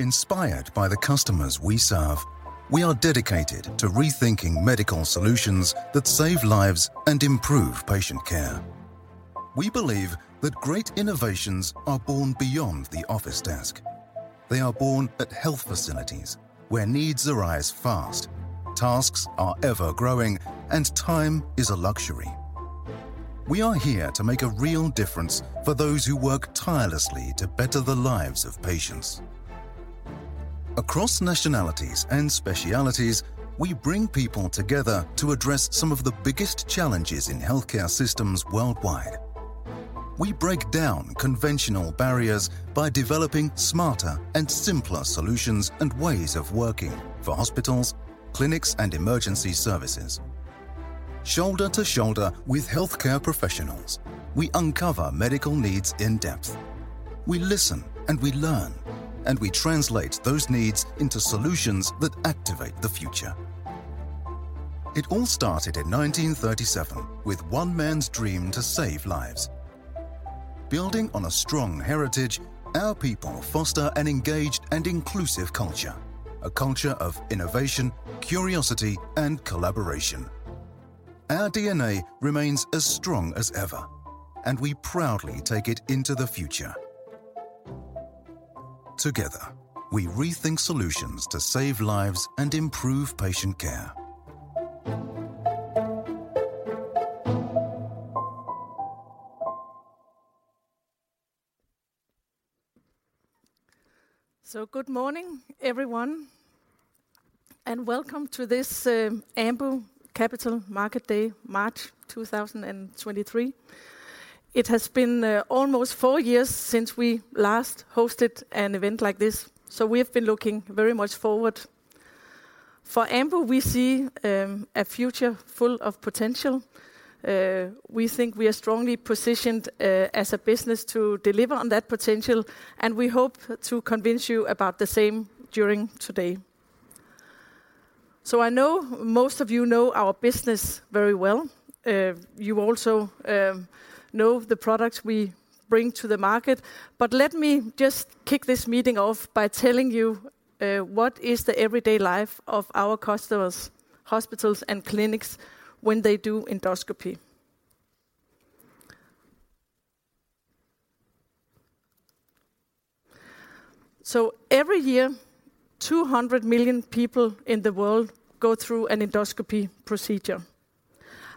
Inspired by the customers we serve, we are dedicated to rethinking medical solutions that save lives and improve patient care. We believe that great innovations are born beyond the office desk. They are born at health facilities, where needs arise fast, tasks are ever-growing, and time is a luxury. We are here to make a real difference for those who work tirelessly to better the lives of patients. Across nationalities and specialties, we bring people together to address some of the biggest challenges in healthcare systems worldwide. We break down conventional barriers by developing smarter and simpler solutions and ways of working for hospitals, clinics, and emergency services. Shoulder to shoulder with healthcare professionals, we uncover medical needs in depth. We listen and we learn, and we translate those needs into solutions that activate the future. It all started in 1937 with one man's dream to save lives. Building on a strong heritage, our people foster an engaged and inclusive culture, a culture of innovation, curiosity, and collaboration. Our DNA remains as strong as ever, and we proudly take it into the future. Together, we rethink solutions to save lives and improve patient care. Good morning, everyone, and welcome to this Ambu Capital Market Day, March 2023. It has been almost four years since we last hosted an event like this, so we have been looking very much forward. For Ambu, we see a future full of potential. We think we are strongly positioned as a business to deliver on that potential, and we hope to convince you about the same during today. I know most of you know our business very well. You also know the products we bring to the market. Let me just kick this meeting off by telling you what is the everyday life of our customers, hospitals and clinics when they do endoscopy. Every year, 200 million people in the world go through an endoscopy procedure,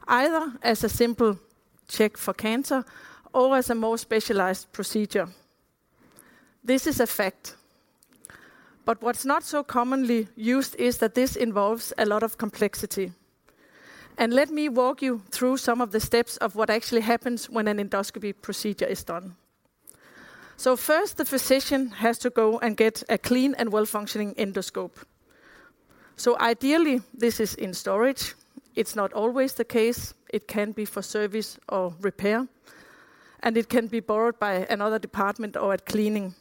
either as a simple check for cancer or as a more specialized procedure. This is a fact. What's not so commonly used is that this involves a lot of complexity. Let me walk you through some of the steps of what actually happens when an endoscopy procedure is done. First, the physician has to go and get a clean and well-functioning endoscope. Ideally, this is in storage. It's not always the case. It can be for service or repair, and it can be borrowed by another department or at cleaning.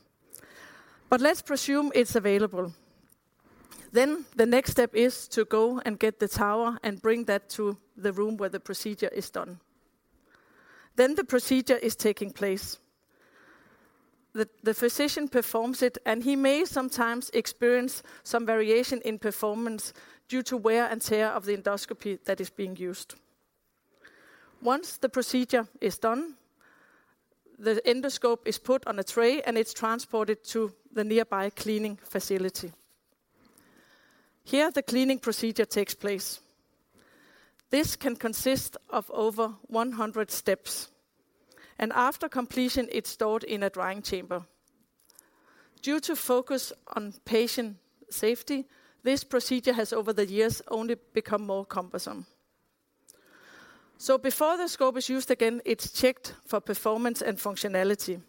Let's presume it's available. The next step is to go and get the tower and bring that to the room where the procedure is done. The procedure is taking place. The physician performs it, he may sometimes experience some variation in performance due to wear and tear of the endoscopy that is being used. Once the procedure is done, the endoscope is put on a tray, it's transported to the nearby cleaning facility. Here, the cleaning procedure takes place. This can consist of over 100 steps, after completion, it's stored in a drying chamber. Due to focus on patient safety, this procedure has, over the years, only become more cumbersome. Before the scope is used again, it's checked for performance and functionality.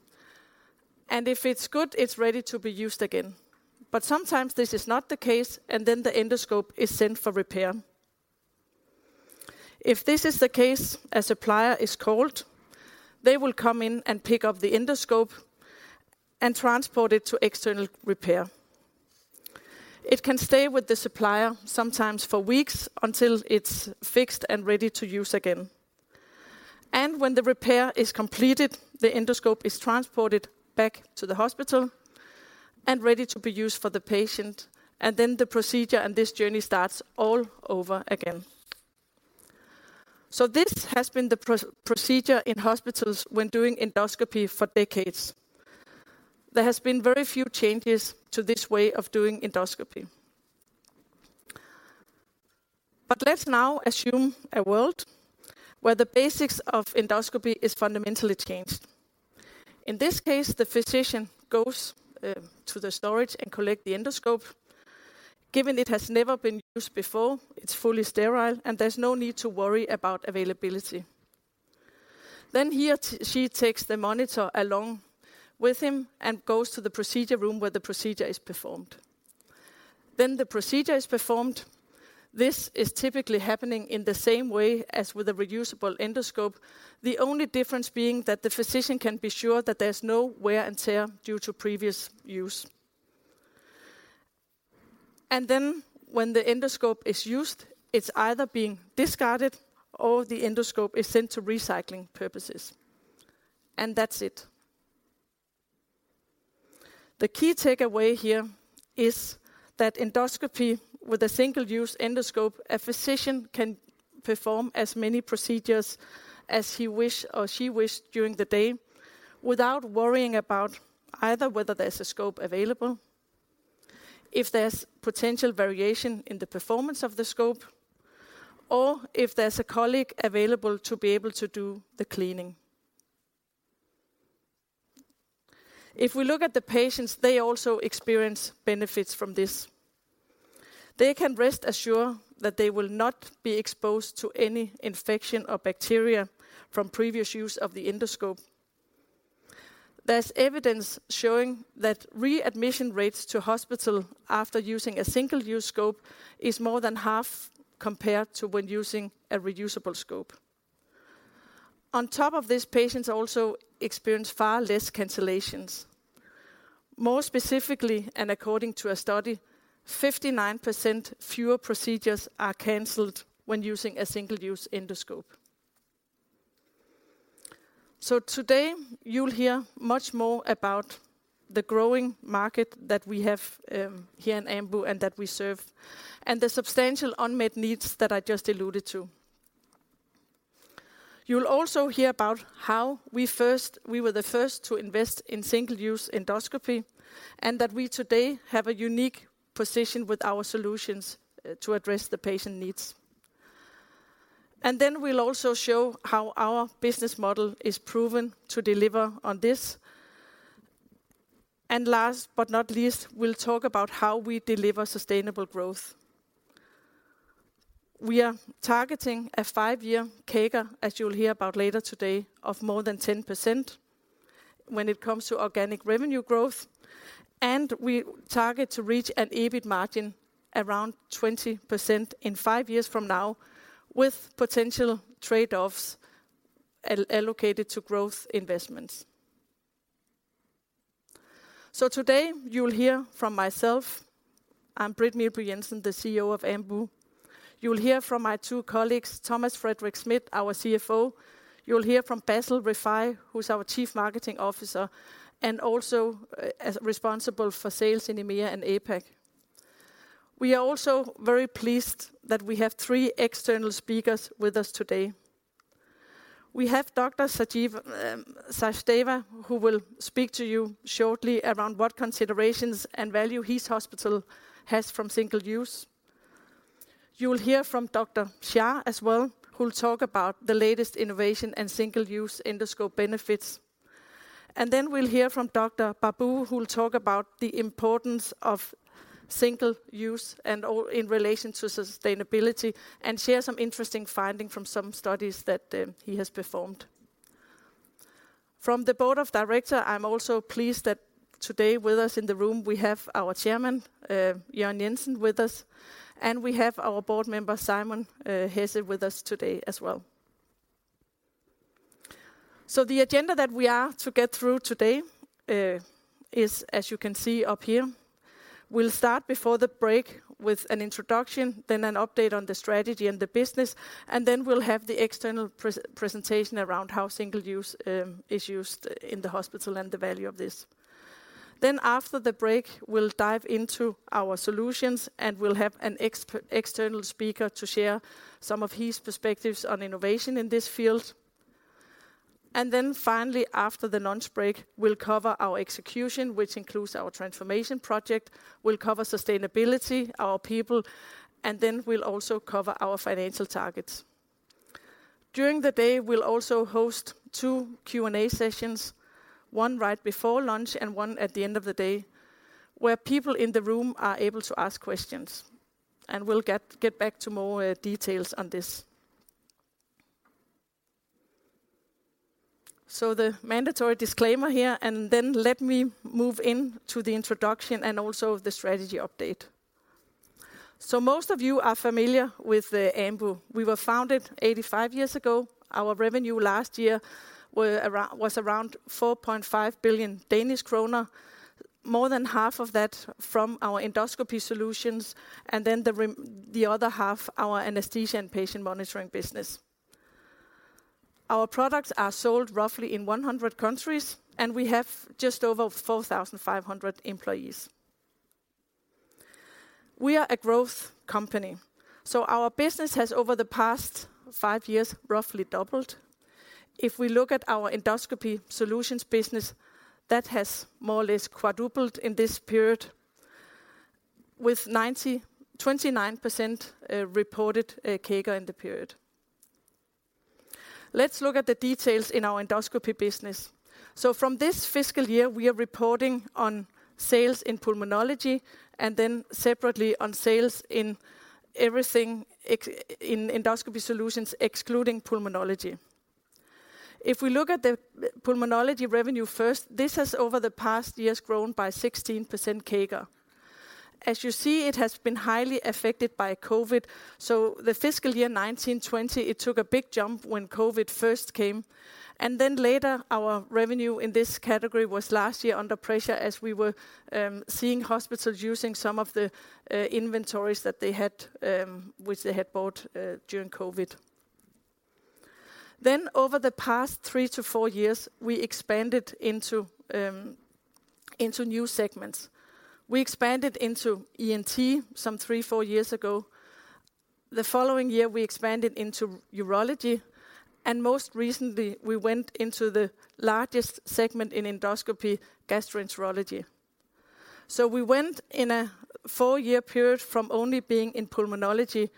If it's good, it's ready to be used again. Sometimes this is not the case, then the endoscope is sent for repair. If this is the case, a supplier is called. They will come in and pick up the endoscope and transport it to external repair. It can stay with the supplier sometimes for weeks until it's fixed and ready to use again. When the repair is completed, the endoscope is transported back to the hospital and ready to be used for the patient. Then the procedure and this journey starts all over again. This has been the pro-procedure in hospitals when doing endoscopy for decades. There has been very few changes to this way of doing endoscopy. Let's now assume a world where the basics of endoscopy is fundamentally changed. In this case, the physician goes to the storage and collect the endoscope. Given it has never been used before, it's fully sterile, and there's no need to worry about availability. He or she takes the monitor along with him and goes to the procedure room where the procedure is performed. This is typically happening in the same way as with a reusable endoscope, the only difference being that the physician can be sure that there's no wear and tear due to previous use. When the endoscope is used, it's either being discarded or the endoscope is sent to recycling purposes, and that's it. The key takeaway here is that endoscopy with a single-use endoscope, a physician can perform as many procedures as he wish or she wish during the day without worrying about either whether there's a scope available, if there's potential variation in the performance of the scope, or if there's a colleague available to be able to do the cleaning. If we look at the patients, they also experience benefits from this. They can rest assure that they will not be exposed to any infection or bacteria from previous use of the endoscope. There's evidence showing that readmission rates to hospital after using a single-use scope is more than half compared to when using a reusable scope. On top of this, patients also experience far less cancellations. More specifically, according to a study, 59% fewer procedures are canceled when using a single-use endoscope. Today, you'll hear much more about the growing market that we have here in Ambu and that we serve, and the substantial unmet needs that I just alluded to. You'll also hear about how we were the first to invest in single-use endoscopy, and that we today have a unique position with our solutions to address the patient needs. Then we'll also show how our business model is proven to deliver on this. Last but not least, we'll talk about how we deliver sustainable growth. We are targeting a five year CAGR, as you'll hear about later today, of more than 10% when it comes to organic revenue growth. We target to reach an EBIT margin around 20% in five years from now with potential trade-offs allocated to growth investments. Today, you'll hear from myself. I'm Britt Meelby Jensen, the CEO of Ambu. You'll hear from my two colleagues, Thomas Frederik Schmidt, our CFO. You'll hear from Bassel Rifai, who's our Chief Marketing Officer and also responsible for sales in EMEA and APAC. We are also very pleased that we have three external speakers with us today. We have Dr. Sachdeva, who will speak to you shortly around what considerations and value his hospital has from single use. You'll hear from Dr. Shah as well, who'll talk about the latest innovation and single-use endoscope benefits. We'll hear from Dr. Babu, who will talk about the importance of single use or in relation to sustainability and share some interesting finding from some studies that he has performed. From theBoard of Directors, I'm also pleased that today with us in the room, we have our Chairman, Jørgen Jensen, with us. We have our Board Member, Simon Hesse, with us today as well. The agenda that we are to get through today is, as you can see up here. We'll start before the break with an introduction, an update on the strategy and the business. We'll have the external presentation around how single use is used in the hospital and the value of this. After the break, we'll dive into our solutions, and we'll have an external speaker to share some of his perspectives on innovation in this field. Finally, after the lunch break, we'll cover our execution, which includes our transformation project. We'll cover sustainability, our people, we'll also cover our financial targets. During the day, we'll also host two Q&A sessions, one right before lunch and one at the end of the day, where people in the room are able to ask questions, and we'll get back to more details on this. The mandatory disclaimer here, let me move into the introduction and also the strategy update. Most of you are familiar with Ambu. We were founded 85 years ago. Our revenue last year was around 4.5 billion Danish kroner, more than half of that from our endoscopy solutions, and then the other half, our anesthesia and patient monitoring business. Our products are sold roughly in 100 countries, and we have just over 4,500 employees. We are a growth company, so our business has, over the past five years, roughly doubled. If we look at our endoscopy solutions business, that has more or less quadrupled in this period with 29% reported CAGR in the period. From this fiscal year, we are reporting on sales in pulmonology and then separately on sales in everything in endoscopy solutions, excluding pulmonology. If we look at the pulmonology revenue first, this has over the past years grown by 16% CAGR. As you see, it has been highly affected by COVID, the fiscal year 2019-2020, it took a big jump when COVID first came. Later, our revenue in this category was last year under pressure as we were seeing hospitals using some of the inventories that they had, which they had bought during COVID. Over the past three to four years, we expanded into new segments. We expanded into ENT some three, four years ago. The following year, we expanded into urology, and most recently we went into the largest segment in endoscopy, gastroenterology. We went in a four year period from only being in pulmonology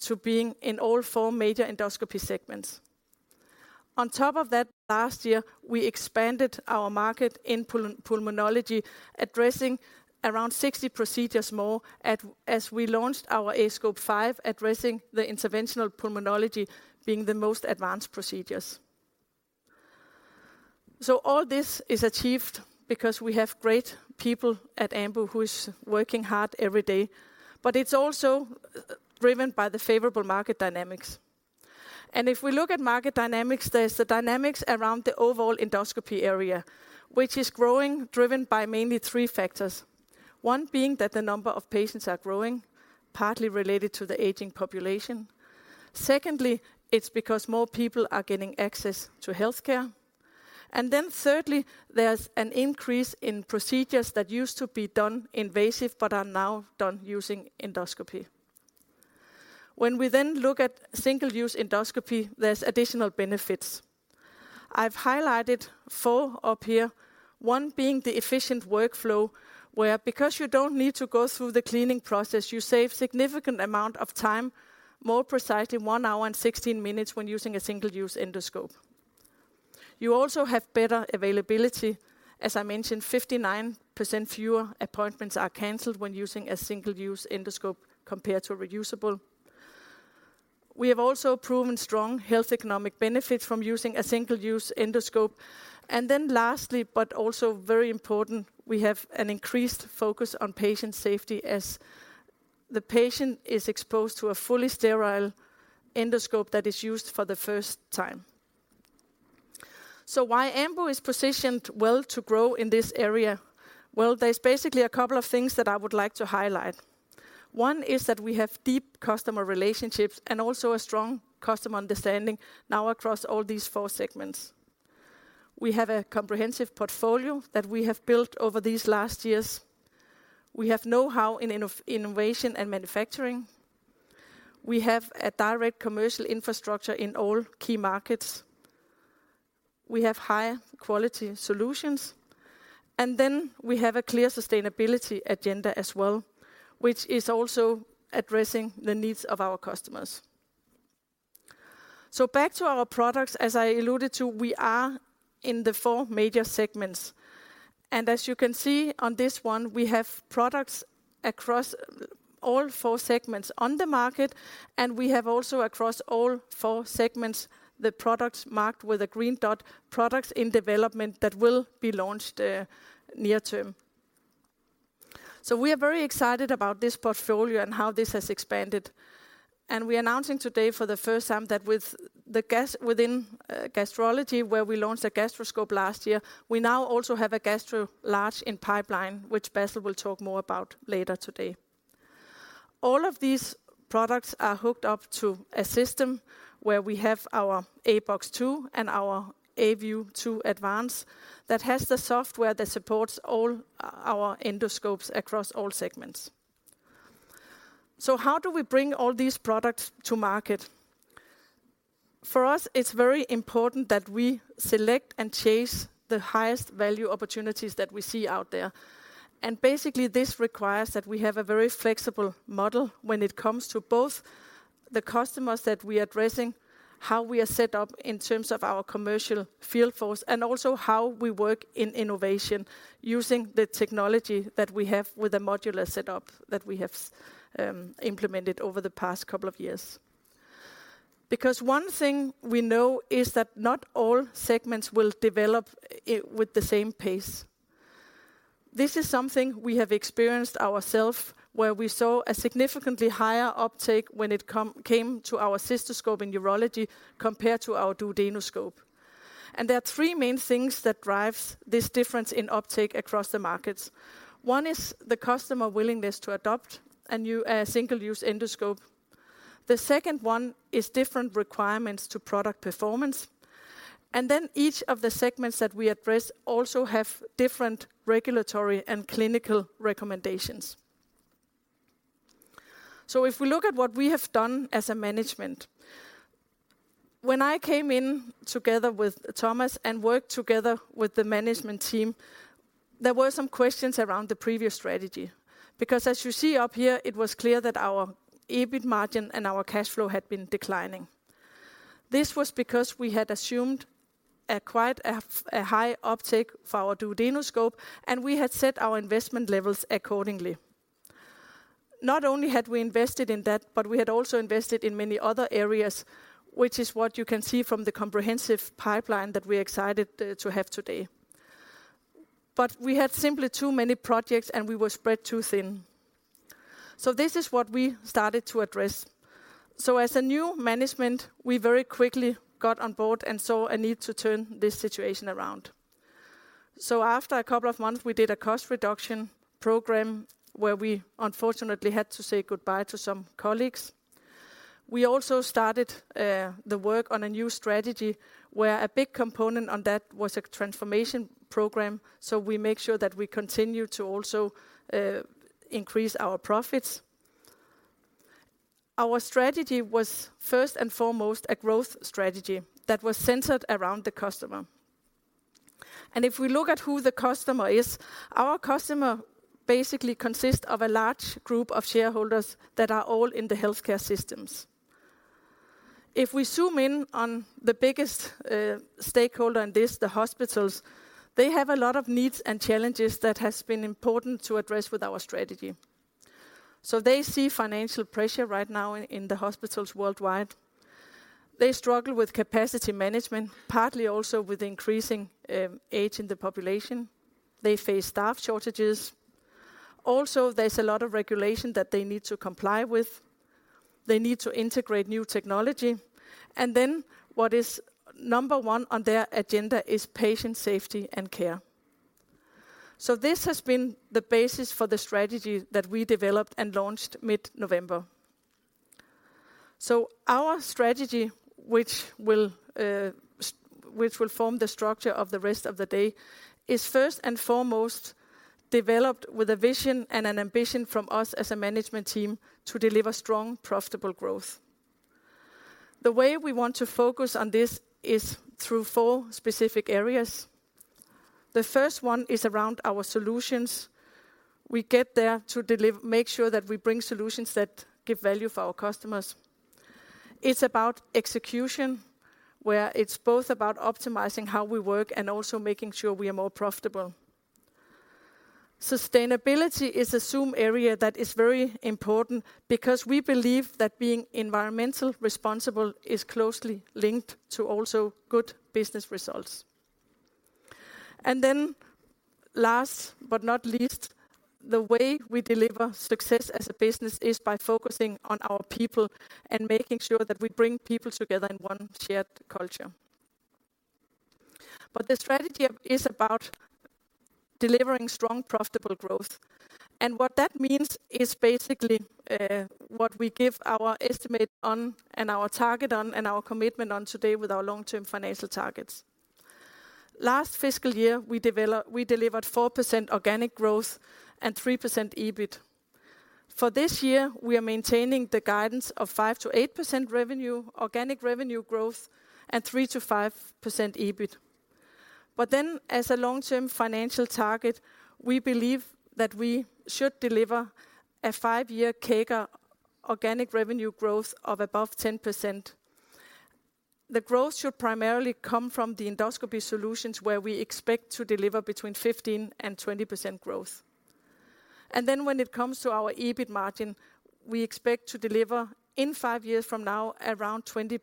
to being in all four major endoscopy segments. On top of that last year, we expanded our market in pulmonology, addressing around 60 procedures more as we launched our aScope 5, addressing the interventional pulmonology being the most advanced procedures. All this is achieved because we have great people at Ambu who is working hard every day, but it's also driven by the favorable market dynamics. If we look at market dynamics, there's the dynamics around the overall endoscopy area, which is growing, driven by mainly three factors. One being that the number of patients are growing partly related to the aging population. Secondly, it's because more people are getting access to healthcare. Thirdly, there's an increase in procedures that used to be done invasive but are now done using endoscopy. When we look at single-use endoscopy, there's additional benefits. I've highlighted four up here, one being the efficient workflow, where because you don't need to go through the cleaning process, you save significant amount of time, more precisely one hour and 16 minutes when using a single-use endoscope. You also have better availability. As I mentioned, 59% fewer appointments are canceled when using a single-use endoscope compared to reusable. We have also proven strong health economic benefits from using a single-use endoscope. Lastly, but also very important, we have an increased focus on patient safety as the patient is exposed to a fully sterile endoscope that is used for the first time. Why Ambu is positioned well to grow in this area? Well, there's basically a couple of things that I would like to highlight. One is that we have deep customer relationships and also a strong customer understanding now across all these four segments. We have a comprehensive portfolio that we have built over these last years. We have know-how in innovation and manufacturing. We have a direct commercial infrastructure in all key markets. We have high-quality solutions, we have a clear sustainability agenda as well, which is also addressing the needs of our customers. Back to our products, as I alluded to, we are in the four major segments, and as you can see on this one, we have products across all four segments on the market, and we have also across all four segments the products marked with a green dot, products in development that will be launched near term. We are very excited about this portfolio and how this has expanded, and we are announcing today for the first time that within gastrology, where we launched a gastroscope last year, we now also have a Gastro Large in pipeline, which Bassel will talk more about later today. All of these products are hooked up to a system where we have our aBox 2 and our aView 2 Advance that has the software that supports all our endoscopes across all segments. How do we bring all these products to market? For us, it's very important that we select and chase the highest value opportunities that we see out there. Basically, this requires that we have a very flexible model when it comes to both the customers that we are addressing, how we are set up in terms of our commercial field force, and also how we work in innovation using the technology that we have with a modular setup that we have implemented over the past couple of years. One thing we know is that not all segments will develop with the same pace. This is something we have experienced ourself, where we saw a significantly higher uptake when it came to our cystoscope in urology compared to our duodenoscope. There are three main things that drives this difference in uptake across the markets. One is the customer willingness to adopt a new single-use endoscope. The second one is different requirements to product performance. Each of the segments that we address also have different regulatory and clinical recommendations. If we look at what we have done as a management, when I came in together with Thomas and worked together with the management team, there were some questions around the previous strategy. As you see up here, it was clear that our EBIT margin and our cash flow had been declining. This was because we had assumed a quite a high uptake for our duodenoscope, and we had set our investment levels accordingly. Not only had we invested in that, but we had also invested in many other areas, which is what you can see from the comprehensive pipeline that we're excited to have today. We had simply too many projects, and we were spread too thin. This is what we started to address. As a new management, we very quickly got on board and saw a need to turn this situation around. After two months, we did a cost reduction program where we unfortunately had to say goodbye to some colleagues. We also started the work on a new strategy where a big component on that was a transformation program, so we make sure that we continue to also increase our profits. Our strategy was first and foremost a growth strategy that was centered around the customer. If we look at who the customer is, our customer basically consists of a large group of shareholders that are all in the healthcare systems. If we zoom in on the biggest stakeholder in this, the hospitals, they have a lot of needs and challenges that has been important to address with our strategy. They see financial pressure right now in the hospitals worldwide. They struggle with capacity management, partly also with increasing age in the population. They face staff shortages. There's a lot of regulation that they need to comply with. They need to integrate new technology. What is number one on their agenda is patient safety and care. This has been the basis for the strategy that we developed and launched mid-November. Our strategy, which will form the structure of the rest of the day, is first and foremost developed with a vision and an ambition from us as a management team to deliver strong, profitable growth. The way we want to focus on this is through four specific areas. The first one is around our solutions. We get there to make sure that we bring solutions that give value for our customers. It's about execution, where it's both about optimizing how we work and also making sure we are more profitable. Sustainability is a zoom area that is very important because we believe that being environmentally responsible is closely linked to also good business results. Last but not least, the way we deliver success as a business is by focusing on our people and making sure that we bring people together in one shared culture. The strategy is about delivering strong, profitable growth. What that means is basically, what we give our estimate on and our target on and our commitment on today with our long-term financial targets. Last fiscal year, we delivered 4% organic growth and 3% EBIT. For this year, we are maintaining the guidance of 5%-8% revenue, organic revenue growth and 3%-5% EBIT. As a long-term financial target, we believe that we should deliver a five year CAGR organic revenue growth of above 10%. The growth should primarily come from the endoscopy solutions, where we expect to deliver between 15% and 20% growth. When it comes to our EBIT margin, we expect to deliver in five years from now around 20%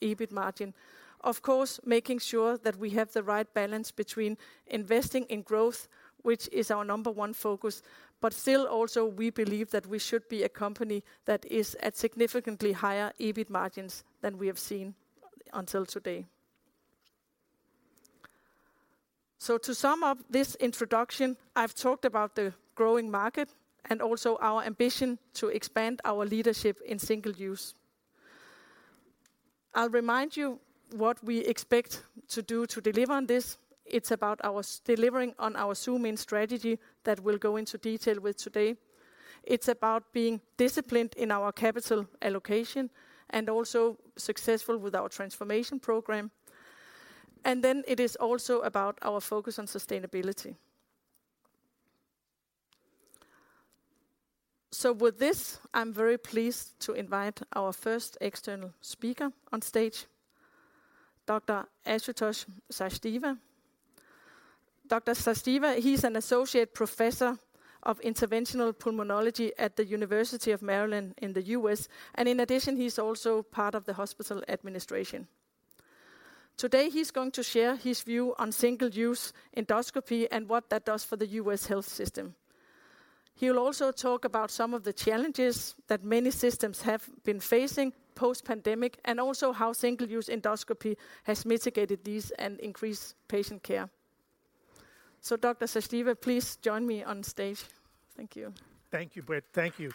EBIT margin. Of course, making sure that we have the right balance between investing in growth, which is our number one focus. Still also we believe that we should be a company that is at significantly higher EBIT margins than we have seen until today. To sum up this introduction, I've talked about the growing market and also our ambition to expand our leadership in single-use. I'll remind you what we expect to do to deliver on this. It's about delivering on our zoom-in strategy that we'll go into detail with today. It's about being disciplined in our capital allocation and also successful with our transformation program. It is also about our focus on sustainability. With this, I'm very pleased to invite our first external speaker on stage, Dr. Ashutosh Sachdeva. Dr. Sachdeva, he's an associate professor of interventional pulmonology at the University of Maryland in the US, and in addition, he's also part of the hospital administration. Today, he's going to share his view on single-use endoscopy and what that does for the US health system. He will also talk about some of the challenges that many systems have been facing post-pandemic, and also how single-use endoscopy has mitigated these and increased patient care. Dr. Sachdeva, please join me on stage. Thank you. Thank you, Britt. Thank you.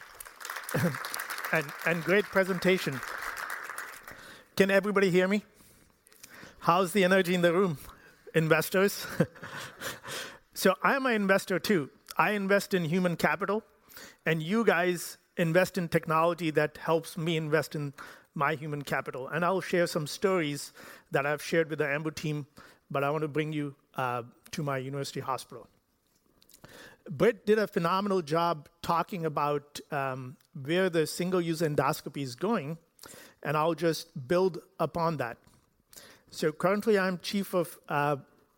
Great presentation. Can everybody hear me? How's the energy in the room, investors? I'm an investor too. I invest in human capital, and you guys invest in technology that helps me invest in my human capital. I will share some stories that I've shared with the Ambu team, but I want to bring you to my university hospital. Britt did a phenomenal job talking about where the single-use endoscopy is going, and I'll just build upon that. Currently, I'm chief of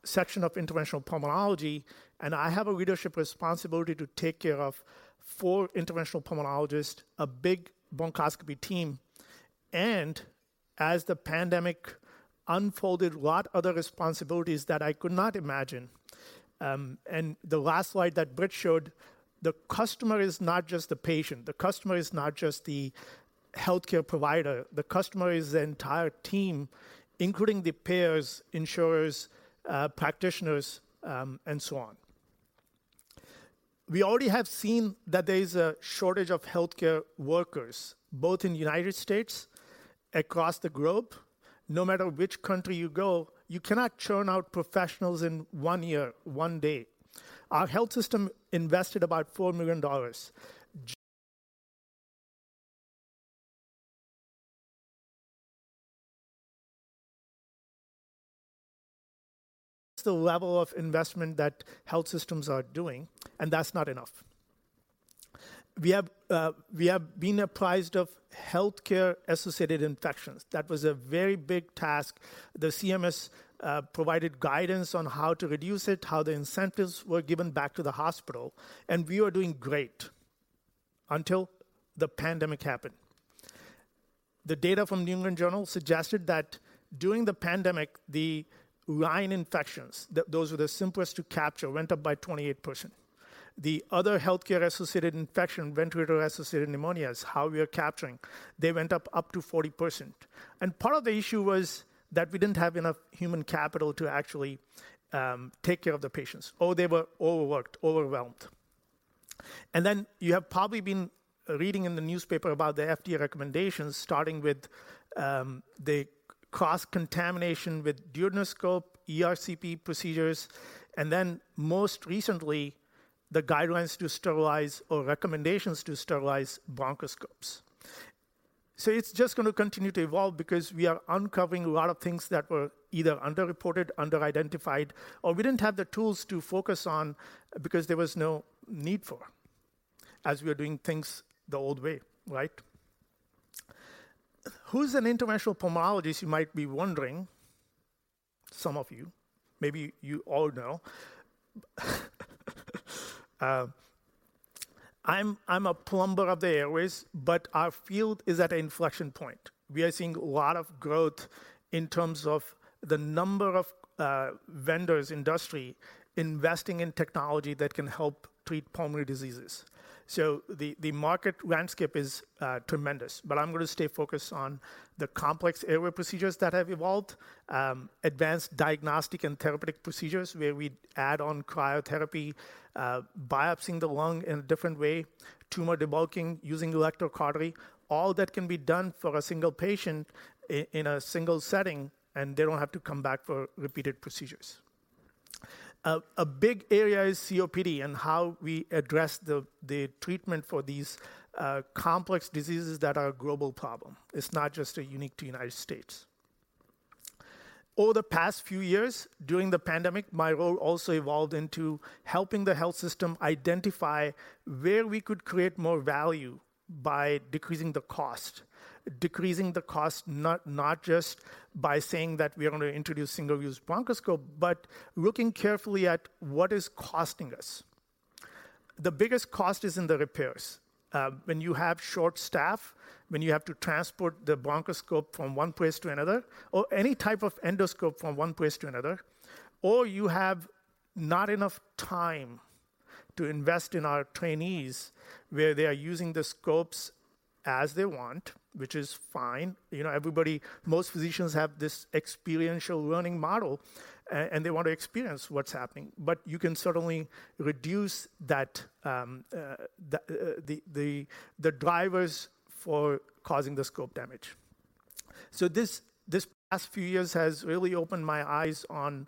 section of interventional pulmonology, and I have a leadership responsibility to take care of four interventional pulmonologists, a big bronchoscopy team. As the pandemic unfolded, lot other responsibilities that I could not imagine. The last slide that Britt showed, the customer is not just the patient. The customer is not just the healthcare provider. The customer is the entire team, including the payers, insurers, practitioners, and so on. We already have seen that there is a shortage of healthcare workers, both in United States, across the globe. No matter which country you go, you cannot churn out professionals in one year, one day. Our health system invested about $4 million. Just the level of investment that health systems are doing, and that's not enough. We have been apprised of healthcare-associated infections. That was a very big task. The CMS provided guidance on how to reduce it, how the incentives were given back to the hospital, and we were doing great until the pandemic happened. The data from The New England Journal suggested that during the pandemic, the line infections, those were the simplest to capture, went up by 28%. The other healthcare-associated infection, ventilator-associated pneumonia, is how we are capturing. They went up to 40%. Part of the issue was that we didn't have enough human capital to actually take care of the patients, or they were overworked, overwhelmed. You have probably been reading in the newspaper about the FDA recommendations, starting with the cross-contamination with duodenoscope, ERCP procedures, and most recently, the guidelines to sterilize or recommendations to sterilize bronchoscopes. It's just going to continue to evolve because we are uncovering a lot of things that were either underreported, under-identified, or we didn't have the tools to focus on because there was no need for, as we were doing things the old way, right? Who's an interventional pulmonologist, you might be wondering, some of you. Maybe you all know. I'm a plumber of the airways, but our field is at an inflection point. We are seeing a lot of growth in terms of the number of vendors, industry investing in technology that can help treat pulmonary diseases. The market landscape is tremendous, but I'm going to stay focused on the complex airway procedures that have evolved, advanced diagnostic and therapeutic procedures where we add on cryotherapy, biopsying the lung in a different way, tumor debulking using electrocautery. All that can be done for a single patient in a single setting, and they don't have to come back for repeated procedures. A big area is COPD and how we address the treatment for these complex diseases that are a global problem. It's not just unique to United States. Over the past few years, during the pandemic, my role also evolved into helping the health system identify where we could create more value by decreasing the cost. Decreasing the cost not just by saying that we are going to introduce single-use bronchoscope, but looking carefully at what is costing us. The biggest cost is in the repairs. When you have short staff, when you have to transport the bronchoscope from one place to another, or any type of endoscope from one place to another, or you have not enough time to invest in our trainees, where they are using the scopes as they want, which is fine. You know, Most physicians have this experiential learning model and they want to experience what's happening. You can certainly reduce that, the drivers for causing the scope damage. This past few years has really opened my eyes on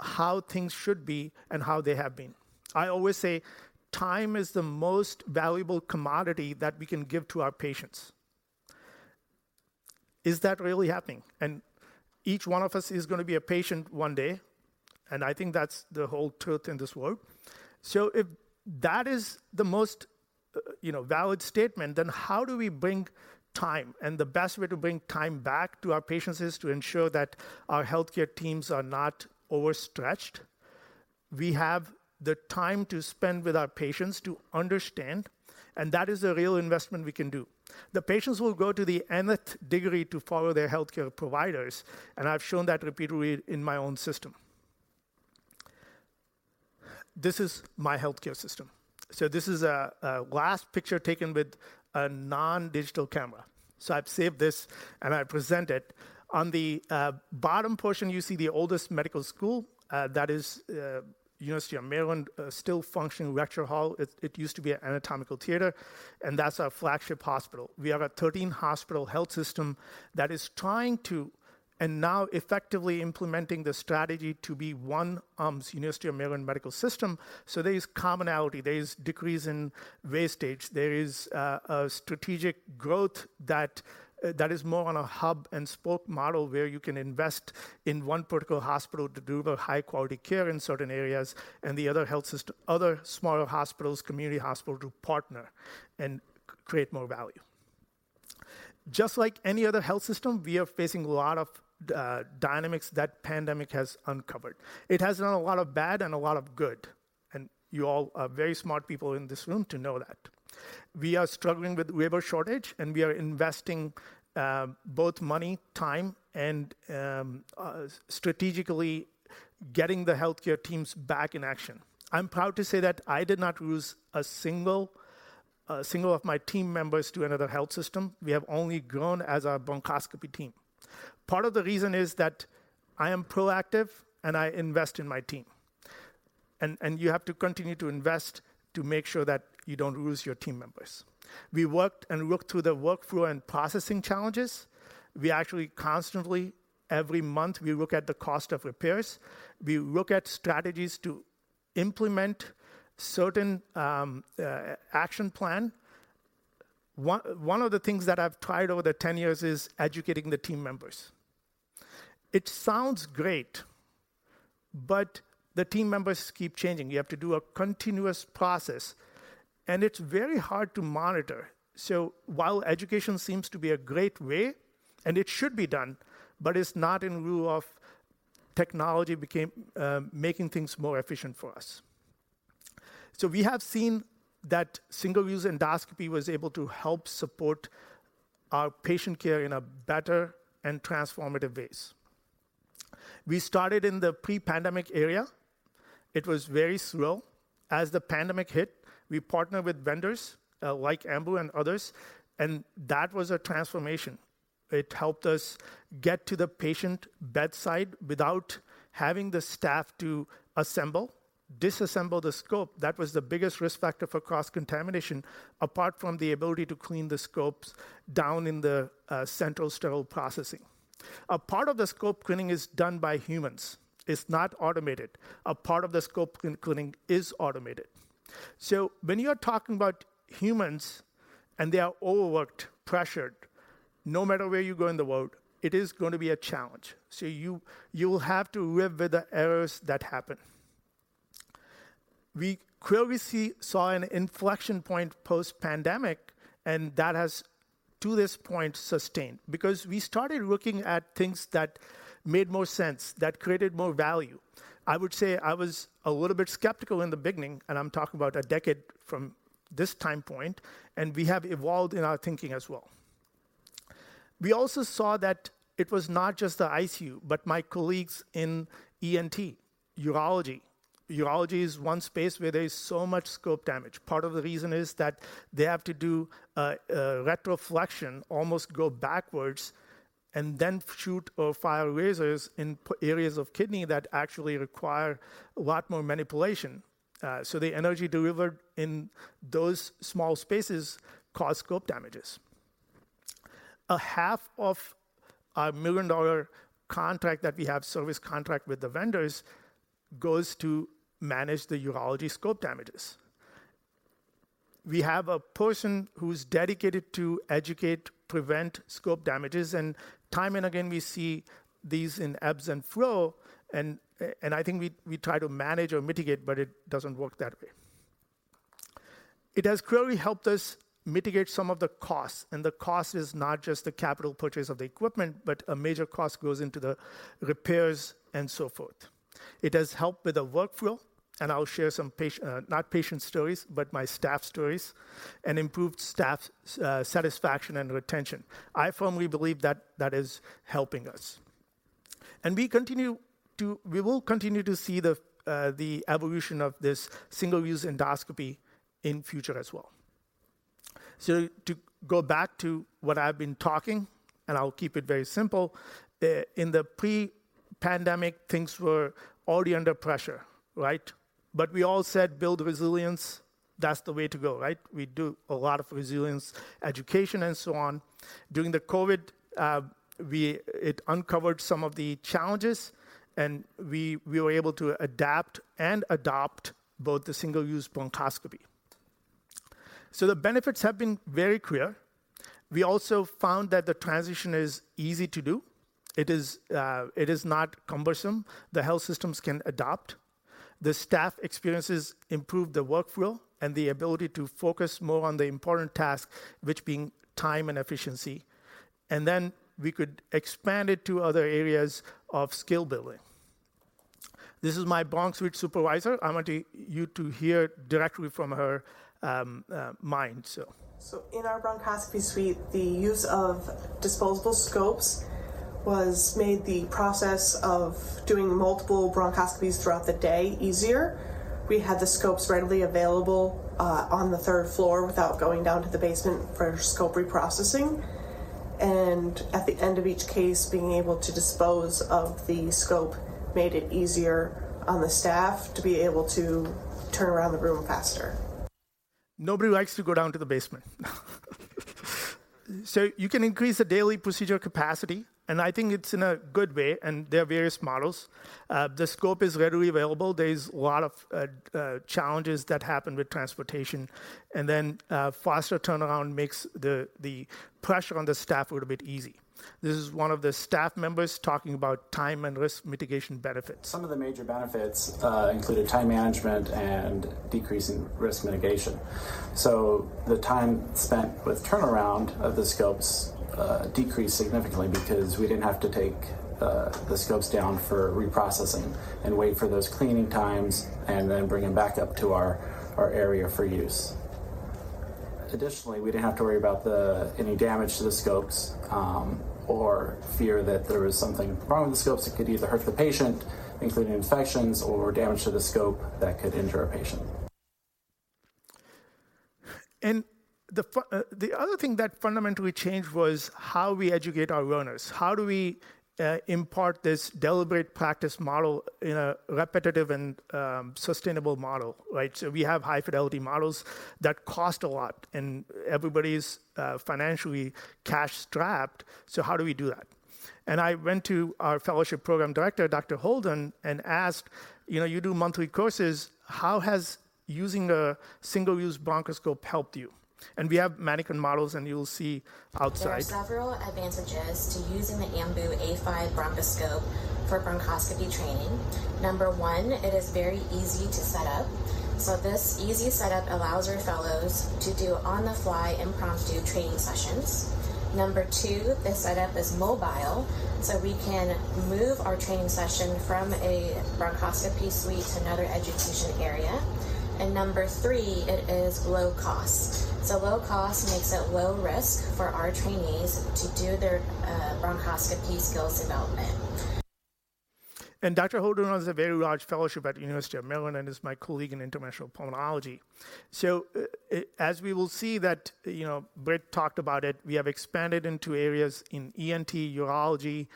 how things should be and how they have been. I always say time is the most valuable commodity that we can give to our patients. Is that really happening? Each one of us is going to be a patient one day, and I think that's the whole truth in this world. If that is the most, you know, valid statement, then how do we bring time? The best way to bring time back to our patients is to ensure that our healthcare teams are not overstretched. We have the time to spend with our patients to understand, and that is a real investment we can do. The patients will go to the nth degree to follow their healthcare providers, and I've shown that repeatedly in my own system. This is my healthcare system. This is a last picture taken with a non-digital camera. I've saved this, and I present it. On the bottom portion, you see the oldest medical school, that is University of Maryland, still functioning lecture hall. It used to be an anatomical theater, and that's our flagship hospital. We have a 13-hospital health system that is trying to, and now effectively implementing the strategy to be one University of Maryland Medical System, there is commonality, there is decrease in wasteage, there is a strategic growth that is more on a hub-and-spoke model where you can invest in one particular hospital to deliver high-quality care in certain areas and the other smaller hospitals, community hospital to partner and create more value. Just like any other health system, we are facing a lot of dynamics that pandemic has uncovered. It has done a lot of bad and a lot of good, you all are very smart people in this room to know that. We are struggling with labor shortage, we are investing both money, time, and strategically getting the healthcare teams back in action. I'm proud to say that I did not lose a single of my team members to another health system. We have only grown as a bronchoscopy team. Part of the reason is that I am proactive, and I invest in my team. You have to continue to invest to make sure that you don't lose your team members. We worked and looked through the workflow and processing challenges. We actually every month, we look at the cost of repairs. We look at strategies to implement certain action plan. One of the things that I've tried over the 10 years is educating the team members. It sounds great, but the team members keep changing. You have to do a continuous process, and it's very hard to monitor. So while education seems to be a great way, and it should be done, but it's not in lieu of technology making things more efficient for us. So we have seen that single-use endoscopy was able to help support our patient care in a better and transformative ways. We started in the pre-pandemic area. It was very slow. As the pandemic hit, we partnered with vendors, like Ambu and others, and that was a transformation. It helped us get to the patient bedside without having the staff to assemble, disassemble the scope. That was the biggest risk factor for cross-contamination, apart from the ability to clean the scopes down in the central sterile processing. A part of the scope cleaning is done by humans. It's not automated. A part of the scope cleaning is automated. When you're talking about humans, and they are overworked, pressured, no matter where you go in the world, it is going to be a challenge. You will have to live with the errors that happen. We clearly saw an inflection point post-pandemic, and that has, to this point, sustained because we started looking at things that made more sense, that created more value. I would say I was a little bit skeptical in the beginning, and I'm talking about a decade from this time point, and we have evolved in our thinking as well. We also saw that it was not just the ICU, but my colleagues in ENT, urology. Urology is one space where there is so much scope damage. Part of the reason is that they have to do retroflexion, almost go backwards, and then shoot or fire lasers in areas of kidney that actually require a lot more manipulation. The energy delivered in those small spaces cause scope damages. A half of our million-dollar contract that we have, service contract with the vendors, goes to manage the urology scope damages. We have a person who's dedicated to educate, prevent scope damages, and time and again, we see these in ebbs and flow, and I think we try to manage or mitigate, but it doesn't work that way. It has clearly helped us mitigate some of the costs, and the cost is not just the capital purchase of the equipment, but a major cost goes into the repairs and so forth. It has helped with the workflow, and I'll share some not patient stories, but my staff stories, and improved staff satisfaction and retention. I firmly believe that that is helping us. We will continue to see the evolution of this single-use endoscopy in future as well. To go back to what I've been talking, and I'll keep it very simple, in the pre-pandemic, things were already under pressure, right? We all said, "Build resilience. That's the way to go," right? We do a lot of resilience education and so on. During the COVID, it uncovered some of the challenges, and we were able to adapt and adopt both the single-use bronchoscopy. The benefits have been very clear. We also found that the transition is easy to do. It is not cumbersome. The health systems can adopt. The staff experiences improve the workflow and the ability to focus more on the important task, which being time and efficiency. Then we could expand it to other areas of skill building. This is my bronch suite supervisor. I want you to hear directly from her mind, so. In our bronchoscopy suite, the use of disposable scopes was made the process of doing multiple bronchoscopies throughout the day easier. We had the scopes readily available on the third floor without going down to the basement for scope reprocessing. At the end of each case, being able to dispose of the scope made it easier on the staff to be able to turn around the room faster. Nobody likes to go down to the basement. You can increase the daily procedure capacity, and I think it's in a good way, and there are various models. The scope is readily available. There's a lot of challenges that happen with transportation. Faster turnaround makes the pressure on the staff a little bit easy. This is one of the staff members talking about time and risk mitigation benefits. Some of the major benefits, included time management and decrease in risk mitigation. The time spent with turnaround of the scopes, decreased significantly because we didn't have to take the scopes down for reprocessing and wait for those cleaning times and then bring them back up to our area for use. Additionally, we didn't have to worry about any damage to the scopes, or fear that there was something wrong with the scopes that could either hurt the patient, including infections or damage to the scope that could injure a patient. The other thing that fundamentally changed was how we educate our learners. How do we impart this deliberate practice model in a repetitive and sustainable model, right? We have high-fidelity models that cost a lot, and everybody's financially cash-strapped, so how do we do that? I went to our fellowship program director, Dr. Holden, and asked, "You know, you do monthly courses. How has using a single-use bronchoscope helped you?" We have mannequin models, and you'll see outside. There are several advantages to using the Ambu a5 Bronchoscope for bronchoscopy training. Number one, it is very easy to set up. This easy setup allows our fellows to do on-the-fly impromptu training sessions. Number two, this setup is mobile, we can move our training session from a bronchoscopy suite to another education area. Number three, it is low cost. Low cost makes it low risk for our trainees to do their bronchoscopy skills development. Dr. Holden has a very large fellowship at the University of Maryland and is my colleague in interventional pulmonology. As we will see that, you know, Britt talked about it, we have expanded into areas in ENT, urology,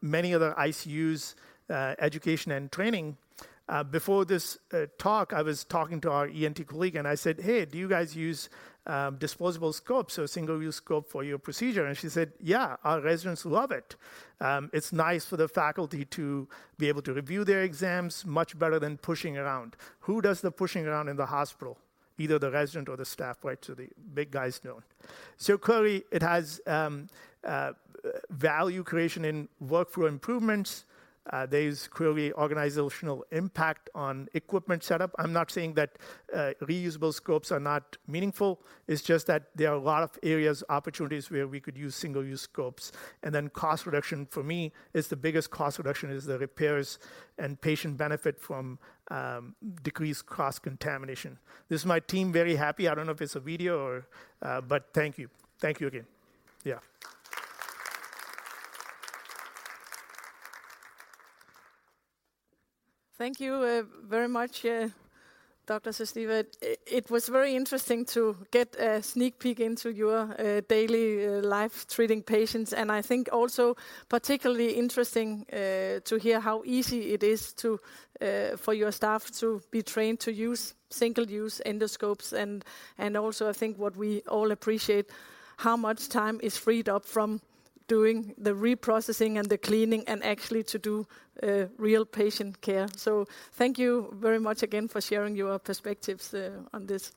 many other ICUs, education and training. Before this talk, I was talking to our ENT colleague, and I said, "Hey, do you guys use disposable scopes or single-use scope for your procedure?" She said, "Yeah, our residents love it. It's nice for the faculty to be able to review their exams much better than pushing around." Who does the pushing around in the hospital? Either the resident or the staff, right? The big guys don't. Clearly it has value creation and workflow improvements. There is clearly organizational impact on equipment setup. I'm not saying that reusable scopes are not meaningful. It's just that there are a lot of areas, opportunities where we could use single-use scopes. Cost reduction is the repairs and patient benefit from decreased cross-contamination. This is my team, very happy. I don't know if it's a video or, but thank you. Thank you again. Yeah. Thank you very much, Dr. Sachdeva. It was very interesting to get a sneak peek into your daily life treating patients. I think also particularly interesting to hear how easy it is to for your staff to be trained to use single-use endoscopes and also I think what we all appreciate, how much time is freed up from doing the reprocessing and the cleaning and actually to do real patient care. Thank you very much again for sharing your perspectives on this.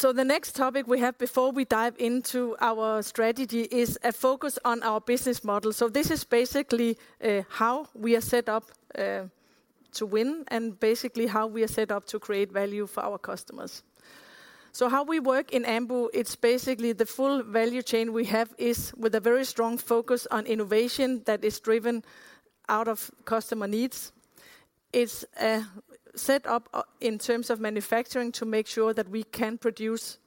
The next topic we have before we dive into our strategy is a focus on our business model. This is basically how we are set up to win and basically how we are set up to create value for our customers. How we work in Ambu, it's basically the full value chain we have is with a very strong focus on innovation that is driven out of customer needs. It's set up in terms of manufacturing to make sure that we can produce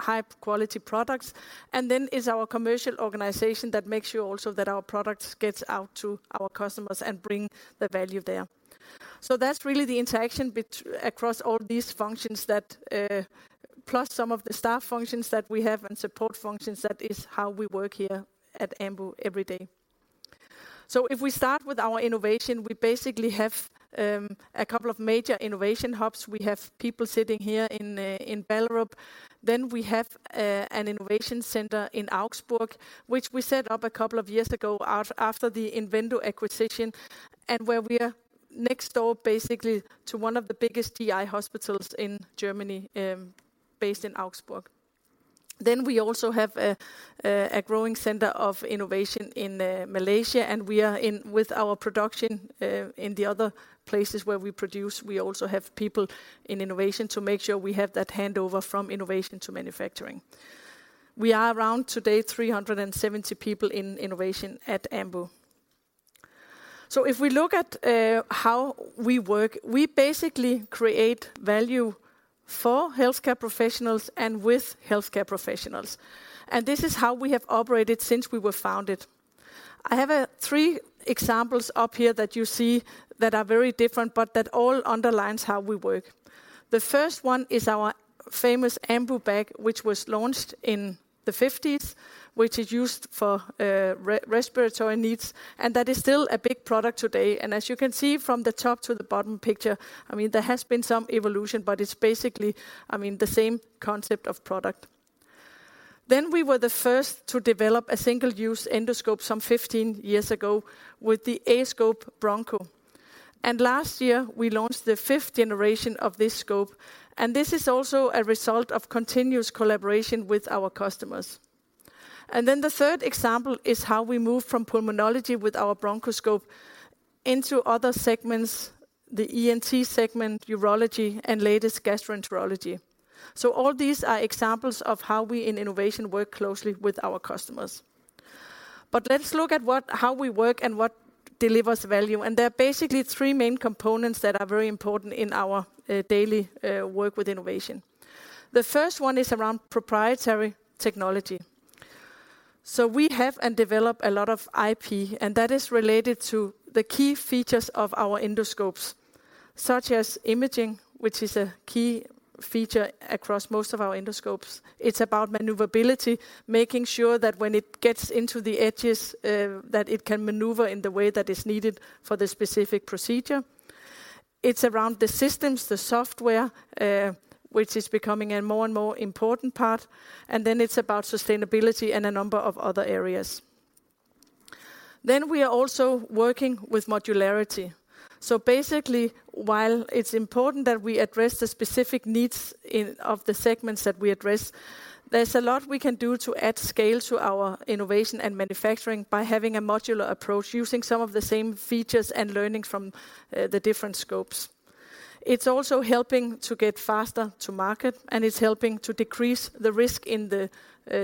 high-quality products. Then it's our commercial organization that makes sure also that our products gets out to our customers and bring the value there. That's really the interaction across all these functions that, plus some of the staff functions that we have and support functions, that is how we work here at Ambu every day. If we start with our innovation, we basically have a couple of major innovation hubs. We have people sitting here in Ballerup. We have an innovation center in Augsburg, which we set up a couple of years ago after the Invendo acquisition and where we are next door basically to one of the biggest GI hospitals in Germany, based in Augsburg. We also have a growing center of innovation in Malaysia, and we are in with our production in the other places where we produce, we also have people in innovation to make sure we have that handover from innovation to manufacturing. We are around today 370 people in innovation at Ambu. If we look at how we work, we basically create value for healthcare professionals and with healthcare professionals. This is how we have operated since we were founded. I have three examples up here that you see that are very different, but that all underlines how we work. The first one is our famous Ambu Bag, which was launched in the fifties, which is used for respiratory needs, and that is still a big product today. As you can see from the top to the bottom picture, I mean, there has been some evolution, but it's basically, I mean, the same concept of product. We were the first to develop a single-use endoscope some 15 years ago with the aScope Broncho. Last year, we launched the fifth generation of this scope, and this is also a result of continuous collaboration with our customers. The third example is how we moved from pulmonology with our bronchoscope into other segments, the ENT segment, urology, and latest gastroenterology. All these are examples of how we in innovation work closely with our customers. But let's look at what how we work and what delivers value. There are basically three main components that are very important in our daily work with innovation. The first one is around proprietary technology. We have and develop a lot of IP, and that is related to the key features of our endoscopes, such as imaging, which is a key feature across most of our endoscopes. It's about maneuverability, making sure that when it gets into the edges that it can maneuver in the way that is needed for the specific procedure. It's around the systems, the software which is becoming a more and more important part, and then it's about sustainability and a number of other areas. We are also working with modularity. Basically, while it's important that we address the specific needs of the segments that we address, there's a lot we can do to add scale to our innovation and manufacturing by having a modular approach, using some of the same features and learning from the different scopes. It's also helping to get faster to market, and it's helping to decrease the risk in the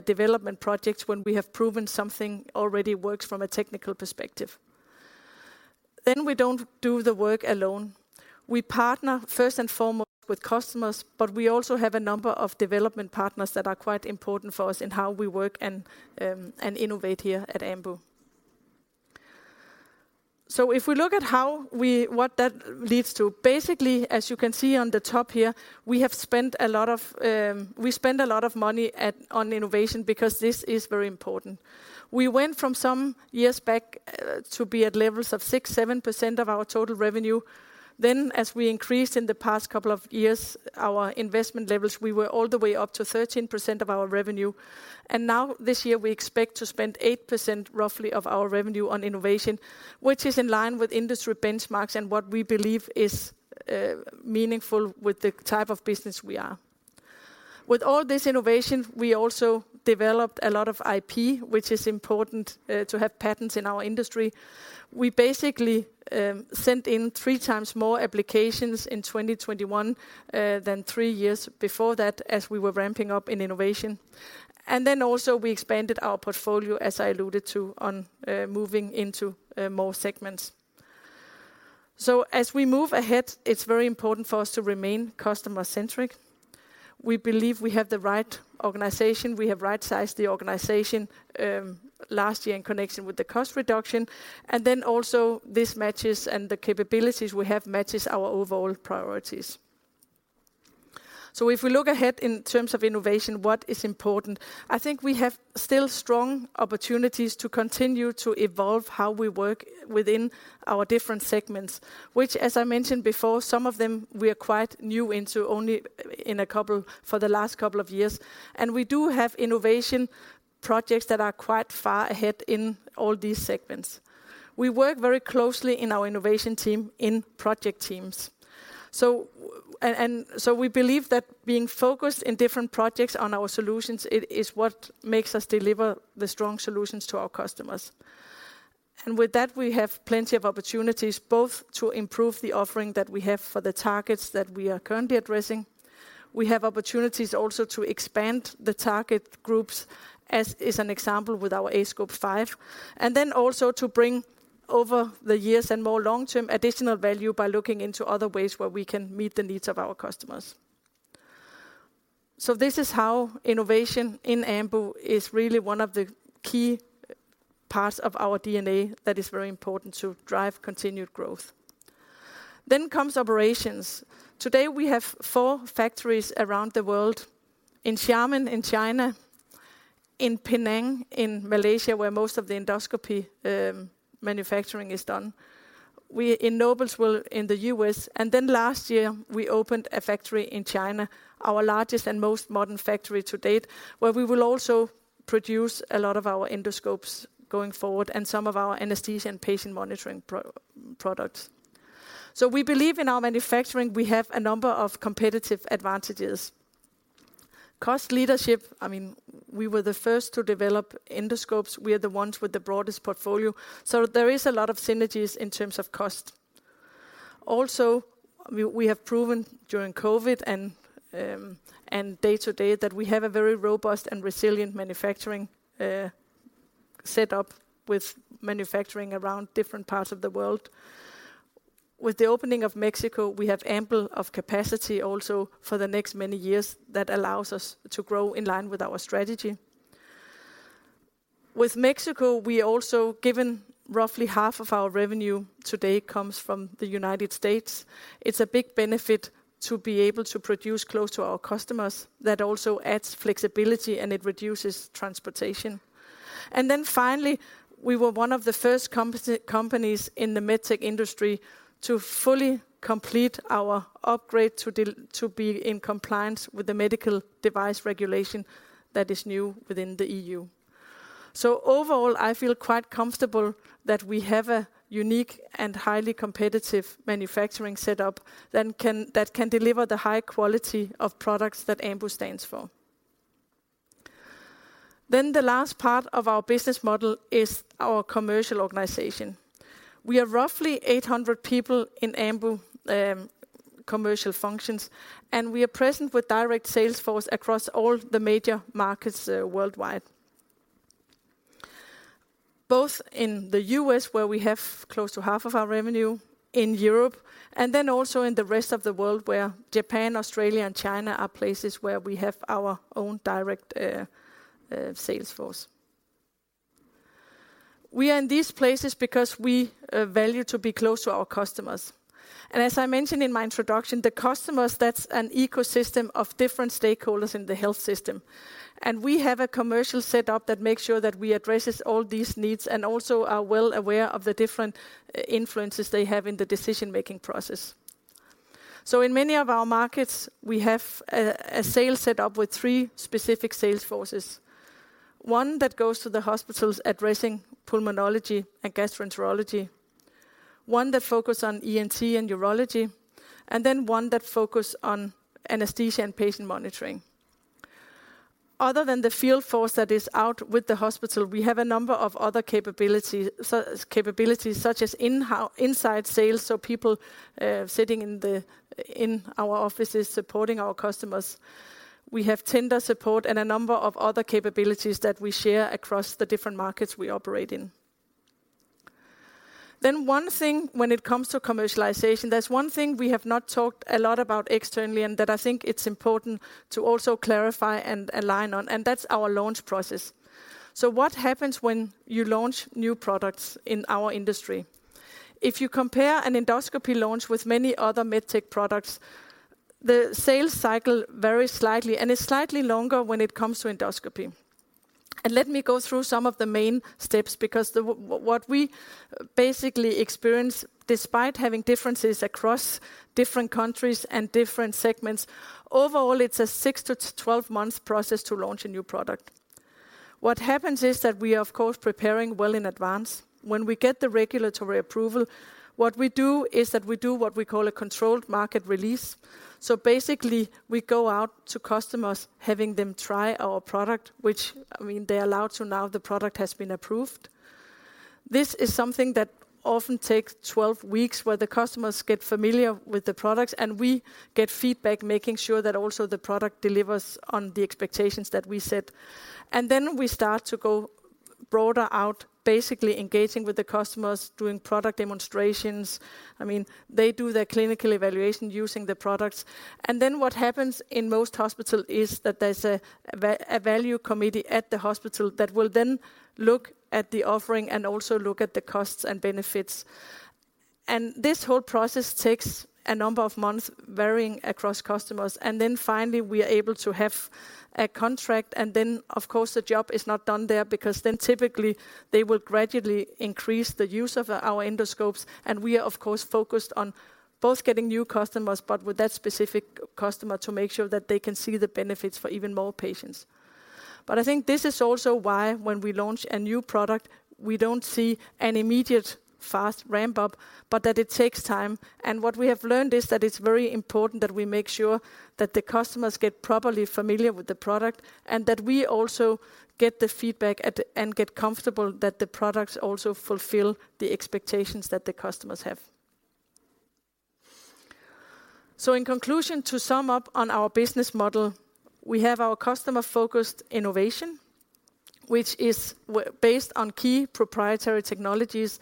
development projects when we have proven something already works from a technical perspective. We don't do the work alone. We partner first and foremost with customers, but we also have a number of development partners that are quite important for us in how we work and innovate here at Ambu. If we look at what that leads to, basically, as you can see on the top here, we spend a lot of money on innovation because this is very important. We went from some years back to be at levels of 6%-7% of our total revenue. As we increased in the past couple of years, our investment levels, we were all the way up to 13% of our revenue. Now this year, we expect to spend 8% roughly of our revenue on innovation, which is in line with industry benchmarks and what we believe is meaningful with the type of business we are. With all this innovation, we also developed a lot of IP, which is important to have patents in our industry. We basically sent in 3x more applications in 2021 than three years before that as we were ramping up in innovation. Also we expanded our portfolio, as I alluded to, on moving into more segments. As we move ahead, it's very important for us to remain customer-centric. We believe we have the right organization. We have right-sized the organization last year in connection with the cost reduction. Also this matches and the capabilities we have matches our overall priorities. If we look ahead in terms of innovation, what is important? I think we have still strong opportunities to continue to evolve how we work within our different segments, which as I mentioned before, some of them we are quite new into only for the last couple of years. We do have innovation projects that are quite far ahead in all these segments. We work very closely in our innovation team, in project teams. We believe that being focused in different projects on our solutions it is what makes us deliver the strong solutions to our customers. With that, we have plenty of opportunities both to improve the offering that we have for the targets that we are currently addressing. We have opportunities also to expand the target groups, as is an example with our aScope 5, and then also to bring over the years and more long-term additional value by looking into other ways where we can meet the needs of our customers. This is how innovation in Ambu is really one of the key parts of our DNA that is very important to drive continued growth. Comes operations. Today, we have four factories around the world, in Xiamen in China, in Penang in Malaysia, where most of the endoscopy manufacturing is done. In Noblesville in the US Last year we opened a factory in China, our largest and most modern factory to date, where we will also produce a lot of our endoscopes going forward and some of our anesthesia and patient monitoring products. We believe in our manufacturing, we have a number of competitive advantages. Cost leadership, I mean, we were the first to develop endoscopes. We are the ones with the broadest portfolio. There is a lot of synergies in terms of cost. We have proven during COVID and day to day that we have a very robust and resilient manufacturing set up with manufacturing around different parts of the world. With the opening of Mexico, we have ample of capacity also for the next many years that allows us to grow in line with our strategy. With Mexico, we also, given roughly half of our revenue today comes from the United States. It's a big benefit to be able to produce close to our customers. That also adds flexibility. It reduces transportation. Finally, we were one of the first companies in the med tech industry to fully complete our upgrade to be in compliance with the Medical Device Regulation that is new within the EU. Overall, I feel quite comfortable that we have a unique and highly competitive manufacturing set up that can deliver the high quality of products that Ambu stands for. The last part of our business model is our commercial organization. We are roughly 800 people in Ambu, Commercial functions. We are present with direct sales force across all the major markets worldwide. Both in the US, where we have close to half of our revenue, in Europe, also in the rest of the world, where Japan, Australia, and China are places where we have our own direct sales force. We are in these places because we value to be close to our customers. As I mentioned in my introduction, the customers, that's an ecosystem of different stakeholders in the health system. We have a commercial setup that makes sure that we addresses all these needs and also are well aware of the different influences they have in the decision-making process. In many of our markets, we have a sales setup with three specific sales forces. One that goes to the hospitals addressing pulmonology and gastroenterology, one that focus on ENT and urology, one that focus on anesthesia and patient monitoring. Other than the field force that is out with the hospital, we have a number of other capabilities, such as inside sales, so people sitting in our offices supporting our customers. We have tender support and a number of other capabilities that we share across the different markets we operate in. One thing when it comes to commercialization, there's one thing we have not talked a lot about externally and that I think it's important to also clarify and align on, and that's our launch process. What happens when you launch new products in our industry? If you compare an endoscopy launch with many other med tech products, the sales cycle varies slightly, and it's slightly longer when it comes to endoscopy. Let me go through some of the main steps because what we basically experience, despite having differences across different countries and different segments, overall, it's a six to 12-month process to launch a new product. What happens is that we are, of course, preparing well in advance. When we get the regulatory approval, what we do is that we do what we call a controlled market release. Basically, we go out to customers, having them try our product, which, I mean, they're allowed to now, the product has been approved. This is something that often takes 12 weeks, where the customers get familiar with the products, and we get feedback, making sure that also the product delivers on the expectations that we set. Then we start to go broader out, basically engaging with the customers, doing product demonstrations. I mean, they do their clinical evaluation using the products. Then what happens in most hospital is that there's a value committee at the hospital that will then look at the offering and also look at the costs and benefits. This whole process takes a number of months, varying across customers. Then finally, we are able to have a contract. Of course, the job is not done there because typically, they will gradually increase the use of our endoscopes. We are, of course, focused on both getting new customers, but with that specific customer to make sure that they can see the benefits for even more patients. I think this is also why when we launch a new product, we don't see an immediate fast ramp-up, but that it takes time. What we have learned is that it's very important that we make sure that the customers get properly familiar with the product, and that we also get the feedback and get comfortable that the products also fulfill the expectations that the customers have. In conclusion, to sum up on our business model, we have our customer-focused innovation, which is based on key proprietary technologies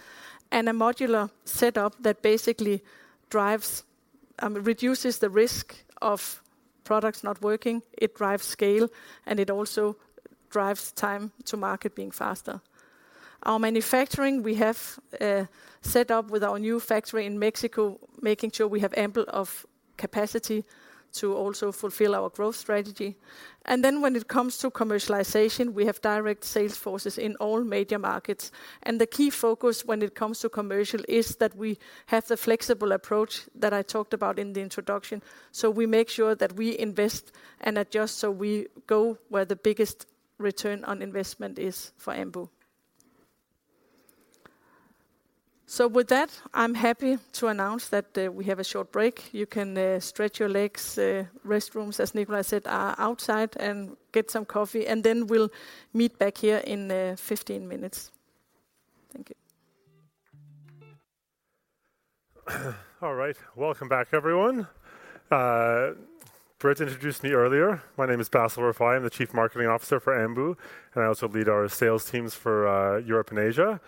and a modular setup that basically drives, reduces the risk of products not working. It drives scale, and it also drives time to market being faster. Our manufacturing, we have set up with our new factory in Mexico, making sure we have ample of capacity to also fulfill our growth strategy. When it comes to commercialization, we have direct sales forces in all major markets. The key focus when it comes to commercial is that we have the flexible approach that I talked about in the introduction. We make sure that we invest and adjust so we go where the biggest return on investment is for Ambu. With that, I'm happy to announce that we have a short break. You can stretch your legs, restrooms, as Nikolaj said, are outside, and get some coffee, and then we'll meet back here in 15 minutes. Thank you. All right. Welcome back, everyone. Britt introduced me earlier. My name is Bassel Rifai. I'm the Chief Marketing Officer for Ambu, and I also lead our sales teams for Europe and Asia.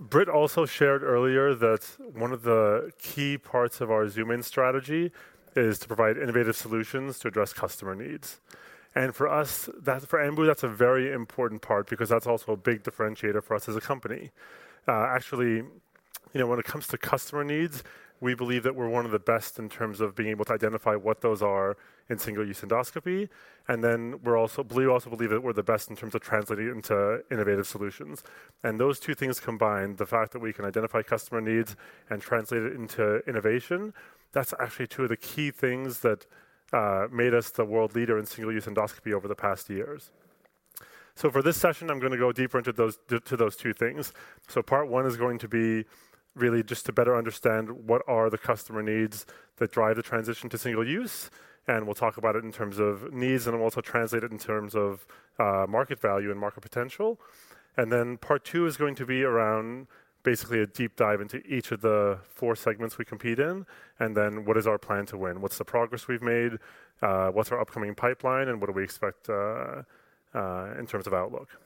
Britt also shared earlier that one of the key parts of our zoom-in strategy is to provide innovative solutions to address customer needs. For us, for Ambu, that's a very important part because that's also a big differentiator for us as a company. Actually, you know, when it comes to customer needs, we believe that we're one of the best in terms of being able to identify what those are in single-use endoscopy. Then we also believe that we're the best in terms of translating into innovative solutions. Those two things combined, the fact that we can identify customer needs and translate it into innovation, that's actually two of the key things that made us the world leader in single-use endoscopy over the past years. For this session, I'm going to go deeper into those two things. Part one is going to be really just to better understand what are the customer needs that drive the transition to single-use, and we'll talk about it in terms of needs, and I'll also translate it in terms of market value and market potential. Then part two is going to be around basically a deep dive into each of the four segments we compete in, then what is our plan to win, what's the progress we've made, what's our upcoming pipeline, and what do we expect in terms of outlook.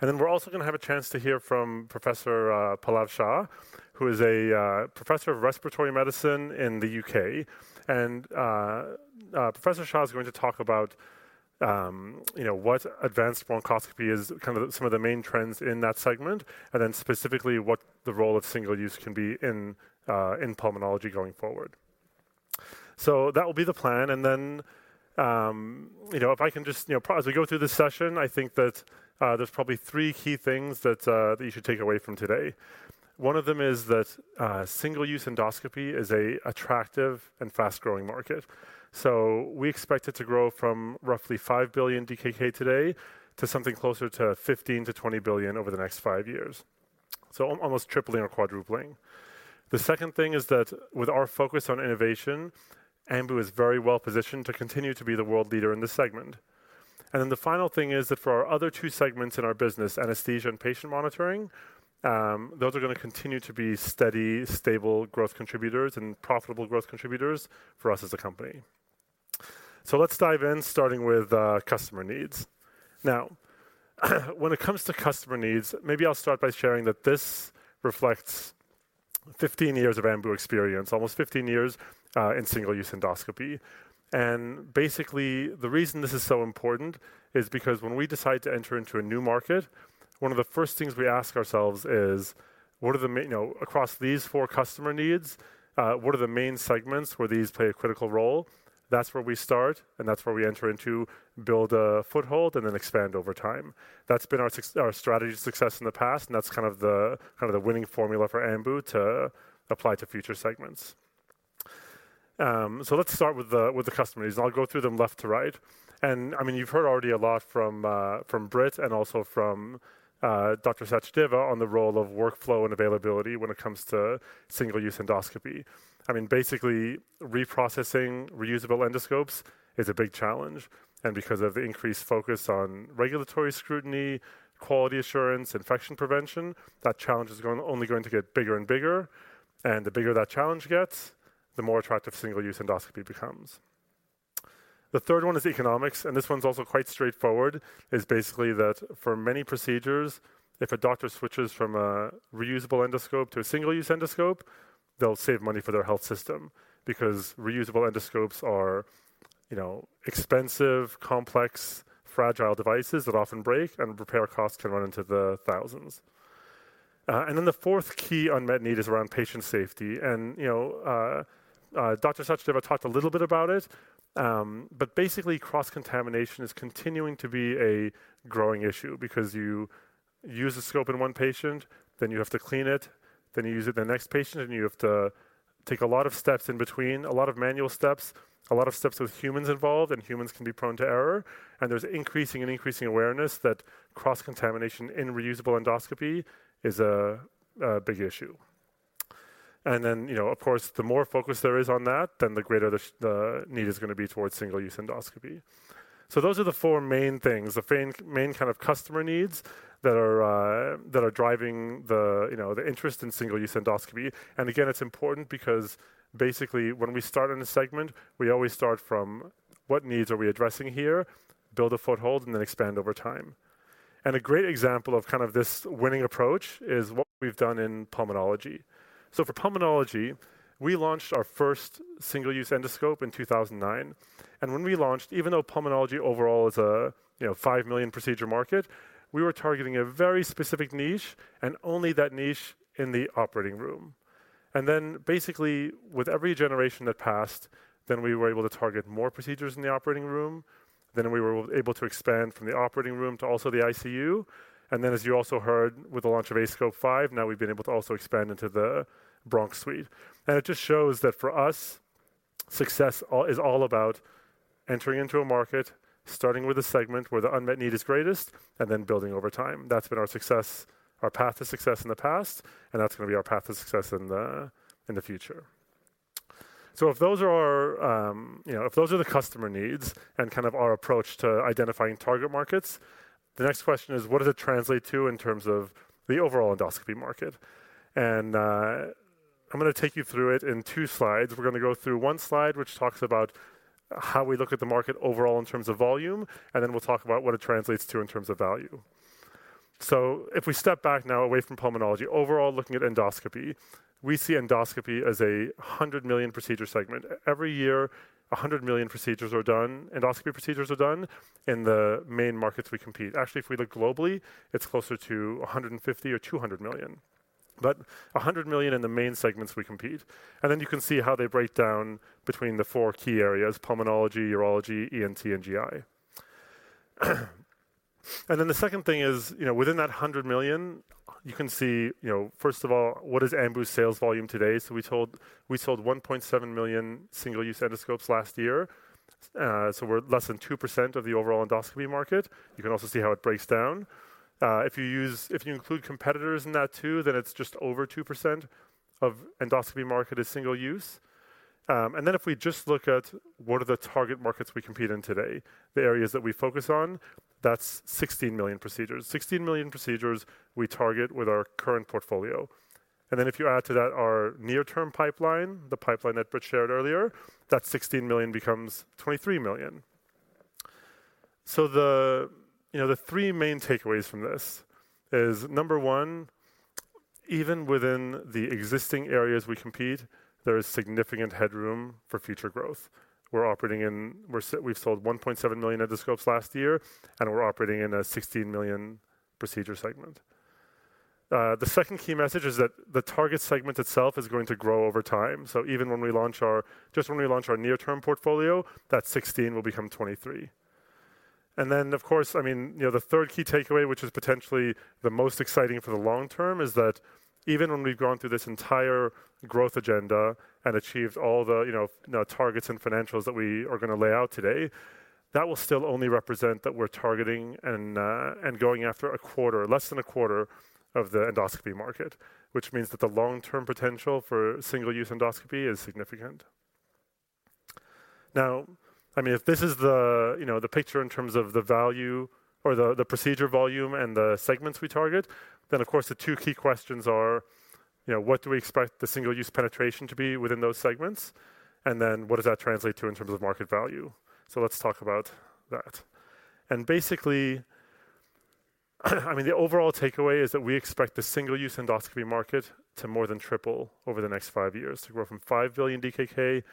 We're also going to have a chance to hear from Professor Pallav Shah, who is a professor of respiratory medicine in the UK. Professor Shah is going to talk about, you know, what advanced bronchoscopy is, kind of some of the main trends in that segment, and then specifically what the role of single use can be in pulmonology going forward. That will be the plan. You know, if I can just, you know, as we go through this session, I think that there's probably three key things that you should take away from today. One of them is that single-use endoscopy is a attractive and fast-growing market. We expect it to grow from roughly 5 billion DKK today to something closer to 15 billion-20 billion over the next five years, almost tripling or quadrupling. The second thing is that with our focus on innovation, Ambu is very well positioned to continue to be the world leader in this segment. The final thing is that for our other two segments in our business, anesthesia and patient monitoring, those are going to continue to be steady, stable growth contributors and profitable growth contributors for us as a company. Let's dive in, starting with customer needs. Now, when it comes to customer needs, maybe I'll start by sharing that this reflects 15 years of Ambu experience, almost 15 years in single-use endoscopy. Basically, the reason this is so important is because when we decide to enter into a new market, one of the first things we ask ourselves is, what are the main, you know, across these four customer needs, what are the main segments where these play a critical role? That's where we start, and that's where we enter in to build a foothold and then expand over time. That's been our strategy to success in the past, and that's kind of the winning formula for Ambu to apply to future segments. Let's start with the, with the customer needs, and I'll go through them left to right. I mean, you've heard already a lot from Britt and also from Dr. Sachdeva on the role of workflow and availability when it comes to single-use endoscopy. I mean, basically reprocessing reusable endoscopes is a big challenge, and because of increased focus on regulatory scrutiny, quality assurance, infection prevention, that challenge is only going to get bigger and bigger, and the bigger that challenge gets, the more attractive single-use endoscopy becomes. The third one is economics, and this one's also quite straightforward, is basically that for many procedures, if a doctor switches from a reusable endoscope to a single-use endoscope, they'll save money for their health system because reusable endoscopes are, you know, expensive, complex, fragile devices that often break and repair costs can run into the thousands. Then the fourth key unmet need is around patient safety. You know, Dr. Sachdeva talked a little bit about it. Basically, cross-contamination is continuing to be a growing issue because you use a scope in one patient, then you have to clean it, then you use it the next patient, and you have to take a lot of steps in between, a lot of manual steps, a lot of steps with humans involved, and humans can be prone to error. There's increasing awareness that cross-contamination in reusable endoscopy is a big issue. You know, of course, the more focus there is on that, then the greater the need is going to be towards single-use endoscopy. Those are the four main things, the main kind of customer needs that are driving the, you know, the interest in single-use endoscopy. Again, it's important because basically when we start in a segment, we always start from what needs are we addressing here, build a foothold, and then expand over time. A great example of kind of this winning approach is what we've done in pulmonology. For pulmonology, we launched our first single-use endoscope in 2009. When we launched, even though pulmonology overall is a, you know, 5 million procedure market, we were targeting a very specific niche and only that niche in the operating room. Then basically with every generation that passed, then we were able to target more procedures in the operating room. We were able to expand from the operating room to also the ICU. As you also heard with the launch of aScope 5, now we've been able to also expand into the bronchoscopy suite. It just shows that for us, success is all about entering into a market, starting with a segment where the unmet need is greatest, and then building over time. That's been our success, our path to success in the past, and that's going to be our path to success in the, in the future. If those are our, you know, if those are the customer needs and kind of our approach to identifying target markets, the next question is, what does it translate to in terms of the overall endoscopy market? I'm going to take you through it in two slides. We're going to go through one slide which talks about how we look at the market overall in terms of volume, and then we'll talk about what it translates to in terms of value. If we step back now away from pulmonology, overall looking at endoscopy, we see endoscopy as a 100 million procedure segment. Every year, 100 million endoscopy procedures are done in the main markets we compete. Actually, if we look globally, it's closer to 150 or 200 million. A 100 million in the main segments we compete. Then you can see how they break down between the four key areas, pulmonology, urology, ENT, and GI. Then the second thing is, you know, within that 100 million. You can see, you know, first of all, what is Ambu's sales volume today? We sold 1.7 million single-use endoscopes last year. We're less than 2% of the overall endoscopy market. You can also see how it breaks down. If you include competitors in that too, then it's just over 2% of endoscopy market is single-use. If we just look at what are the target markets we compete in today, the areas that we focus on, that's 16 million procedures. 16 million procedures we target with our current portfolio. If you add to that our near-term pipeline, the pipeline that Britt shared earlier, that 16 million becomes 23 million. The, you know, the three main takeaways from this is, number one, even within the existing areas we compete, there is significant headroom for future growth. We've sold 1.7 million endoscopes last year, and we're operating in a 16 million procedure segment. The second key message is that the target segment itself is going to grow over time. Even when we launch just when we launch our near-term portfolio, that 16 will become 23. Then, of course, I mean, you know, the third key takeaway, which is potentially the most exciting for the long term, is that even when we've gone through this entire growth agenda and achieved all the, you know, the targets and financials that we are going to lay out today, that will still only represent that we're targeting and going after a 1/4, less than a 1/4 of the endoscopy market, which means that the long-term potential for single-use endoscopy is significant. I mean, if this is the, you know, the picture in terms of the value or the procedure volume and the segments we target, of course, the two key questions are, you know, what do we expect the single-use penetration to be within those segments? What does that translate to in terms of market value? Let's talk about that. Basically, I mean, the overall takeaway is that we expect the single-use endoscopy market to more than triple over the next five years, to grow from 5 billion DKK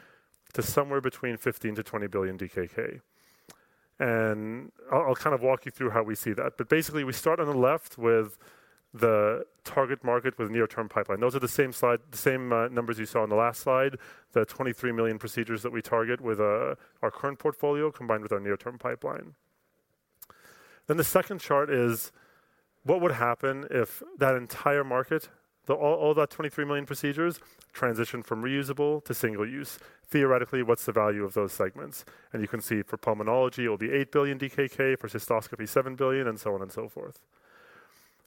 to somewhere between 15 billion-20 billion DKK. I'll kind of walk you through how we see that. Basically, we start on the left with the target market with near-term pipeline. Those are the same numbers you saw on the last slide, the 23 million procedures that we target with our current portfolio combined with our near-term pipeline. The second chart is what would happen if that entire market, all that 23 million procedures transition from reusable to single-use. Theoretically, what's the value of those segments? You can see for pulmonology, it will be 8 billion DKK, for cystoscopy, 7 billion, and so on and so forth.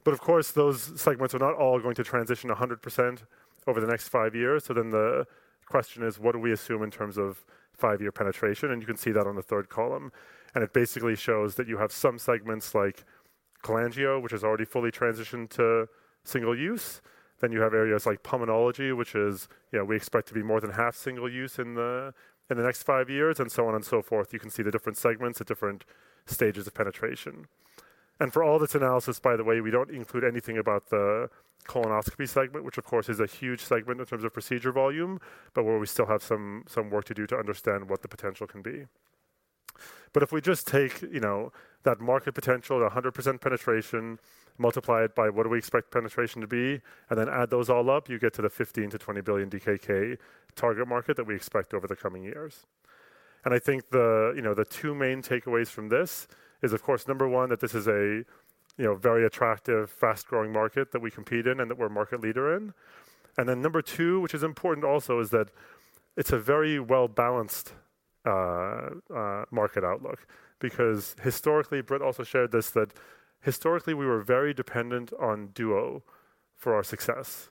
Of course, those segments are not all going to transition 100% over the next five years. The question is, what do we assume in terms of five year penetration? You can see that on the third column. It basically shows that you have some segments like cholangio, which has already fully transitioned to single-use. You have areas like pulmonology, which is, you know, we expect to be more than half single-use in the, in the next five years, and so on and so forth. You can see the different segments at different stages of penetration. For all this analysis, by the way, we don't include anything about the colonoscopy segment, which of course, is a huge segment in terms of procedure volume, but where we still have some work to do to understand what the potential can be. If we just take, you know, that market potential at 100% penetration, multiply it by what do we expect penetration to be, and then add those all up, you get to the 15 billion-20 billion DKK target market that we expect over the coming years. I think the, you know, the two main takeaways from this is, of course, number one, that this is a, you know, very attractive, fast-growing market that we compete in and that we're a market leader in. Then number two, which is important also, is that it's a very well-balanced market outlook. Because historically, Britt also shared this, that historically, we were very dependent on duo for our success.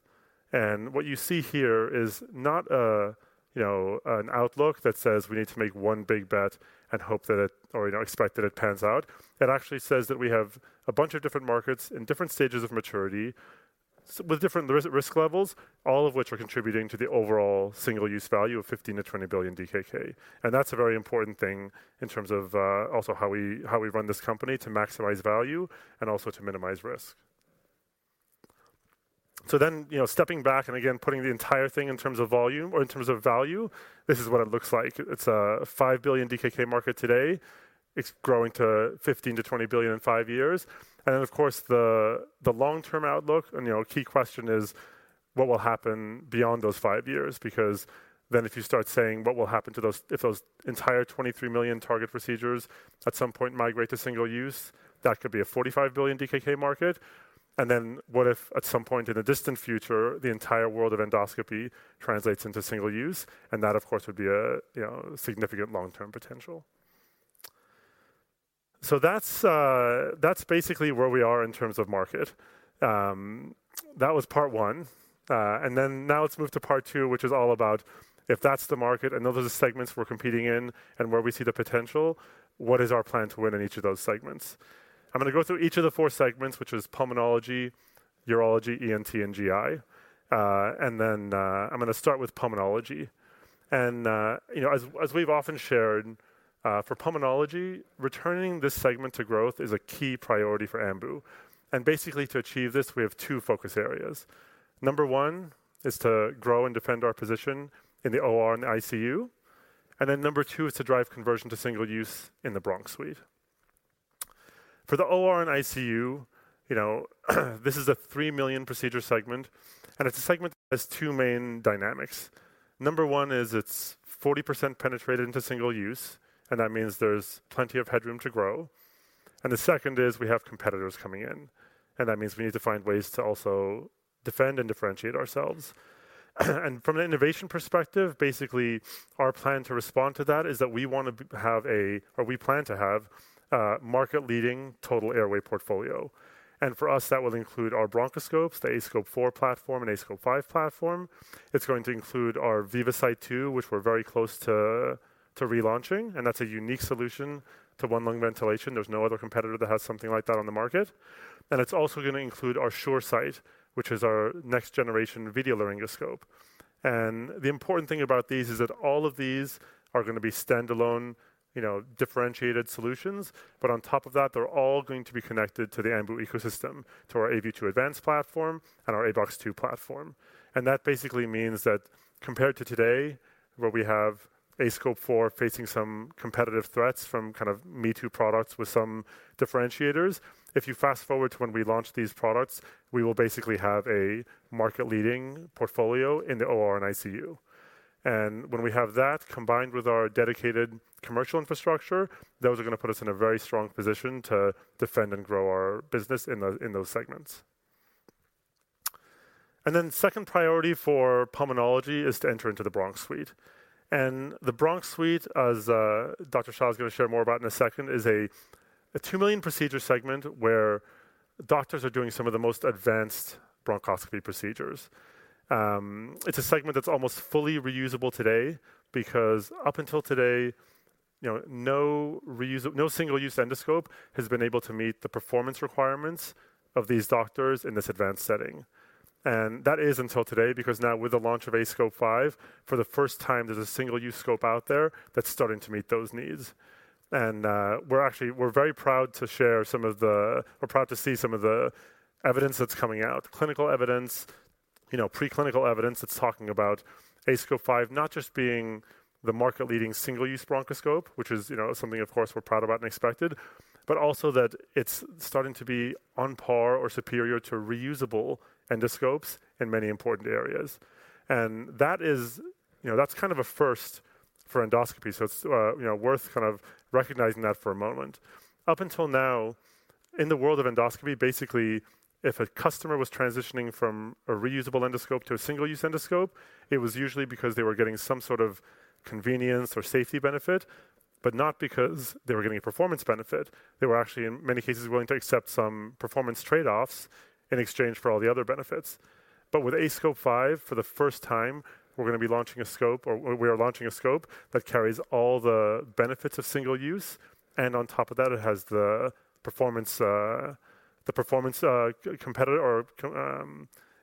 What you see here is not a, you know, an outlook that says we need to make one big bet and hope or, you know, expect that it pans out. It actually says that we have a bunch of different markets in different stages of maturity with different risk levels, all of which are contributing to the overall single-use value of 15 billion-20 billion DKK. That's a very important thing in terms of, also how we, how we run this company to maximize value and also to minimize risk. You know, stepping back and again, putting the entire thing in terms of volume or in terms of value, this is what it looks like. It's a 5 billion DKK market today. It's growing to 15 billion-20 billion in five years. Of course, the long-term outlook and, you know, key question is what will happen beyond those five years? If you start saying, what will happen if those entire 23 million target procedures at some point migrate to single-use, that could be a 45 billion DKK market. What if at some point in the distant future, the entire world of endoscopy translates into single-use? That, of course, would be a significant long-term potential. That's basically where we are in terms of market. That was part one. Now let's move to part two, which is all about if that's the market and those are the segments we're competing in and where we see the potential, what is our plan to win in each of those segments? I'm going to go through each of the four segments, which is pulmonology, urology, ENT, and GI. I'm going to start with pulmonology. As we've often shared, for pulmonology, returning this segment to growth is a key priority for Ambu. Basically, to achieve this, we have two focus areas. Number one is to grow and defend our position in the OR and ICU. Number two is to drive conversion to single-use in the bronchoscopy suite. For the OR and ICU, you know, this is a 3 million procedure segment. It's a segment that has two main dynamics. Number one is it's 40% penetrated into single-use. That means there's plenty of headroom to grow. The second is we have competitors coming in. That means we need to find ways to also defend and differentiate ourselves. From an innovation perspective, basically, our plan to respond to that is that we want to have a or we plan to have a market-leading total airway portfolio. For us, that will include our bronchoscope, the aScope 4 platform and aScope 5 platform. It's going to include our VivaSight 2, which we're very close to relaunching. That's a unique solution to one lung ventilation. There's no other competitor that has something like that on the market. It's also going to include our SureSight, which is our next-generation video laryngoscope. The important thing about these is that all of these are going to be standalone, you know, differentiated solutions. On top of that, they're all going to be connected to the Ambu ecosystem, to our aView 2 Advance platform and our aBox 2 platform. That basically means that compared to today, where we have aScope 4 facing some competitive threats from kind of me-too products with some differentiators, if you fast-forward to when we launch these products, we will basically have a market-leading portfolio in the OR and ICU. When we have that, combined with our dedicated commercial infrastructure, those are going to put us in a very strong position to defend and grow our business in those segments. Second priority for pulmonology is to enter into the bronchoscopy suite. The bronchoscopy suite, as Dr. Shah is going to share more about in a second, is a 2-million-procedure segment where doctors are doing some of the most advanced bronchoscopy procedures. It's a segment that's almost fully reusable today because up until today, you know, no single-use endoscope has been able to meet the performance requirements of these doctors in this advanced setting. That is until today, because now with the launch of aScope 5, for the first time, there's a single-use scope out there that's starting to meet those needs. We're very proud to share some of the. We're proud to see some of the evidence that's coming out, clinical evidence, you know, pre-clinical evidence that's talking about aScope 5 not just being the market-leading single-use bronchoscope, which is, you know, something of course, we're proud about and expected, but also that it's starting to be on par or superior to reusable endoscopes in many important areas. That is, you know, that's kind of a first for endoscopy, so it's, you know, worth kind of recognizing that for a moment. Up until now, in the world of endoscopy, basically, if a customer was transitioning from a reusable endoscope to a single-use endoscope, it was usually because they were getting some sort of convenience or safety benefit, but not because they were getting a performance benefit. They were actually, in many cases, willing to accept some performance trade-offs in exchange for all the other benefits. With aScope 5, for the first time, we're going to be launching a scope, or we are launching a scope that carries all the benefits of single-use, and on top of that, it has the performance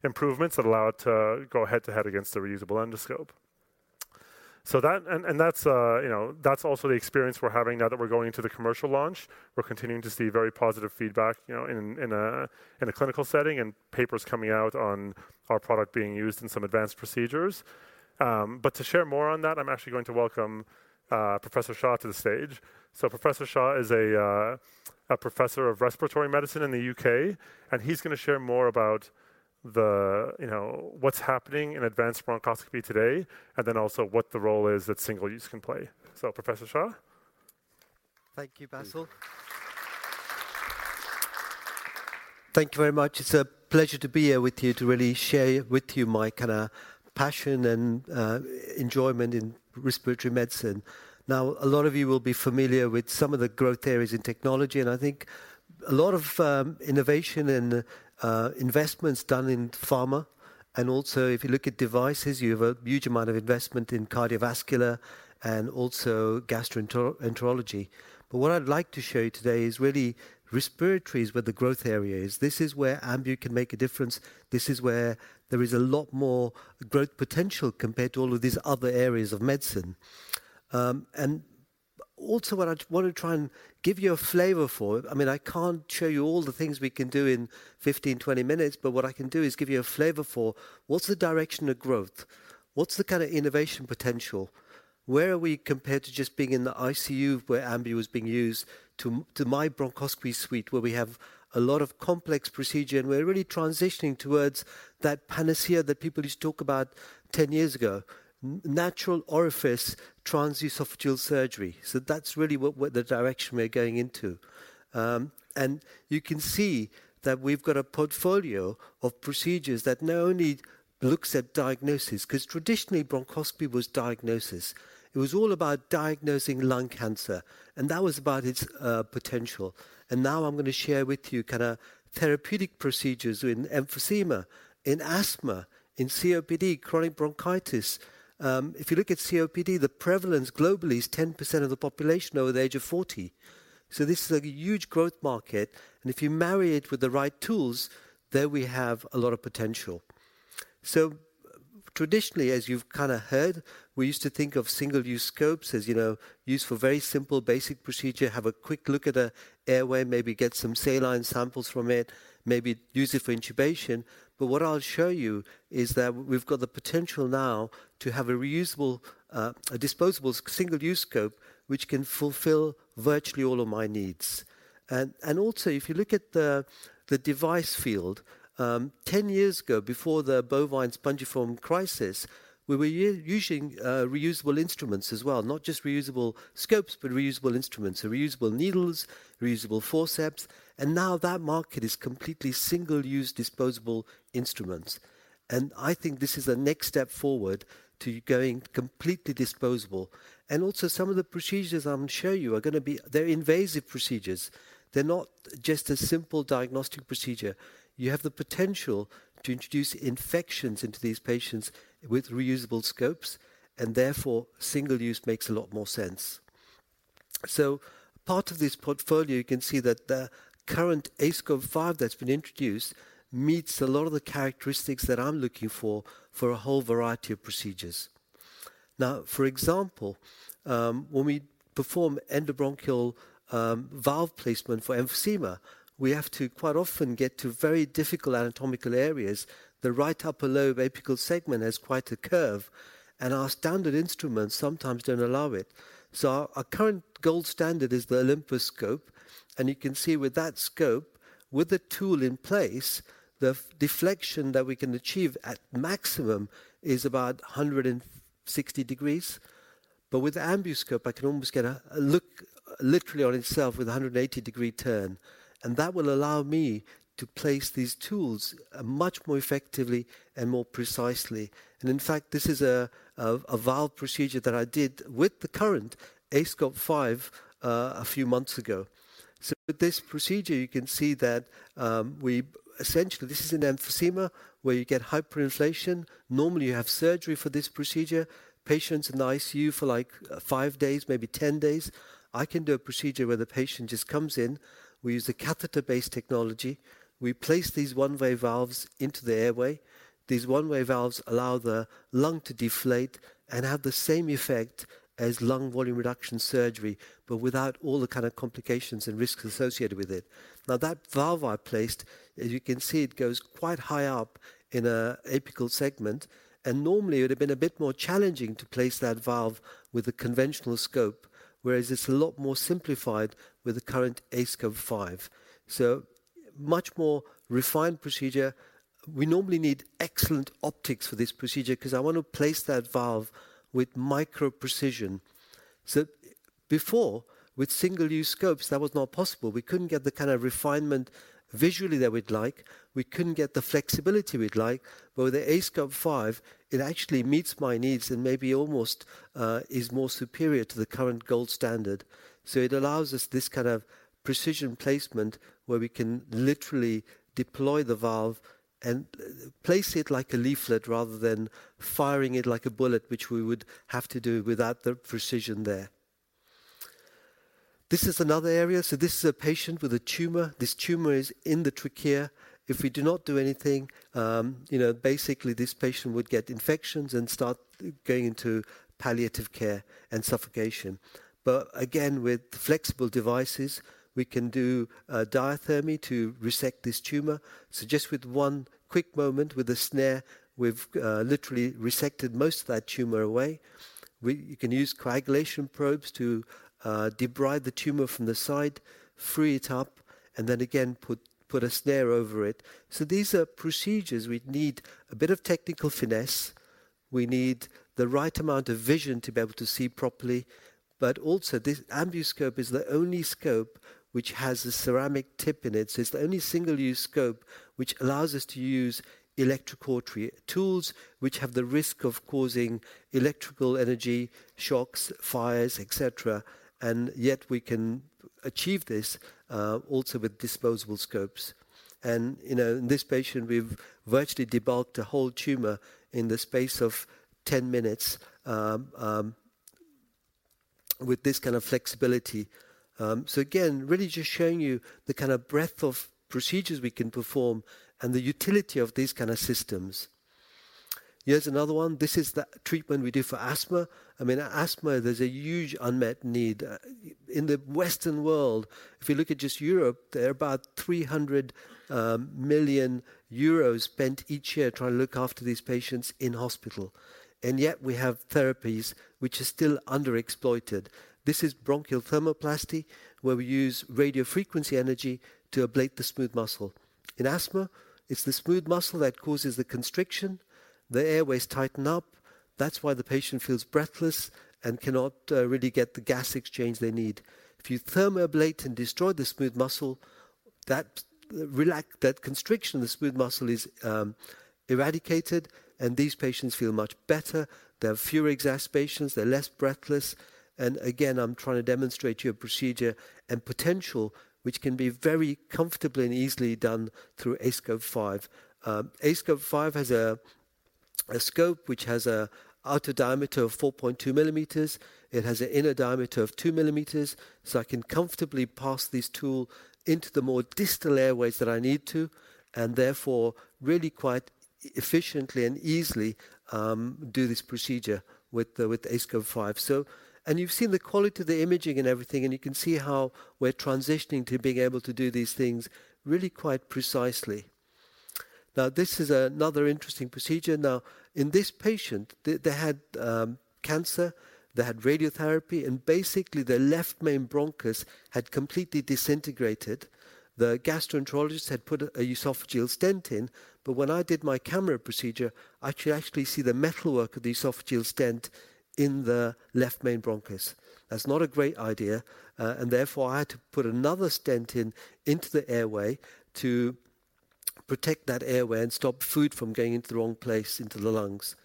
improvements that allow it to go head-to-head against the reusable endoscope. That's, you know, that's also the experience we're having now that we're going into the commercial launch. We're continuing to see very positive feedback, you know, in a clinical setting and papers coming out on our product being used in some advanced procedures. To share more on that, I'm actually going to welcome Professor Shah to the stage. Professor Shah is a professor of respiratory medicine in the UK, he's going to share more about. You know, what's happening in advanced bronchoscopy today and then also what the role is that single use can play. Professor Shah. Thank you, Bassel. Thank you very much. It's a pleasure to be here with you to really share with you my kind of passion and enjoyment in respiratory medicine. A lot of you will be familiar with some of the growth areas in technology, and I think a lot of innovation and investments done in pharma. Also, if you look at devices, you have a huge amount of investment in cardiovascular and also gastroenterology. What I'd like to show you today is really respiratory is where the growth area is. This is where Ambu can make a difference. This is where there is a lot more growth potential compared to all of these other areas of medicine. what I want to try and give you a flavor for, I mean, I can't show you all the things we can do in 15, 20 minutes, but what I can do is give you a flavor for what's the direction of growth, what's the kind of innovation potential, where are we compared to just being in the ICU where Ambu is being used to my bronchoscopy suite, where we have a lot of complex procedure, and we're really transitioning towards that panacea that people used to talk about 10 years ago, natural orifice transesophageal surgery. That's really what the direction we're going into. You can see that we've got a portfolio of procedures that not only looks at diagnosis, 'cause traditionally bronchoscopy was diagnosis. It was all about diagnosing lung cancer, and that was about its potential. Now I'm going to share with you kind of therapeutic procedures in emphysema, in asthma, in COPD, chronic bronchitis. If you look at COPD, the prevalence globally is 10% of the population over the age of 40. This is a huge growth market, and if you marry it with the right tools, there we have a lot of potential. Traditionally, as you've kind of heard, we used to think of single-use scopes as, you know, used for very simple basic procedure, have a quick look at a airway, maybe get some saline samples from it, maybe use it for intubation. What I'll show you is that we've got the potential now to have a reusable, a disposable single-use scope which can fulfill virtually all of my needs. Also, if you look at the device field, 10 years ago, before the bovine spongiform crisis, we were using reusable instruments as well, not just reusable scopes, but reusable instruments. Reusable needles, reusable forceps, and now that market is completely single-use disposable instruments. I think this is the next step forward to going completely disposable. Also some of the procedures I'm showing you are going to be invasive procedures. They're not just a simple diagnostic procedure. You have the potential to introduce infections into these patients with reusable scopes, and therefore, single-use makes a lot more sense. Part of this portfolio, you can see that the current aScope 5 that's been introduced meets a lot of the characteristics that I'm looking for a whole variety of procedures. For example, when we perform endobronchial valve placement for emphysema, we have to quite often get to very difficult anatomical areas. The right upper lobe apical segment has quite a curve, and our standard instruments sometimes don't allow it. Our current gold standard is the Olympus scope, and you can see with that scope, with the tool in place, the deflection that we can achieve at maximum is about 160 degrees. With Ambu scope, I can almost get a look literally on itself with a 180 degree turn, and that will allow me to place these tools much more effectively and more precisely. In fact, this is a valve procedure that I did with the current aScope 5 a few months ago. With this procedure, you can see that, we essentially, this is an emphysema where you get hyperinflation. Normally, you have surgery for this procedure, patients in the ICU for like five days, maybe 10 days. I can do a procedure where the patient just comes in, we use a catheter-based technology. We place these one-way valves into the airway. These one-way valves allow the lung to deflate and have the same effect as lung volume reduction surgery, but without all the kind of complications and risks associated with it. That valve I placed, as you can see, it goes quite high up in an apical segment, and normally it would have been a bit more challenging to place that valve with a conventional scope, whereas it's a lot more simplified with the current aScope 5. Much more refined procedure. We normally need excellent optics for this procedure because I want to place that valve with micro precision. Before, with single-use scopes, that was not possible. We couldn't get the kind of refinement visually that we'd like. We couldn't get the flexibility we'd like. With the aScope 5, it actually meets my needs and maybe almost is more superior to the current gold standard. It allows us this kind of precision placement where we can literally deploy the valve and place it like a leaflet rather than firing it like a bullet, which we would have to do without the precision there. This is another area. This is a patient with a tumor. This tumor is in the trachea. If we do not do anything, you know, basically this patient would get infections and start going into palliative care and suffocation. Again, with flexible devices, we can do diathermy to resect this tumor. Just with one quick moment with a snare, we've literally resected most of that tumor away. You can use coagulation probes to debride the tumor from the side, free it up, and then again, put a snare over it. These are procedures we'd need a bit of technical finesse. We need the right amount of vision to be able to see properly. Also, this Ambu scope is the only scope which has a ceramic tip in it. It's the only single-use scope which allows us to use electrocautery tools which have the risk of causing electrical energy, shocks, fires, etc. Yet we can achieve this also with disposable scopes. You know, in this patient, we've virtually debulked a whole tumor in the space of 10 minutes with this kind of flexibility. Again, really just showing you the kind of breadth of procedures we can perform and the utility of these kind of systems. Here's another one. This is the treatment we do for asthma. I mean, asthma, there's a huge unmet need. In the Western world, if you look at just Europe, there are about 300 million euros spent each year trying to look after these patients in hospital. We have therapies which are still underexploited. This is bronchial thermoplasty, where we use radiofrequency energy to ablate the smooth muscle. In asthma, it's the smooth muscle that causes the constriction. The airways tighten up. That's why the patient feels breathless and cannot really get the gas exchange they need. If you thermoablate and destroy the smooth muscle, that constriction, the smooth muscle is eradicated, and these patients feel much better. They have fewer exacerbations. They're less breathless. Again, I'm trying to demonstrate to you a procedure and potential which can be very comfortably and easily done through aScope 5. aScope 5 has a scope which has a outer diameter of 4.2mm. It has an inner diameter of 2mm, so I can comfortably pass this tool into the more distal airways that I need to, and therefore, really quite efficiently and easily do this procedure with the aScope 5. You've seen the quality of the imaging and everything, and you can see how we're transitioning to being able to do these things really quite precisely. Now, this is another interesting procedure. In this patient, they had cancer, they had radiotherapy, basically, their left main bronchus had completely disintegrated. The gastroenterologist had put a esophageal stent in. When I did my camera procedure, I could actually see the metalwork of the esophageal stent in the left main bronchus. That's not a great idea, therefore, I had to put another stent in into the airway to protect that airway and stop food from going into the wrong place into the lungs.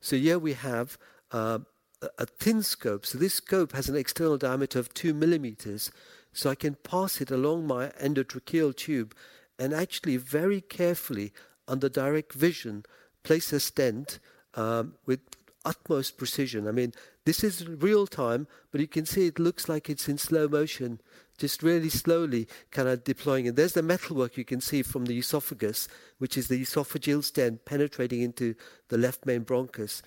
Here we have a thin scope. This scope has an external diameter of 2mm, so I can pass it along my endotracheal tube and actually very carefully, under direct vision, place a stent with utmost precision. I mean, this is real-time, you can see it looks like it's in slow motion, just really slowly kind of deploying it. There's the metalwork you can see from the esophagus, which is the esophageal stent penetrating into the left main bronchus.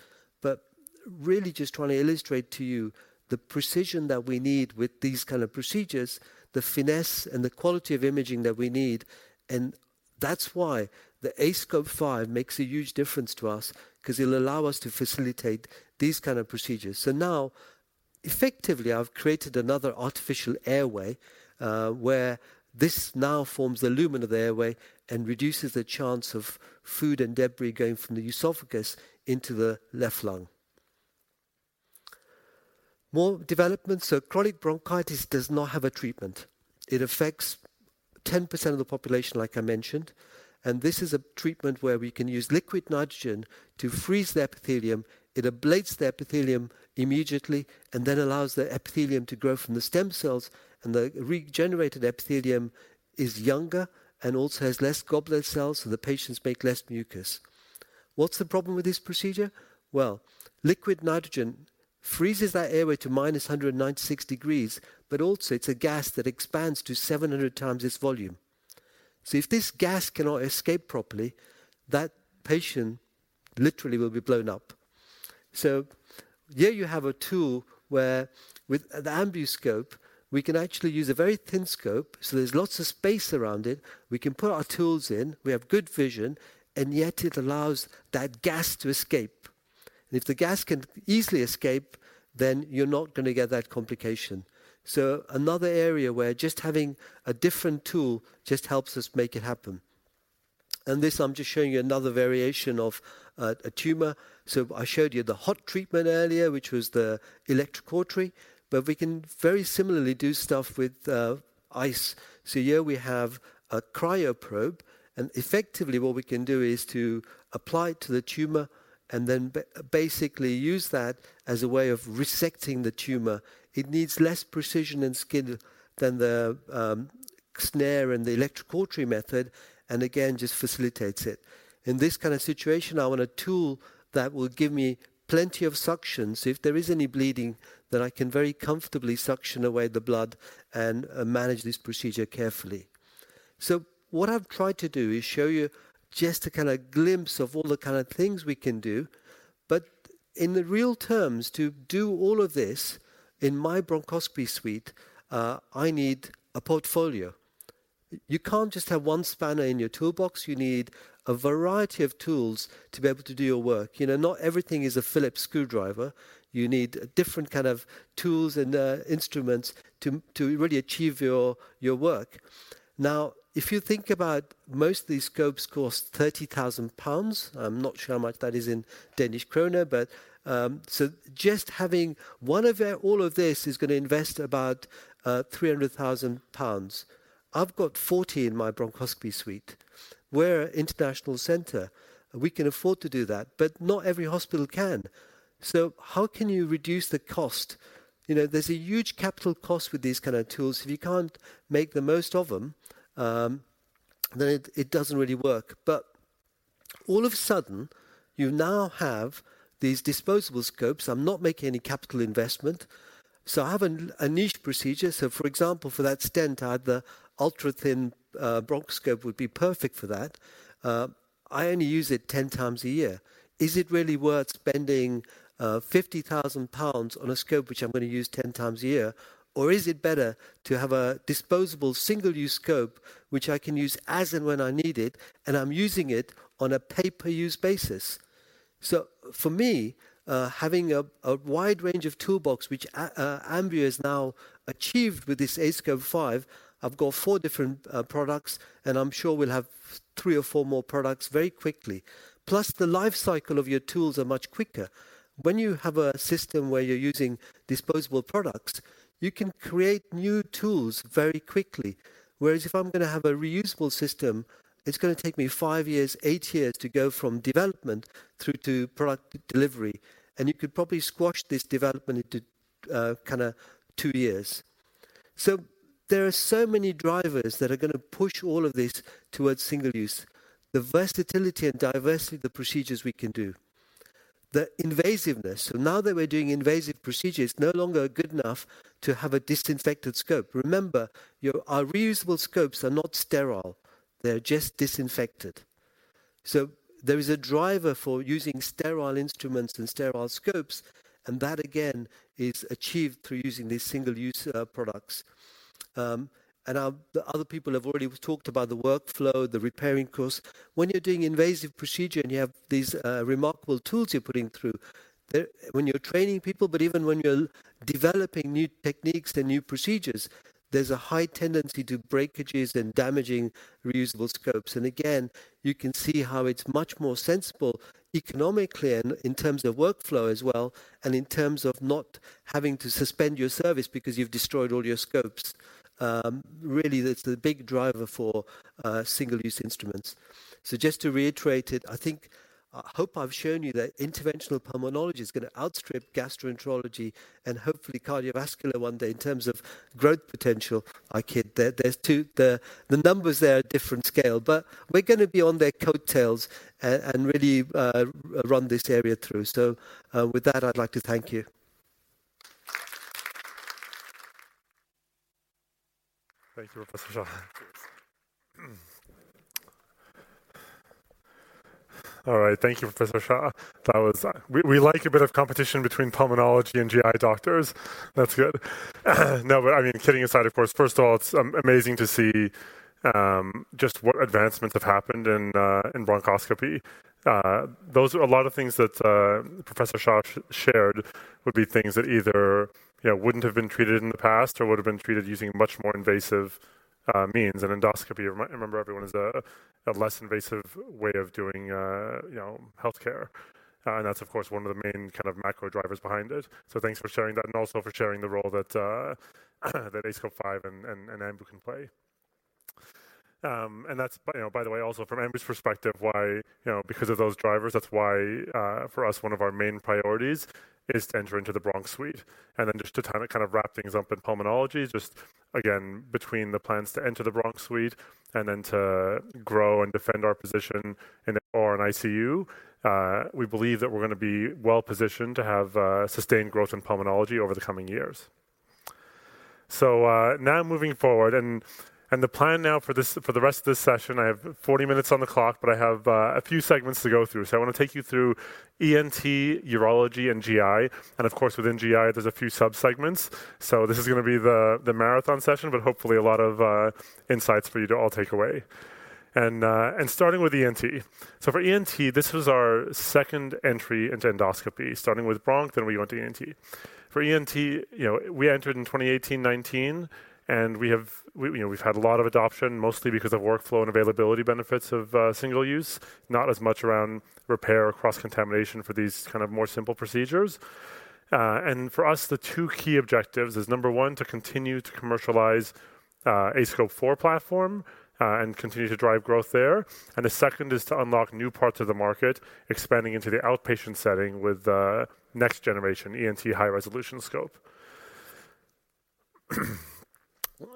Really just trying to illustrate to you the precision that we need with these kind of procedures, the finesse and the quality of imaging that we need, and that's why the aScope 5 makes a huge difference to us because it'll allow us to facilitate these kind of procedures. Now, effectively, I've created another artificial airway, where this now forms the lumen of the airway and reduces the chance of food and debris going from the esophagus into the left lung. More developments. Chronic bronchitis does not have a treatment. It affects 10% of the population, like I mentioned, and this is a treatment where we can use liquid nitrogen to freeze the epithelium. It ablates the epithelium immediately and then allows the epithelium to grow from the stem cells and the regenerated epithelium is younger and also has less goblet cells, so the patients make less mucus. What's the problem with this procedure? Well, liquid nitrogen freezes that airway to minus 196 degrees, but also it's a gas that expands to 700 times its volume. If this gas cannot escape properly, that patient literally will be blown up. Here you have a tool where with the Ambu scope, we can actually use a very thin scope, so there's lots of space around it. We can put our tools in, we have good vision, and yet it allows that gas to escape. If the gas can easily escape, then you're not going to get that complication. Another area where just having a different tool just helps us make it happen. This, I'm just showing you another variation of a tumor. I showed you the hot treatment earlier, which was the electrocautery, but we can very similarly do stuff with ice. Here we have a cryo probe, and effectively what we can do is to apply it to the tumor and then basically use that as a way of resecting the tumor. It needs less precision and skill than the snare and the electrocautery method, and again, just facilitates it. In this kind of situation, I want a tool that will give me plenty of suction, so if there is any bleeding, then I can very comfortably suction away the blood and manage this procedure carefully. What I've tried to do is show you just a kinda glimpse of all the kinda things we can do, but in the real terms, to do all of this in my bronchoscopy suite, I need a portfolio. You can't just have one spanner in your toolbox. You need a variety of tools to be able to do your work. You know, not everything is a Phillips screwdriver. You need different kind of tools and instruments to really achieve your work. If you think about most of these scopes cost 30,000 pounds. I'm not sure how much that is in Danish krone, but just having one of all of this is going to invest about 300,000 pounds. I've got 40 in my bronchoscopy suite. We're an international center, and we can afford to do that, but not every hospital can. How can you reduce the cost? You know, there's a huge capital cost with these kind of tools. If you can't make the most of them, then it doesn't really work. But all of a sudden, you now have these disposable scopes. I'm not making any capital investment. I have a niche procedure. For example, for that stent, I have the ultra-thin bronchoscope would be perfect for that. I only use it 10x a year. Is it really worth spending 50,000 pounds on a scope which I'm going to use 10x a year? Is it better to have a disposable single-use scope which I can use as and when I need it, and I'm using it on a pay-per-use basis? For me, having a wide range of toolbox which Ambu has now achieved with this aScope 5, I've got four different products, and I'm sure we'll have three or four more products very quickly. The life cycle of your tools are much quicker. When you have a system where you're using disposable products, you can create new tools very quickly. If I'm going to have a reusable system, it's going to take me five years, eight years to go from development through to product delivery, and you could probably squash this development into kinda two years. There are so many drivers that are going to push all of this towards single-use. The versatility and diversity of the procedures we can do. The invasiveness. Now that we're doing invasive procedures, it's no longer good enough to have a disinfected scope. Remember, your, our reusable scopes are not sterile. They're just disinfected. There is a driver for using sterile instruments and sterile scopes, and that again is achieved through using these single-use products. The other people have already talked about the workflow, the repairing cost. When you're doing invasive procedure and you have these remarkable tools you're putting through, when you're training people, but even when you're developing new techniques and new procedures, there's a high tendency to breakages and damaging reusable scopes. Again, you can see how it's much more sensible economically and in terms of workflow as well, and in terms of not having to suspend your service because you've destroyed all your scopes, really that's the big driver for single-use instruments. Just to reiterate it, I think, I hope I've shown you that interventional pulmonology is going to outstrip gastroenterology and hopefully cardiovascular one day in terms of growth potential. I kid there. The numbers there are different scale, but we're going to be on their coattails and really run this area through. With that, I'd like to thank you. Thank you, Professor Shah. Cheers. All right. Thank you, Professor Shah. That was We like a bit of competition between pulmonology and GI doctors. That's good. I mean, kidding aside, of course, first of all, it's amazing to see just what advancements have happened in bronchoscopy. Those are a lot of things that Professor Shah shared would be things that either, you know, wouldn't have been treated in the past or would've been treated using much more invasive means and endoscopy, remember everyone is a less invasive way of doing, you know, healthcare. That's of course one of the main kind of macro drivers behind it. Thanks for sharing that and also for sharing the role that aScope 5 and Ambu can play. That's, but you know, by the way, also from Ambu's perspective, why, you know, because of those drivers, that's why, for us one of our main priorities is to enter into the bronch suite. Just to kind of wrap things up in pulmonology, just again, between the plans to enter the bronch suite and then to grow and defend our position in OR and ICU, we believe that we're going to be well-positioned to have sustained growth in pulmonology over the coming years. Now moving forward and, the plan now for the rest of this session, I have 40 minutes on the clock, but I have a few segments to go through. I want to take you through ENT, urology, and GI. Of course, within GI there's a few sub-segments. This is going to be the marathon session, but hopefully a lot of insights for you to all take away. starting with ENT. For ENT, this was our second entry into endoscopy, starting with bronch, then we went to ENT. For ENT, you know, we entered in 2018, 2019, we, you know, we've had a lot of adoption, mostly because of workflow and availability benefits of single use, not as much around repair or cross-contamination for these kind of more simple procedures. For us, the two key objectives is, number one, to continue to commercialize aScope 4 platform, and continue to drive growth there. The second is to unlock new parts of the market, expanding into the outpatient setting with next generation ENT high-resolution scope.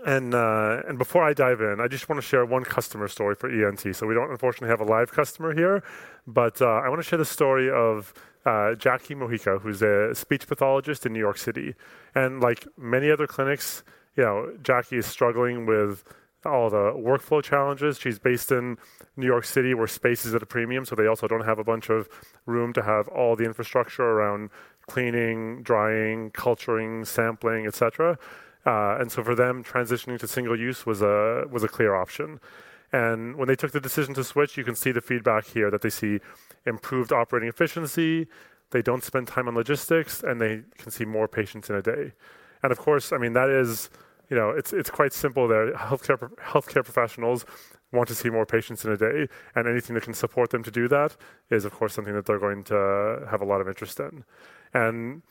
Before I dive in, I just want to share one customer story for ENT. We don't unfortunately have a live customer here, but I want to share the story of Jackie Mojica, who's a speech pathologist in New York City. Like many other clinics, you know, Jackie is struggling with all the workflow challenges. She's based in New York City, where space is at a premium, so they also don't have a bunch of room to have all the infrastructure around cleaning, drying, culturing, sampling, et cetera. So for them, transitioning to single-use was a clear option. When they took the decision to switch, you can see the feedback here that they see improved operating efficiency, they don't spend time on logistics, and they can see more patients in a day. Of course, I mean, that is, you know, it's quite simple that healthcare professionals want to see more patients in a day, and anything that can support them to do that is of course something that they're going to have a lot of interest in.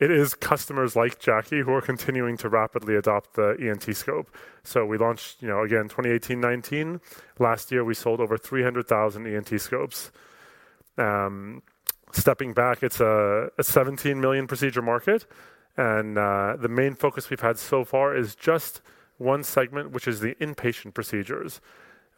It is customers like Jackie who are continuing to rapidly adopt the ENT scope. We launched, you know, again, 2018, 2019. Last year we sold over 300,000 ENT scopes. Stepping back, it's a 17 million procedure market, and the main focus we've had so far is just one segment, which is the inpatient procedures.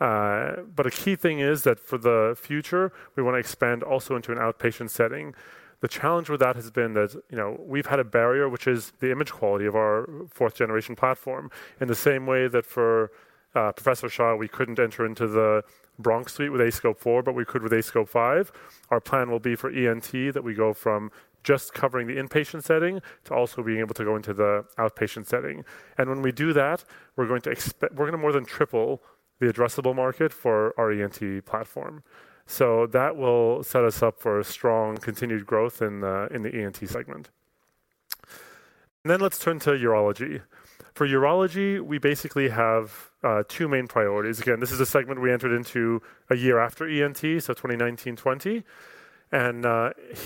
A key thing is that for the future, we want to expand also into an outpatient setting. The challenge with that has been that, you know, we've had a barrier, which is the image quality of our fourth generation platform. In the same way that for Professor Shah, we couldn't enter into the bronch suite with aScope 4, but we could with aScope 5. Our plan will be for ENT, that we go from just covering the inpatient setting to also being able to go into the outpatient setting. When we do that, we're going to more than triple the addressable market for our ENT platform. That will set us up for a strong continued growth in the ENT segment. Then let's turn to urology. For urology, we basically have two main priorities. Again, this is a segment we entered into a year after ENT, so 2019, 2020.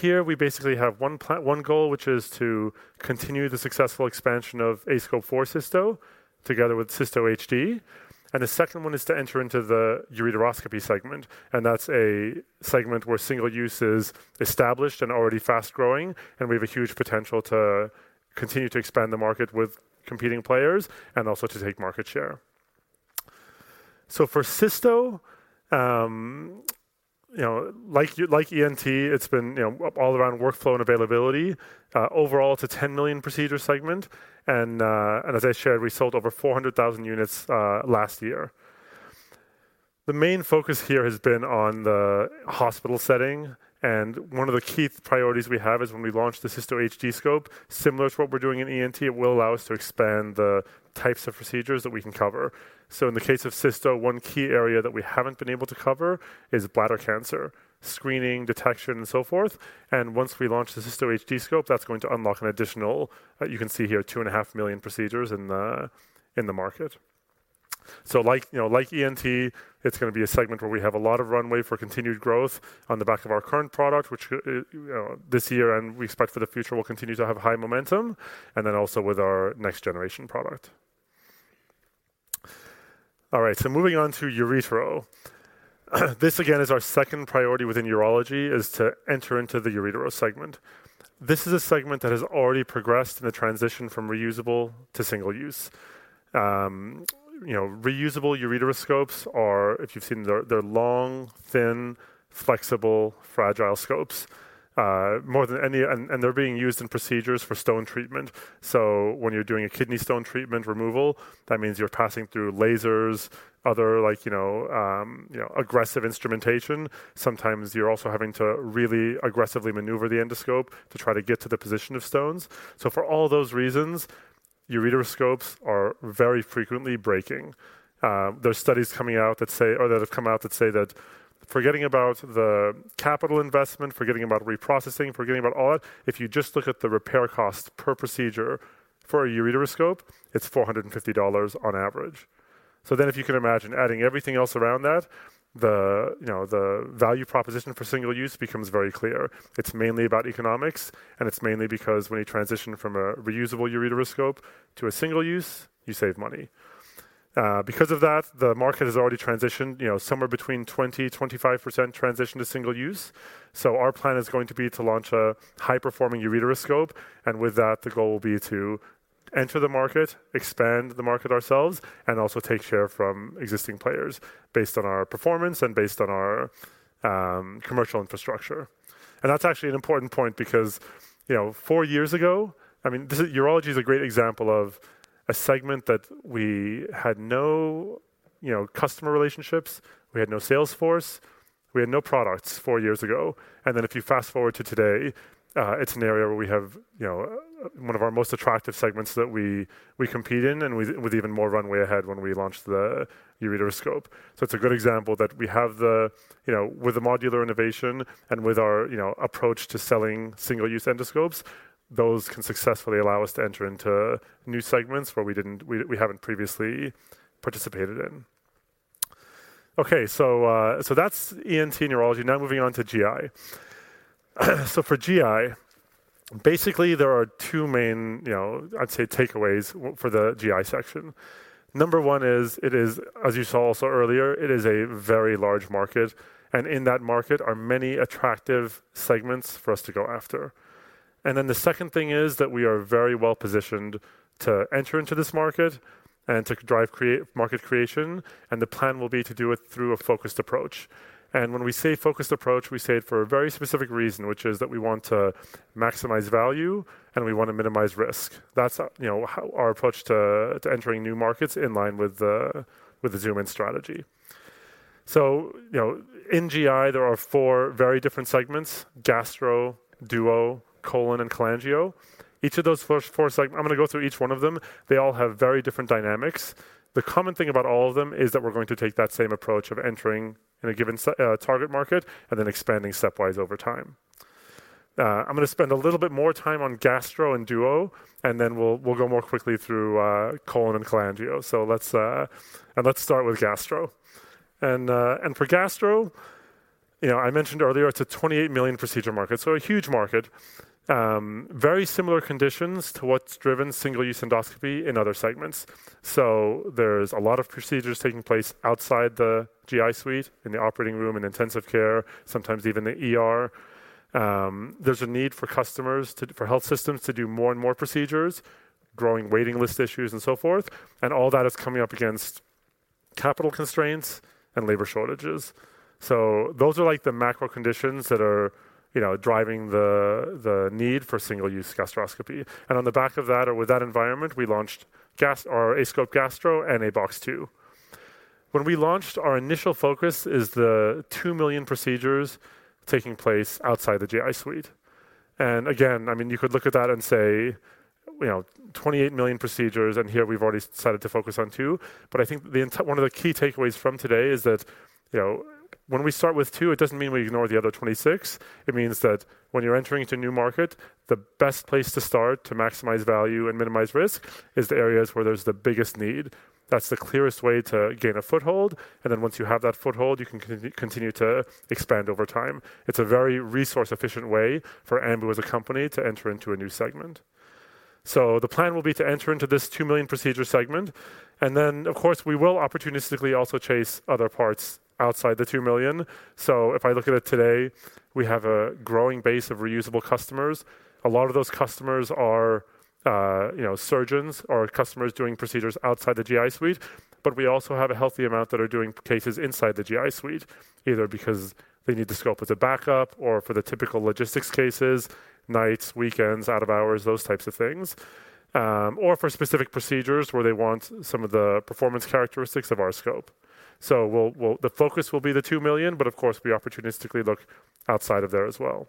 Here we basically have one goal, which is to continue the successful expansion of aScope 4 Cysto together with Cysto HD. The second one is to enter into the ureteroscopy segment, and that's a segment where single use is established and already fast-growing, and we have a huge potential to continue to expand the market with competing players and also to take market share. For Cysto, you know, like ENT, it's been, you know, all around workflow and availability. Overall it's a 10 million procedure segment as I shared, we sold over 400,000 units last year. The main focus here has been on the hospital setting, and one of the key priorities we have is when we launch the Cysto HD scope, similar to what we're doing in ENT, it will allow us to expand the types of procedures that we can cover. In the case of cysto, one key area that we haven't been able to cover is bladder cancer, screening, detection, and so forth. Once we launch the Cysto HD scope, that's going to unlock an additional, you can see here, 2.5 million procedures in the market. Like, you know, like ENT, it's going to be a segment where we have a lot of runway for continued growth on the back of our current product, which, you know, this year, and we expect for the future, will continue to have high momentum, and then also with our next generation product. All right, moving on to ureteral. This again, is our second priority within urology, is to enter into the ureteral segment. This is a segment that has already progressed in the transition from reusable to single-use. You know, reusable ureteral scopes are, if you've seen them, they're long, thin, flexible, fragile scopes, And they're being used in procedures for stone treatment. When you're doing a kidney stone treatment removal, that means you're passing through lasers, other like, you know, aggressive instrumentation. Sometimes you're also having to really aggressively maneuver the endoscope to try to get to the position of stones. For all those reasons, ureteral scopes are very frequently breaking. There are studies coming out that say, or that have come out that say that forgetting about the capital investment, forgetting about reprocessing, forgetting about all that, if you just look at the repair cost per procedure for a ureteral scope, it's $450 on average. If you can imagine adding everything else around that, the, you know, the value proposition for single-use becomes very clear. It's mainly about economics, and it's mainly because when you transition from a reusable ureteral scope to a single-use, you save money. Because of that, the market has already transitioned, you know, somewhere between 20%-25% transition to single-use. Our plan is going to be to launch a high-performing ureteroscope, and with that, the goal will be to enter the market, expand the market ourselves, and also take share from existing players based on our performance and based on our commercial infrastructure. That's actually an important point because, you know, four years ago, I mean, urology is a great example of a segment that we had no, you know, customer relationships, we had no sales force, we had no products four years ago. Then if you fast-forward to today, it's an area where we have, you know, one of our most attractive segments that we compete in and with even more runway ahead when we launch the ureteroscope. It's a good example that we have the, you know, with the modular innovation and with our, you know, approach to selling single-use endoscopes, those can successfully allow us to enter into new segments where we haven't previously participated in. That's ENT and urology. Moving on to GI. For GI, basically, there are two main, you know, I'd say takeaways for the GI section. Number one is, it is, as you saw also earlier, it is a very large market, and in that market are many attractive segments for us to go after. The second thing is that we are very well-positioned to enter into this market and to drive market creation, and the plan will be to do it through a focused approach. When we say focused approach, we say it for a very specific reason, which is that we want to maximize value, and we want to minimize risk. That's, you know, our approach to entering new markets in line with the zoom-in strategy. You know, in GI, there are four very different segments, gastro, duo, colon, and cholangio. Each of those first four, I'm going to go through each one of them. They all have very different dynamics. The common thing about all of them is that we're going to take that same approach of entering in a given target market and then expanding stepwise over time. I'm going to spend a little bit more time on gastro and duo, and then we'll go more quickly through colon and cholangio. Let's start with gastro. For gastro, you know, I mentioned earlier, it's a 28 million procedure market, a huge market. Very similar conditions to what's driven single-use endoscopy in other segments. There's a lot of procedures taking place outside the GI suite in the operating room and intensive care, sometimes even the ER. There's a need for health systems to do more and more procedures, growing waiting list issues and so forth, and all that is coming up against capital constraints and labor shortages. Those are like the macro conditions that are, you know, driving the need for single-use gastroscopy. On the back of that or with that environment, we launched our aScope Gastro and aBox 2. When we launched, our initial focus is the 2 million procedures taking place outside the GI suite. Again, I mean, you could look at that and say, you know, "28 million procedures, and here we've already decided to focus on two." I think one of the key takeaways from today is that, you know, when we start with two, it doesn't mean we ignore the other 26. It means that when you're entering into a new market, the best place to start to maximize value and minimize risk is the areas where there's the biggest need. That's the clearest way to gain a foothold, and then once you have that foothold, you can continue to expand over time. It's a very resource-efficient way for Ambu as a company to enter into a new segment. The plan will be to enter into this 2 million procedure segment, and then, of course, we will opportunistically also chase other parts outside the 2 million. If I look at it today, we have a growing base of reusable customers. A lot of those customers are, you know, surgeons or customers doing procedures outside the GI suite. We also have a healthy amount that are doing cases inside the GI suite, either because they need the scope as a backup or for the typical logistics cases, nights, weekends, out of hours, those types of things, or for specific procedures where they want some of the performance characteristics of our scope. We'll the focus will be the 2 million, but of course, we opportunistically look outside of there as well.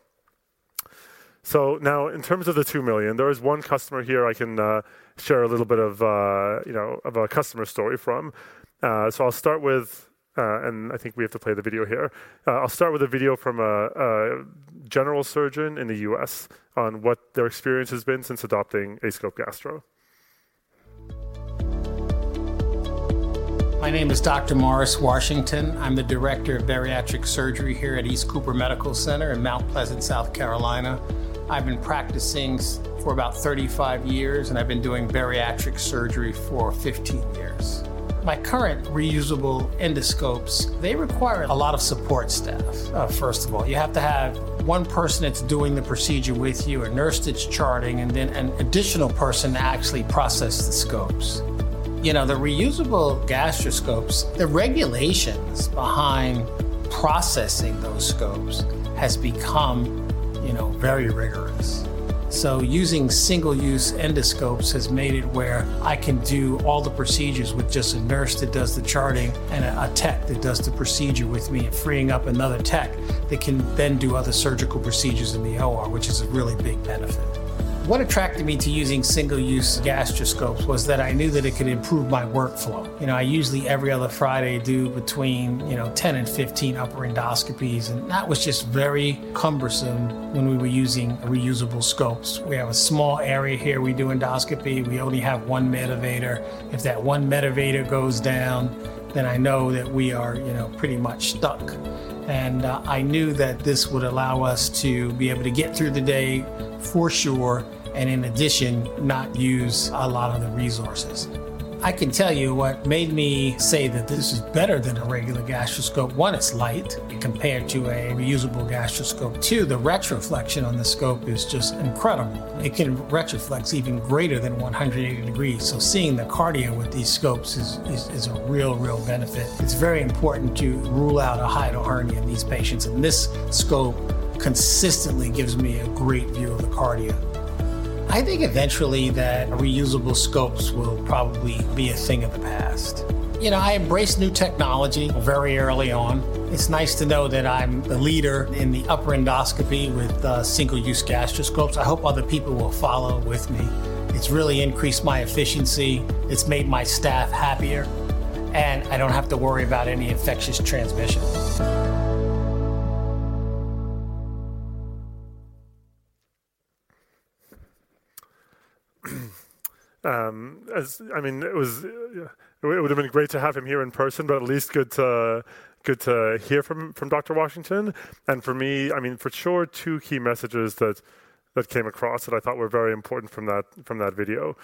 Now in terms of the 2 million, there is one customer here I can share a little bit of, you know, of a customer story from. I'll start with, and I think we have to play the video here. I'll start with a video from a general surgeon in the US on what their experience has been since adopting aScope Gastro. My name is Dr. Morris Washington. I'm the Director of bariatric surgery here at East Cooper Medical Center in Mount Pleasant, South Carolina. I've been practicing for about 35 years, and I've been doing bariatric surgery for 15 years. My current reusable endoscopes, they require a lot of support staff, first of all. You have to have one person that's doing the procedure with you, a nurse that's charting, and then an additional person to actually process the scopes. You know, the reusable gastroscopes, the regulations behind processing those scopes has become, you know, very rigorous. Using single-use endoscopes has made it where I can do all the procedures with just a nurse that does the charting and a tech that does the procedure with me, freeing up another tech that can then do other surgical procedures in the OR, which is a really big benefit. What attracted me to using single-use gastroscopes was that I knew that it could improve my workflow. You know, I usually every other Friday do between, you know, 10 and 15 upper endoscopies, and that was just very cumbersome when we were using reusable scopes. We have a small area here we do endoscopy. We only have one reprocessor. If that one reprocessor goes down, then I know that we are, you know, pretty much stuck. I knew that this would allow us to be able to get through the day for sure, and in addition, not use a lot of the resources. I can tell you what made me say that this is better than a regular gastroscope. One, it's light compared to a reusable gastroscope. Two, the retroflexion on the scope is just incredible. It can retroflex even greater than 180 degrees. Seeing the cardia with these scopes is a real benefit. It's very important to rule out a hiatal hernia in these patients. This scope consistently gives me a great view of the cardia. I think eventually that reusable scopes will probably be a thing of the past. You know, I embrace new technology very early on. It's nice to know that I'm a leader in the upper endoscopy with single-use gastroscopes. I hope other people will follow with me. It's really increased my efficiency, it's made my staff happier. I don't have to worry about any infectious transmission. I mean, it would've been great to have him here in person, but at least good to hear from Dr. Washington. For me, I mean, for sure, two key messages that came across that I thought were very important from that video.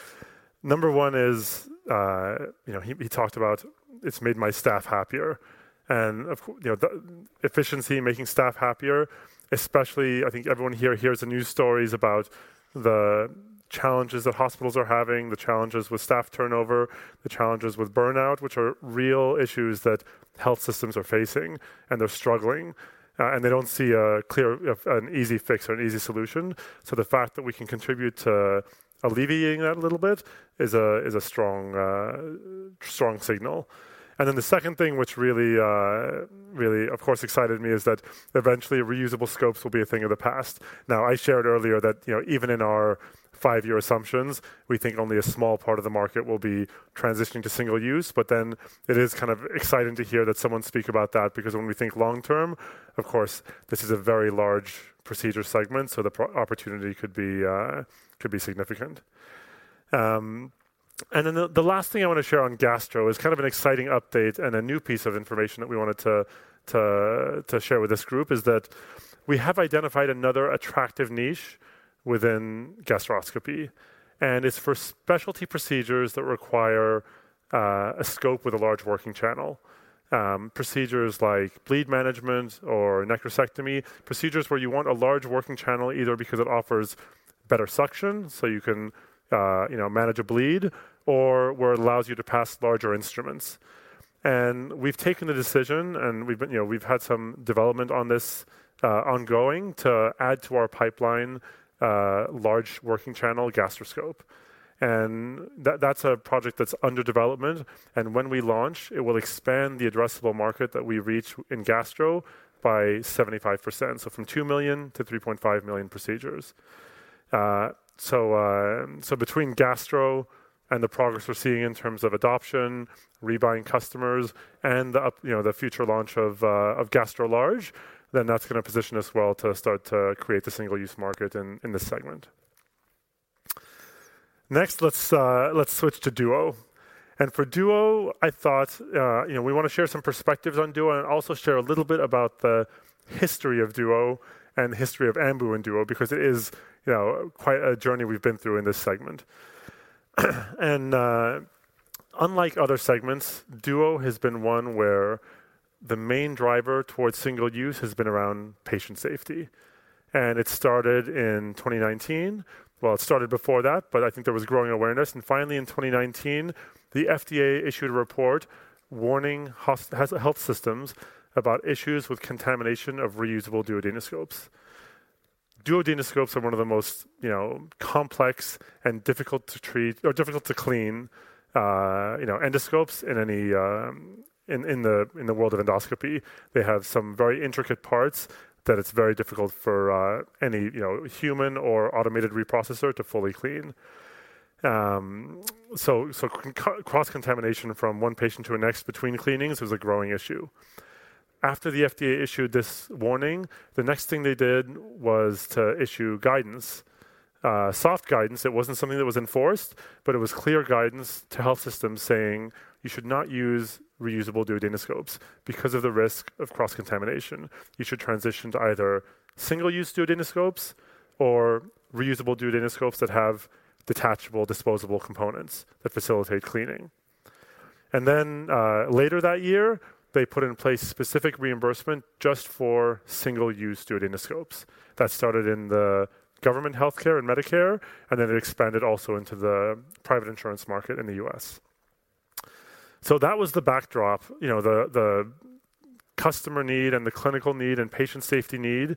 Number one is, you know, he talked about, "It's made my staff happier," and you know, the efficiency in making staff happier, especially I think everyone here hears the news stories about the challenges that hospitals are having, the challenges with staff turnover, the challenges with burnout, which are real issues that health systems are facing, and they're struggling, and they don't see a clear an easy fix or an easy solution. The fact that we can contribute to alleviating that a little bit is a, is a strong signal. The second thing which really, really of course excited me is that eventually reusable scopes will be a thing of the past. I shared earlier that, you know, even in our five-year assumptions, we think only a small part of the market will be transitioning to single use. It is kind of exciting to hear that someone speak about that because when we think long term, of course, this is a very large procedure segment, so the opportunity could be, could be significant. The last thing I want to share on Gastro is kind of an exciting update and a new piece of information that we wanted to share with this group, is that we have identified another attractive niche within gastroscopy, and it's for specialty procedures that require a scope with a large working channel. Procedures like bleed management or necrosectomy. Procedures where you want a large working channel, either because it offers better suction, so you can, you know, manage a bleed, or where it allows you to pass larger instruments. We've taken the decision, and you know, we've had some development on this ongoing to add to our pipeline, large working channel gastroscope. That's a project that's under development, and when we launch, it will expand the addressable market that we reach in Gastro by 75%, so from 2 million to 3.5 million procedures. So between Gastro and the progress we're seeing in terms of adoption, rebuying customers and the up, you know, the future launch of Gastro Large, then that's going to position us well to start to create the single-use market in this segment. Next, let's switch to Duo. For Duo, I thought, you know, we want to share some perspectives on Duo and also share a little bit about the history of Duo and the history of Ambu and Duo because it is, you know, quite a journey we've been through in this segment. Unlike other segments, Duo has been one where the main driver towards single use has been around patient safety, and it started in 2019. It started before that, but I think there was growing awareness. Finally in 2019, the FDA issued a report warning health systems about issues with contamination of reusable duodenoscopes. Duodenoscopes are one of the most, you know, complex and difficult to treat or difficult to clean, you know, endoscopes in any, in the world of endoscopy, they have some very intricate parts that it's very difficult for any, you know, human or automated reprocessor to fully clean. Cross-contamination from one patient to the next between cleanings is a growing issue. After the FDA issued this warning, the next thing they did was to issue guidance. Soft guidance. It wasn't something that was enforced, but it was clear guidance to health systems saying, "You should not use reusable duodenoscopes because of the risk of cross-contamination. You should transition to either single-use duodenoscopes or reusable duodenoscopes that have detachable disposable components that facilitate cleaning." Then, later that year, they put in place specific reimbursement just for single-use duodenoscopes. That started in the government healthcare and Medicare, and then it expanded also into the private insurance market in the US That was the backdrop, you know, the customer need and the clinical need and patient safety need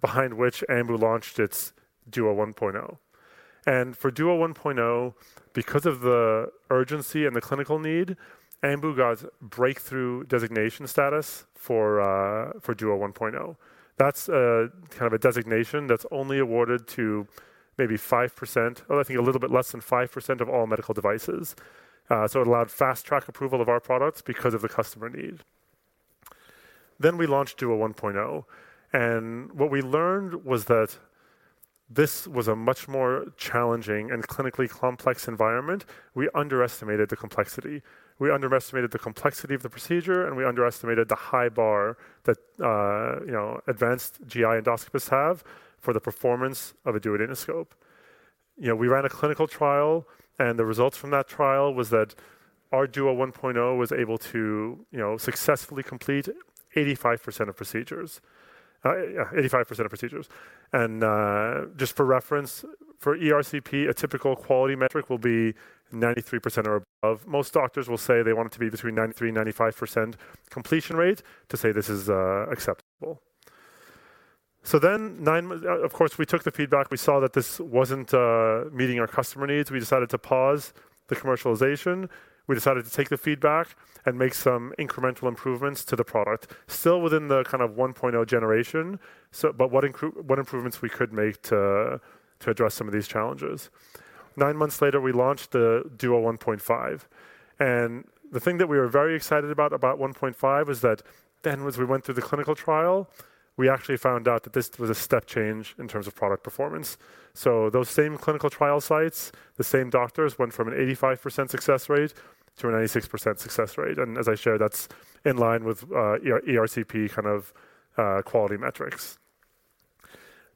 behind which Ambu launched its DUO 1.0. For DUO 1.0, because of the urgency and the clinical need, Ambu got Breakthrough Device Designation status for DUO 1.0. That's a kind of a designation that's only awarded to maybe 5%, or I think a little bit less than 5% of all medical devices. It allowed fast-track approval of our products because of the customer need. We launched DUO 1.0, and what we learned was that this was a much more challenging and clinically complex environment. We underestimated the complexity. We underestimated the complexity of the procedure, and we underestimated the high bar that, you know, advanced GI endoscopists have for the performance of a duodenoscope. You know, we ran a clinical trial, and the results from that trial was that our DUO 1.0 was able to, you know, successfully complete 85% of procedures. Yeah, 85% of procedures. Just for reference, for ERCP, a typical quality metric will be 93% or above. Most doctors will say they want it to be between 93% and 95% completion rate to say this is acceptable. Of course, we took the feedback. We saw that this wasn't meeting our customer needs. We decided to pause the commercialization. We decided to take the feedback and make some incremental improvements to the product, still within the kind of 1.0 generation, but what improvements we could make to address some of these challenges. Nine months later, we launched the Duo 1.5. The thing that we were very excited about 1.5 was that as we went through the clinical trial, we actually found out that this was a step change in terms of product performance. Those same clinical trial sites, the same doctors went from an 85% success rate to a 96% success rate, and as I showed, that's in line with ERCP kind of quality metrics.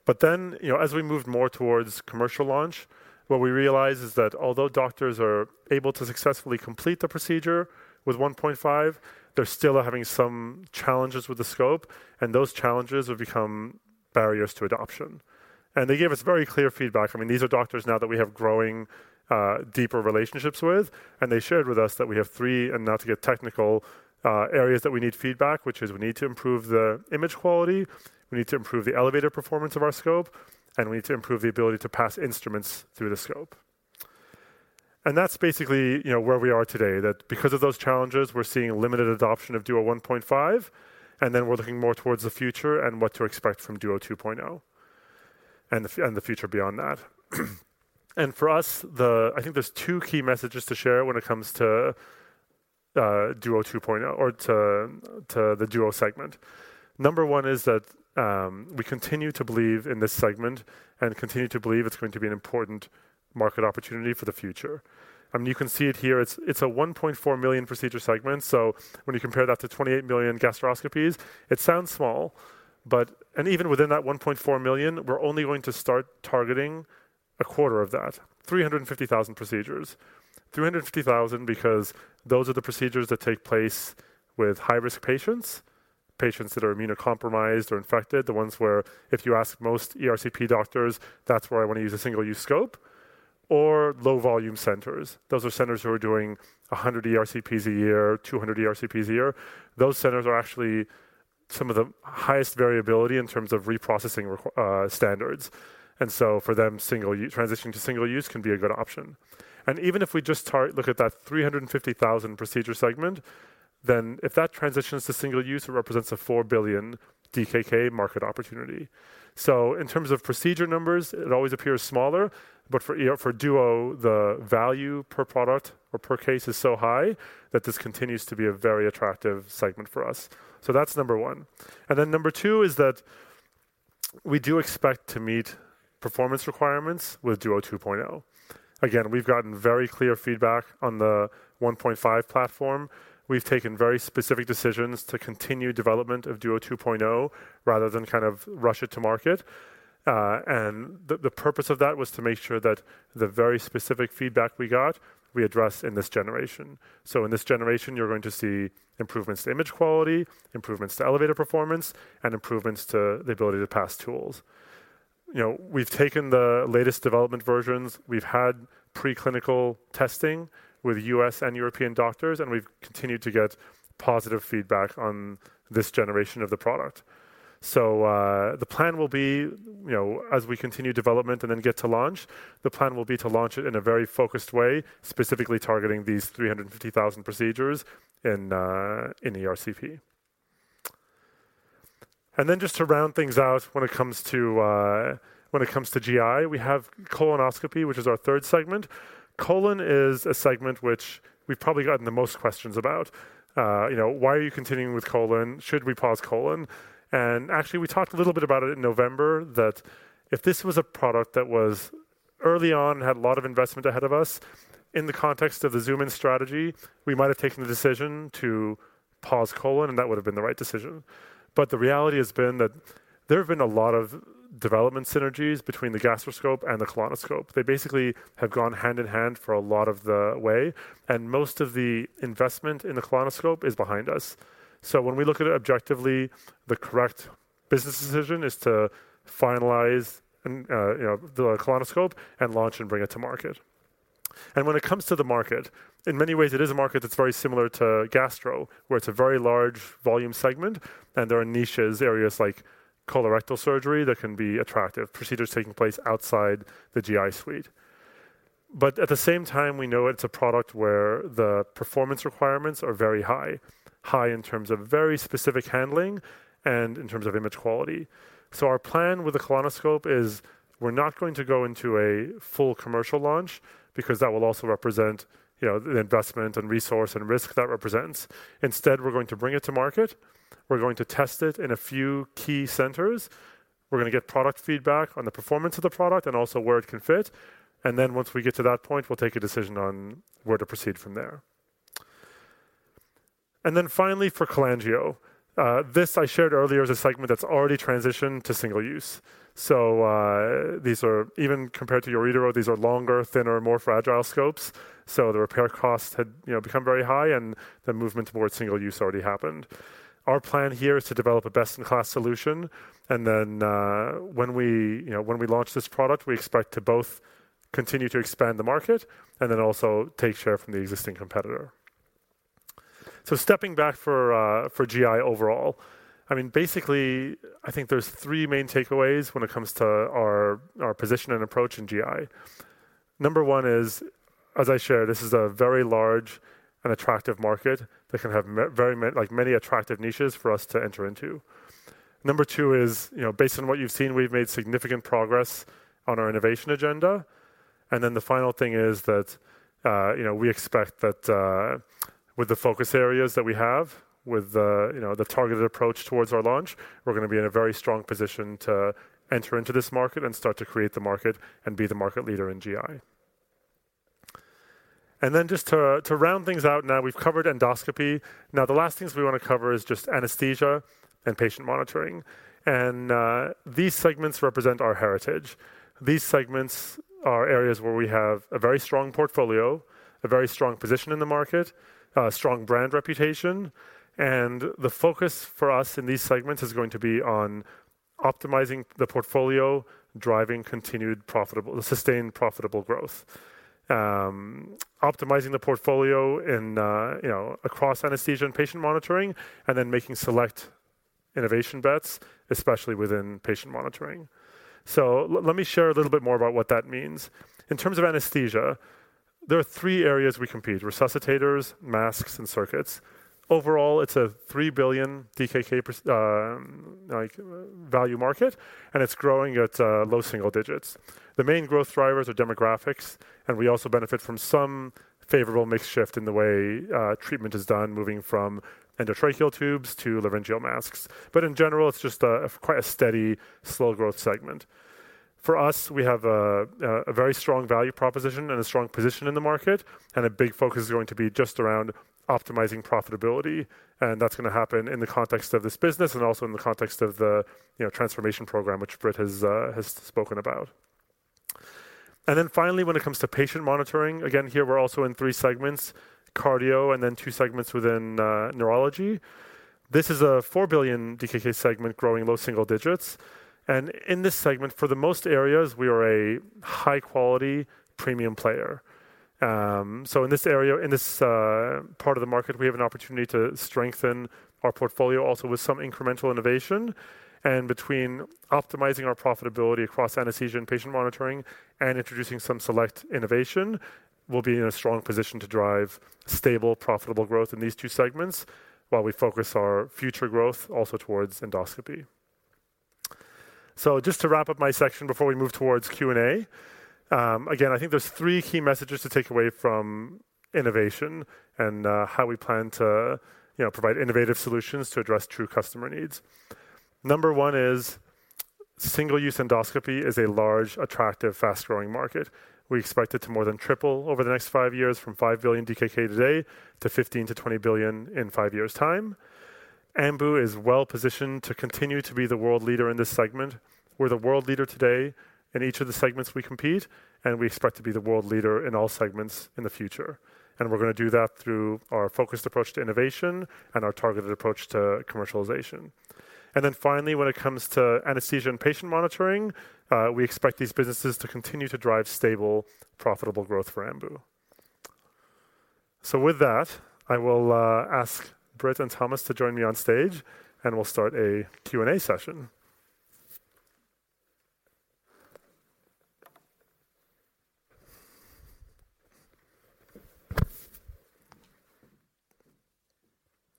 You know, as we moved more towards commercial launch, what we realized is that although doctors are able to successfully complete the procedure with 1.5, they're still having some challenges with the scope, and those challenges have become barriers to adoption. They gave us very clear feedback. I mean, these are doctors now that we have growing, deeper relationships with. They shared with us that we have three, and not to get technical, areas that we need feedback, which is we need to improve the image quality, we need to improve the elevator performance of our scope, and we need to improve the ability to pass instruments through the scope. That's basically, you know, where we are today. That because of those challenges, we're seeing limited adoption of DUO 1.5. We're looking more towards the future and what to expect from DUO 2.0 and the future beyond that. For us, the. I think there's two key messages to share when it comes to DUO 2.0 or to the DUO segment. Number one is that, we continue to believe in this segment and continue to believe it's going to be an important market opportunity for the future. You can see it here. It's a 1.4 million procedure segment, so when you compare that to 28 million gastroscopies, it sounds small, and even within that 1.4 million, we're only going to start targeting a quarter of that, 350,000 procedures. 350,000 because those are the procedures that take place with high-risk patients that are immunocompromised or infected, the ones where if you ask most ERCP doctors, "That's where I want to use a single-use scope," or low volume centers. Those are centers who are doing 100 ERCPs a year, 200 ERCPs a year. Those centers are actually some of the highest variability in terms of reprocessing standards. For them, single transition to single-use can be a good option. Even if we just look at that 350,000 procedure segment, then if that transitions to single-use, it represents a 4 billion DKK market opportunity. In terms of procedure numbers, it always appears smaller, but for DUO, the value per product or per case is so high that this continues to be a very attractive segment for us. That's number one. Number two is that we do expect to meet performance requirements with DUO 2.0. Again, we've gotten very clear feedback on the 1.5 platform. We've taken very specific decisions to continue development of DUO 2.0 rather than kind of rush it to market. The purpose of that was to make sure that the very specific feedback we got, we address in this generation. In this generation, you're going to see improvements to image quality, improvements to elevator performance, and improvements to the ability to pass tools. You know, we've taken the latest development versions, we've had pre-clinical testing with US and European doctors, and we've continued to get positive feedback on this generation of the product. The plan will be, you know, as we continue development and then get to launch, the plan will be to launch it in a very focused way, specifically targeting these 350,000 procedures in ERCP. Just to round things out when it comes to, when it comes to GI, we have colonoscopy, which is our third segment. Colon is a segment which we've probably gotten the most questions about. you know, why are you continuing with colon? Should we pause colon? Actually, we talked a little bit about it in November, that if this was a product that was early on, had a lot of investment ahead of us, in the context of the zoom-in strategy, we might have taken the decision to pause colon, and that would have been the right decision. The reality has been that there have been a lot of development synergies between the gastroscope and the colonoscope. They basically have gone hand-in-hand for a lot of the way, and most of the investment in the colonoscope is behind us. When we look at it objectively, the correct business decision is to finalize and, you know, the colonoscope and launch and bring it to market. When it comes to the market, in many ways, it is a market that's very similar to gastro, where it's a very large volume segment, and there are niches, areas like colorectal surgery that can be attractive, procedures taking place outside the GI suite. At the same time, we know it's a product where the performance requirements are very high, high in terms of very specific handling and in terms of image quality. Our plan with the colonoscope is we're not going to go into a full commercial launch because that will also represent, you know, the investment and resource and risk that represents. Instead, we're going to bring it to market. We're going to test it in a few key centers. We're going to get product feedback on the performance of the product and also where it can fit. Once we get to that point, we'll take a decision on where to proceed from there. Finally, for cholangio, this I shared earlier, is a segment that's already transitioned to single-use. These are even compared to uretero, these are longer, thinner, more fragile scopes. The repair costs had, you know, become very high and the movement towards single-use already happened. Our plan here is to develop a best-in-class solution. When we, you know, when we launch this product, we expect to both continue to expand the market and then also take share from the existing competitor. Stepping back for GI overall, I mean, basically, I think there's three main takeaways when it comes to our position and approach in GI. Number one is, as I shared, this is a very large and attractive market that can have like many attractive niches for us to enter into. Number two is, you know, based on what you've seen, we've made significant progress on our innovation agenda. The final thing is that, you know, we expect that with the focus areas that we have, with the, you know, the targeted approach towards our launch, we're going to be in a very strong position to enter into this market and start to create the market and be the market leader in GI. Just to round things out now, we've covered endoscopy. The last things we want to cover is just anesthesia and patient monitoring. These segments represent our heritage. These segments are areas where we have a very strong portfolio, a very strong position in the market, a strong brand reputation. The focus for us in these segments is going to be on optimizing the portfolio, driving continued sustained profitable growth. Optimizing the portfolio in, you know, across anesthesia and patient monitoring, and then making select innovation bets, especially within patient monitoring. Let me share a little bit more about what that means. In terms of anesthesia, there are three areas we compete, resuscitators, masks, and circuits. Overall, it's a 3 billion DKK like value market, and it's growing at low single digits. The main growth drivers are demographics, and we also benefit from some favorable mix shift in the way treatment is done, moving from endotracheal tubes to laryngeal masks. In general, it's just quite a steady, slow growth segment. For us, we have a very strong value proposition and a strong position in the market, and a big focus is going to be just around optimizing profitability, and that's going to happen in the context of this business and also in the context of the, you know, transformation program, which Britt has spoken about. Finally, when it comes to patient monitoring, again, here we're also in three segments, cardio and then two segments within neurology. This is a 4 billion DKK segment growing low single digits. In this segment, for the most areas, we are a high-quality premium player. In this area, in this part of the market, we have an opportunity to strengthen our portfolio also with some incremental innovation. Between optimizing our profitability across anesthesia and patient monitoring and introducing some select innovation, we'll be in a strong position to drive stable, profitable growth in these two segments while we focus our future growth also towards endoscopy. Just to wrap up my section before we move towards Q&A. Again, I think there's three key messages to take away from innovation and how we plan to, you know, provide innovative solutions to address true customer needs. Number one is single-use endoscopy is a large, attractive, fast-growing market. We expect it to more than triple over the next five years from 5 billion DKK today to 15 billion-20 billion in five years' time. Ambu is well-positioned to continue to be the world leader in this segment. We're the world leader today in each of the segments we compete, and we expect to be the world leader in all segments in the future. We're going to do that through our focused approach to innovation and our targeted approach to commercialization. Finally, when it comes to anesthesia and patient monitoring, we expect these businesses to continue to drive stable, profitable growth for Ambu. With that, I will ask Britt and Thomas to join me on stage, and we'll start a Q&A session.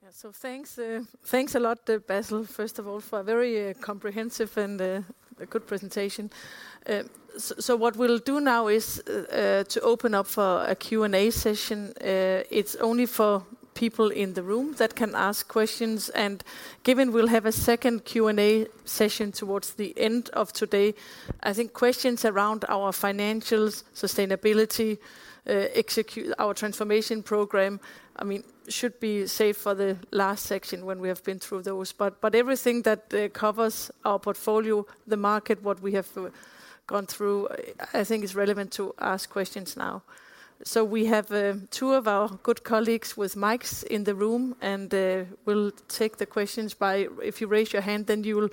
Yeah. Thanks, thanks a lot, Bassel, first of all, for a very comprehensive and a good presentation. What we'll do now is to open up for a Q&A session. It's only for people in the room that can ask questions, given we'll have a second Q&A session towards the end of today, I think questions around our financials, sustainability, our transformation program, I mean, should be saved for the last section when we have been through those. Everything that covers our portfolio, the market, what we have gone through, I think it's relevant to ask questions now. We have two of our good colleagues with mics in the room and we'll take the questions by. You raise your hand, then you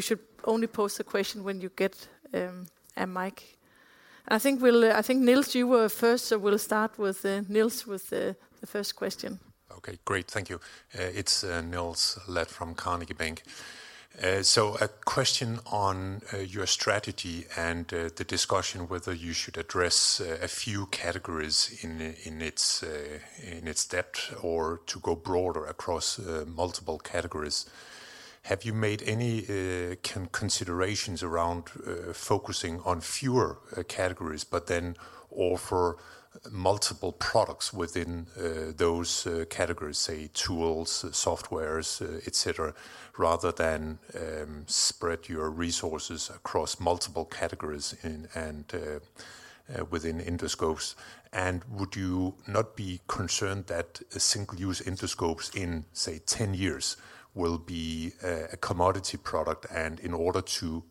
should only pose the question when you get a mic. I think we'll. I think, Niels, you were first. We'll start with Niels with the first question. Okay, great. Thank you. It's Niels Leth from Carnegie Investment Bank. A question on your strategy and the discussion whether you should address a few categories in its depth or to go broader across multiple categories. Have you made any considerations around focusing on fewer categories, but then offer multiple products within those categories, say, tools, softwares, et cetera, rather than spread your resources across multiple categories and within endoscopes? Would you not be concerned that a single-use endoscopes in, say, 10 years will be a commodity product, and in order to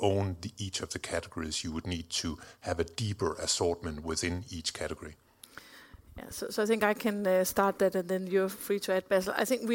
own the each of the categories, you would need to have a deeper assortment within each category? I think I can start that and then you're free to add, Bassel. I think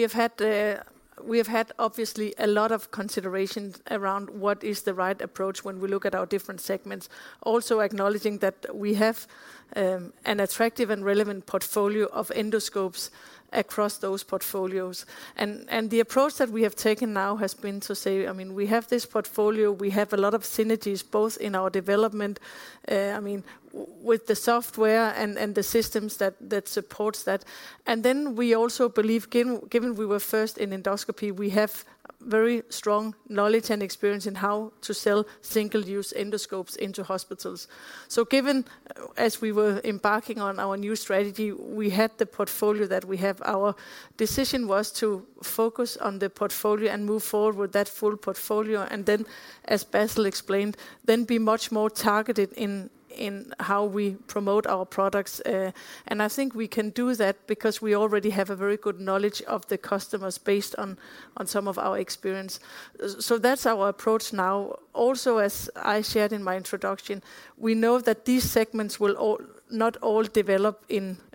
we have had obviously a lot of considerations around what is the right approach when we look at our different segments. Also acknowledging that we have an attractive and relevant portfolio of endoscopes across those portfolios. The approach that we have taken now has been to say, I mean, we have this portfolio, we have a lot of synergies both in our development, I mean, with the software and the systems that supports that. We also believe, given we were first in endoscopy, we have very strong knowledge and experience in how to sell single-use endoscopes into hospitals. Given, as we were embarking on our new strategy, we had the portfolio that we have. Our decision was to focus on the portfolio and move forward with that full portfolio and then, as Bassel explained, then be much more targeted in how we promote our products. I think we can do that because we already have a very good knowledge of the customers based on some of our experience. So that's our approach now. Also, as I shared in my introduction, we know that these segments will not all develop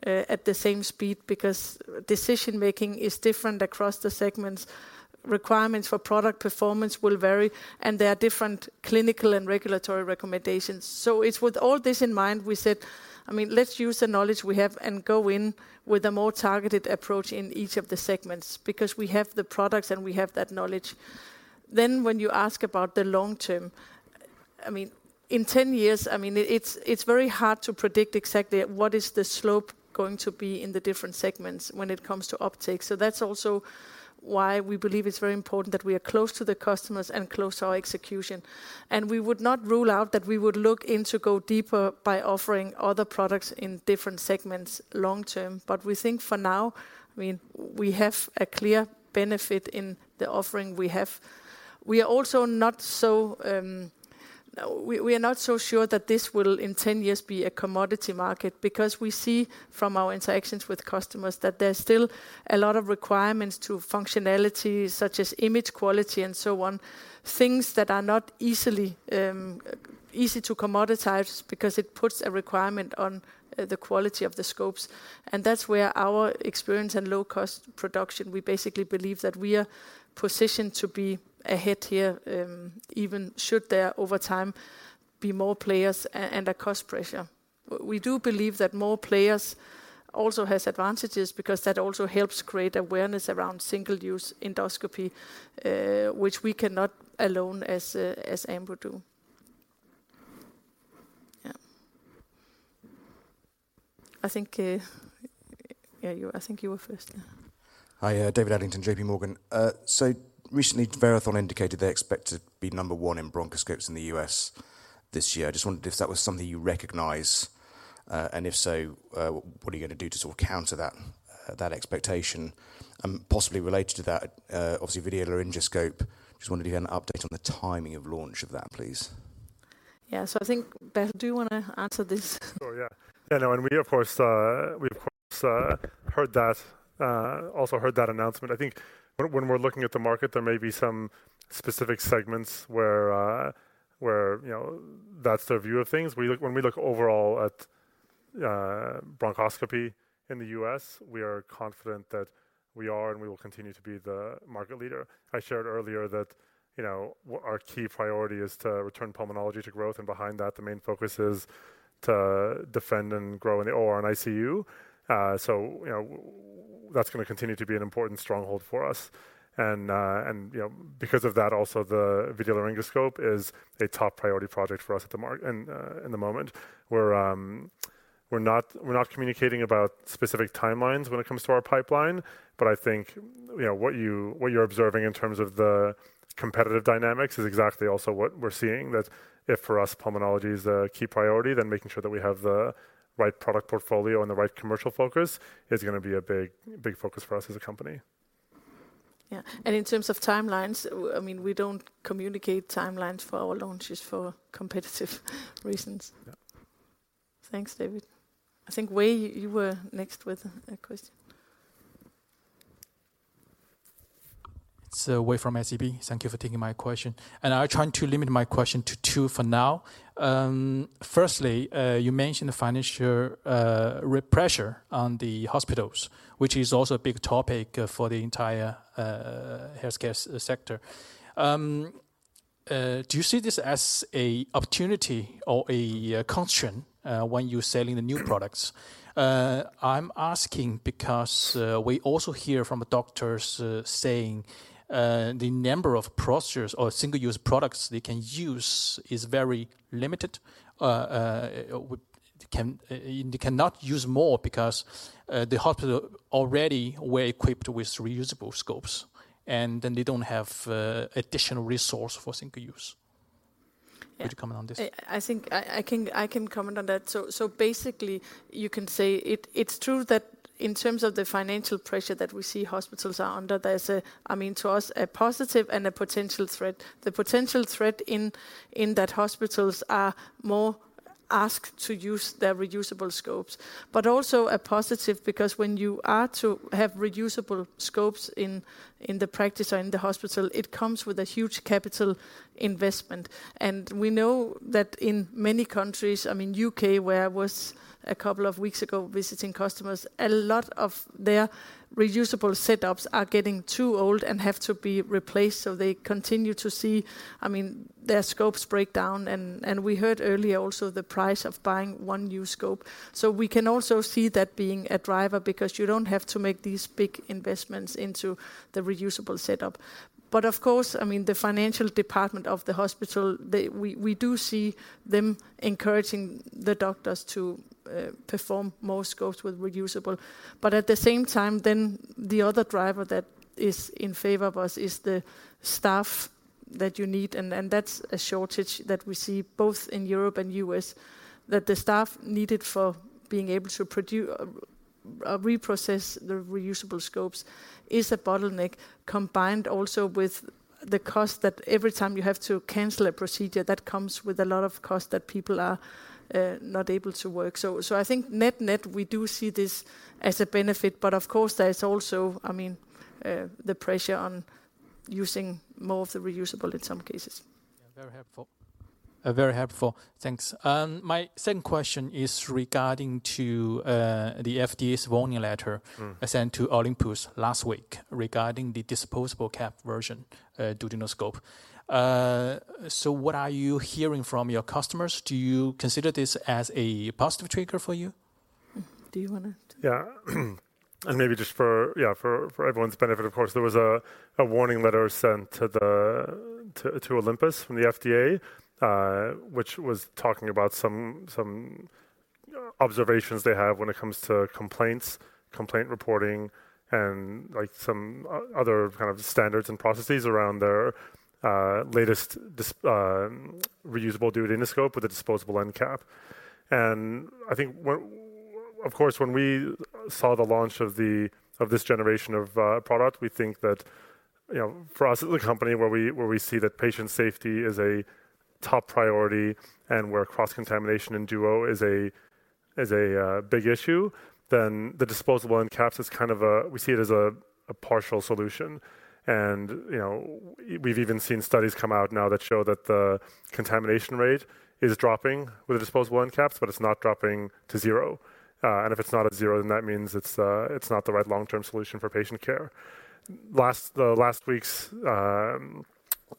at the same speed because decision-making is different across the segments. Requirements for product performance will vary, and there are different clinical and regulatory recommendations. It's with all this in mind, we said, I mean, let's use the knowledge we have and go in with a more targeted approach in each of the segments because we have the products and we have that knowledge. When you ask about the long term, I mean, in 10 years, I mean, it's very hard to predict exactly what is the slope going to be in the different segments when it comes to uptake. That's also why we believe it's very important that we are close to the customers and close to our execution. We would not rule out that we would look in to go deeper by offering other products in different segments long term. We think for now, I mean, we have a clear benefit in the offering we have. We are also not so sure that this will in 10 years be a commodity market because we see from our interactions with customers that there's still a lot of requirements to functionality such as image quality and so on, things that are not easily easy to commoditize because it puts a requirement on the quality of the scopes. That's where our experience and low cost production, we basically believe that we are positioned to be ahead here, even should there over time be more players and a cost pressure. We do believe that more players also has advantages because that also helps create awareness around single-use endoscopy, which we cannot alone as Ambu do. I think I think you were first. Hi. David Adlington, JP Morgan. Recently Verathon indicated they expect to be number one in bronchoscopes in the US this year. I just wondered if that was something you recognize, and if so, what are you going to do to sort of counter that expectation? Possibly related to that, obviously video laryngoscope, just wondered if you had an update on the timing of launch of that, please. Yeah. I think, Bassel, do you want to answer this? Sure, yeah. Yeah. We of course heard that also heard that announcement. I think when we're looking at the market, there may be some specific segments where, you know, that's their view of things. When we look overall at bronchoscopy in the US, we are confident that we are and we will continue to be the market leader. I shared earlier that, you know, our key priority is to return pulmonology to growth, and behind that the main focus is to defend and grow in the OR and ICU. You know, that's going to continue to be an important stronghold for us. You know, because of that also, the video laryngoscope is a top priority project for us at the moment. We're not communicating about specific timelines when it comes to our pipeline, I think, you know, what you're observing in terms of the competitive dynamics is exactly also what we're seeing, that if for us pulmonology is a key priority, then making sure that we have the right product portfolio and the right commercial focus is going to be a big, big focus for us as a company. Yeah. In terms of timelines, I mean, we don't communicate timelines for our launches for competitive reasons. Yeah. Thanks, David. I think Wei, you were next with a question. It's Wei from SEB. Thank you for taking my question. I'll try to limit my question to two for now. Firstly, you mentioned the financial pressure on the hospitals, which is also a big topic for the entire healthcare sector. Do you see this as a opportunity or a caution when you're selling the new products? I'm asking because we also hear from doctors saying the number of procedures or single-use products they can use is very limited. They cannot use more because the hospital already were equipped with reusable scopes, then they don't have additional resource for single-use. Yeah. Would you comment on this? I think I can comment on that. Basically, you can say it's true that in terms of the financial pressure that we see hospitals are under, there's, I mean, to us, a positive and a potential threat. The potential threat in that hospitals are more asked to use their reusable scopes. Also a positive, because when you are to have reusable scopes in the practice or in the hospital, it comes with a huge capital investment. We know that in many countries, I mean, UK, where I was a couple of weeks ago visiting customers, a lot of their reusable setups are getting too old and have to be replaced, so they continue to see, I mean, their scopes break down and we heard earlier also the price of buying one new scope. We can also see that being a driver, because you don't have to make these big investments into the reusable setup. Of course, I mean, the financial department of the hospital, we do see them encouraging the doctors to perform more scopes with reusable. At the same time, the other driver that is in favor of us is the staff that you need and that's a shortage that we see both in Europe and US, that the staff needed for being able to reprocess the reusable scopes is a bottleneck, combined also with the cost that every time you have to cancel a procedure, that comes with a lot of cost that people are not able to work. I think net-net, we do see this as a benefit, but of course there's also, I mean, the pressure on using more of the reusable in some cases. Yeah. Very helpful. Very helpful. Thanks. My second question is regarding to the FDA's warning letter sent to Olympus last week regarding the disposable cap version, duodenoscope. What are you hearing from your customers? Do you consider this as a positive trigger for you? Do you want to? Yeah. Maybe just for everyone's benefit, of course, there was a warning letter sent to Olympus from the FDA, which was talking about some observations they have when it comes to complaints, complaint reporting, and like some other kind of standards and processes around their latest reusable duodenoscope with a disposable end cap. I think when of course, when we saw the launch of this generation of product, we think that, you know, for us as a company where we see that patient safety is a top priority and where cross-contamination in duo is a big issue, then the disposable end caps is kind of a we see it as a partial solution. You know, we've even seen studies come out now that show that the contamination rate is dropping with the disposable end caps, but it's not dropping to zero. If it's not at zero, then that means it's not the right long-term solution for patient care. Last week's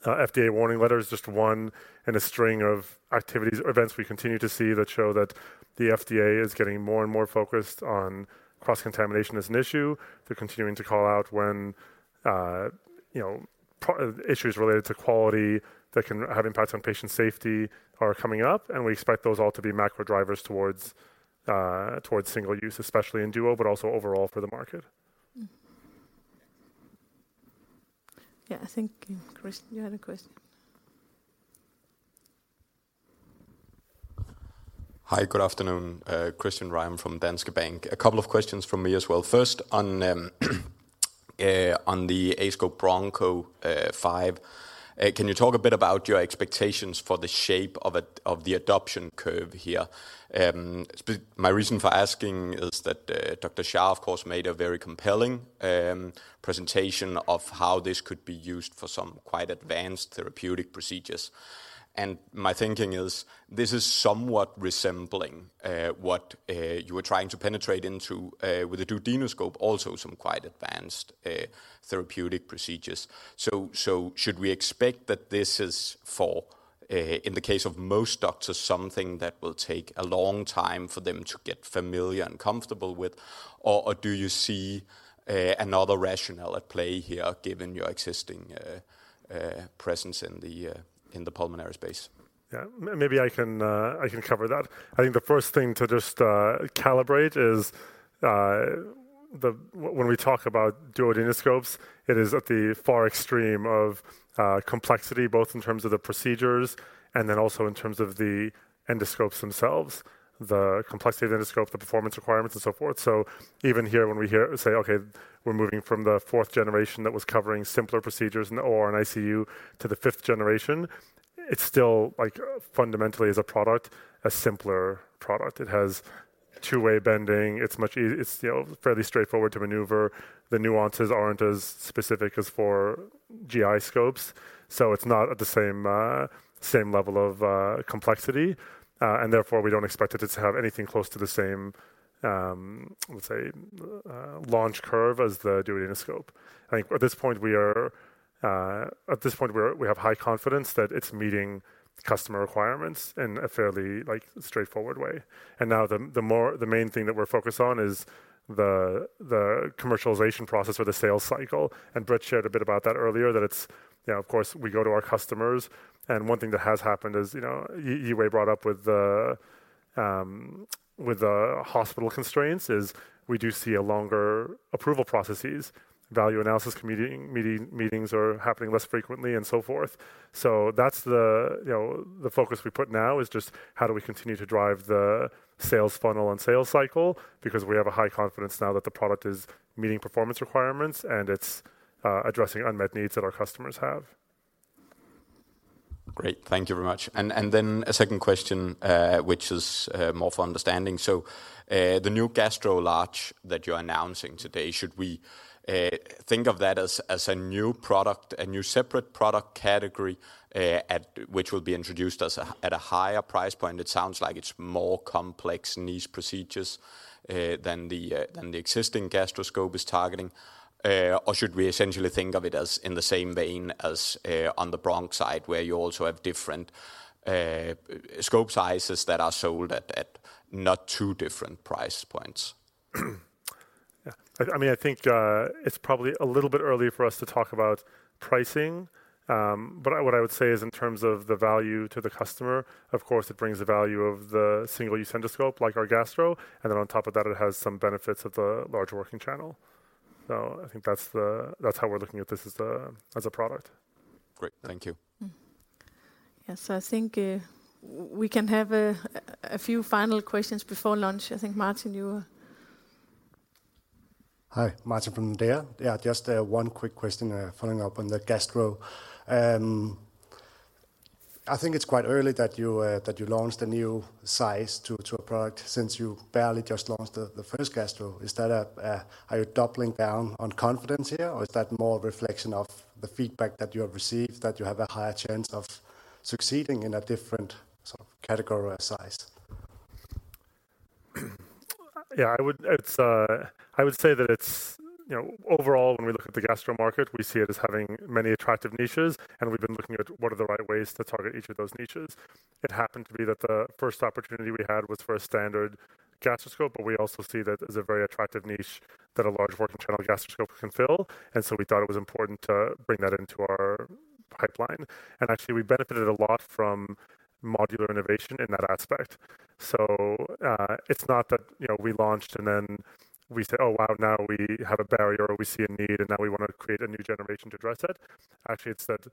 FDA warning letter is just one in a string of activities or events we continue to see that show that the FDA is getting more and more focused on cross-contamination as an issue. They're continuing to call out when, you know, issues related to quality that can have impacts on patient safety are coming up, we expect those all to be macro drivers towards single-use, especially in duo, but also overall for the market. Yeah. I think, Christian, you had a question. Hi, good afternoon. Christian Reim from Danske Bank. A couple of questions from me as well. First, on the aScope Broncho 5, can you talk a bit about your expectations for the shape of the adoption curve here? My reason for asking is that Dr. Shah, of course, made a very compelling presentation of how this could be used for some quite advanced therapeutic procedures. My thinking is this is somewhat resembling what you were trying to penetrate into with the duodenoscope, also some quite advanced therapeutic procedures. Should we expect that this is in the case of most doctors, something that will take a long time for them to get familiar and comfortable with? Do you see another rationale at play here given your existing presence in the pulmonary space? Yeah. Maybe I can cover that. I think the first thing to just calibrate is when we talk about duodenoscopes, it is at the far extreme of complexity, both in terms of the procedures and then also in terms of the endoscopes themselves, the complexity of the endoscope, the performance requirements, and so forth. Even here, when we say, okay, we're moving from the fourth generation that was covering simpler procedures in the OR and ICU to the fifth generation, it's still, like, fundamentally as a product, a simpler product. It has two-way bending. It's much It's, you know, fairly straightforward to maneuver. The nuances aren't as specific as for GI scopes, so it's not at the same same level of complexity. Therefore, we don't expect it to have anything close to the same, let's say, launch curve as the duodenoscope. I think at this point, we are. At this point, we have high confidence that it's meeting customer requirements in a fairly, like, straightforward way. Now the main thing that we're focused on is the commercialization process or the sales cycle. Britt shared a bit about that earlier, that it's, you know, of course, we go to our customers, and one thing that has happened is, you know, Wei brought up with the hospital constraints, is we do see a longer approval processes. Value analysis meetings are happening less frequently, and so forth. That's the, you know, the focus we put now is just how do we continue to drive the sales funnel and sales cycle because we have a high confidence now that the product is meeting performance requirements and it's addressing unmet needs that our customers have. Great. Thank you very much. Then a second question, which is more for understanding. The new Gastro Large that you're announcing today, should we think of that as a new product, a new separate product category, which will be introduced at a higher price point? It sounds like it's more complex niche procedures than the existing Gastro scope is targeting. Or should we essentially think of it as in the same vein as on the bronch side, where you also have different scope sizes that are sold at not too different price points? I mean, I think it's probably a little bit early for us to talk about pricing. What I would say is in terms of the value to the customer, of course, it brings the value of the single-use endoscope like our gastro, and then on top of that, it has some benefits of the larger working channel. I think that's how we're looking at this as a product. Great. Thank you. Yes. I think, we can have a few final questions before lunch. I think, Martin. Hi. Martin from Nordea. Just one quick question following up on the gastro. I think it's quite early that you launched a new size to a product since you barely just launched the first gastro. Is that a. Are you doubling down on confidence here, or is that more a reflection of the feedback that you have received, that you have a higher chance of succeeding in a different sort of category or size? Yeah. I would say that it's, you know, overall, when we look at the gastro market, we see it as having many attractive niches, and we've been looking at what are the right ways to target each of those niches. It happened to be that the first opportunity we had was for a standard gastroscope, but we also see that as a very attractive niche that a large working channel gastroscope can fill. We thought it was important to bring that into our pipeline. Actually, we benefited a lot from modular innovation in that aspect. It's not that, you know, we launched and then we said, "Oh, wow, now we have a barrier or we see a need and now we want to create a new generation to address it." Actually, it's that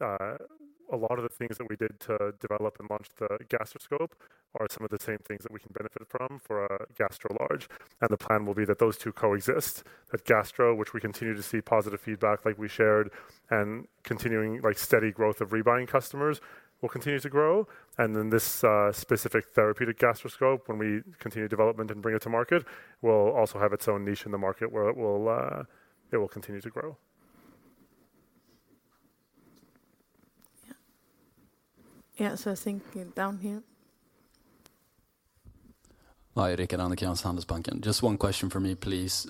a lot of the things that we did to develop and launch the Gastro Scope are some of the same things that we can benefit from for a Gastro Large. The plan will be that those two coexist. That Gastro, which we continue to see positive feedback like we shared and continuing, like, steady growth of rebuying customers, will continue to grow. Then this specific therapeutic gastroscope, when we continue development and bring it to market, will also have its own niche in the market where it will continue to grow. Yeah. Yeah. I think down here. Hi. Rickard Anderkrans on Handelsbanken. Just one question from me, please.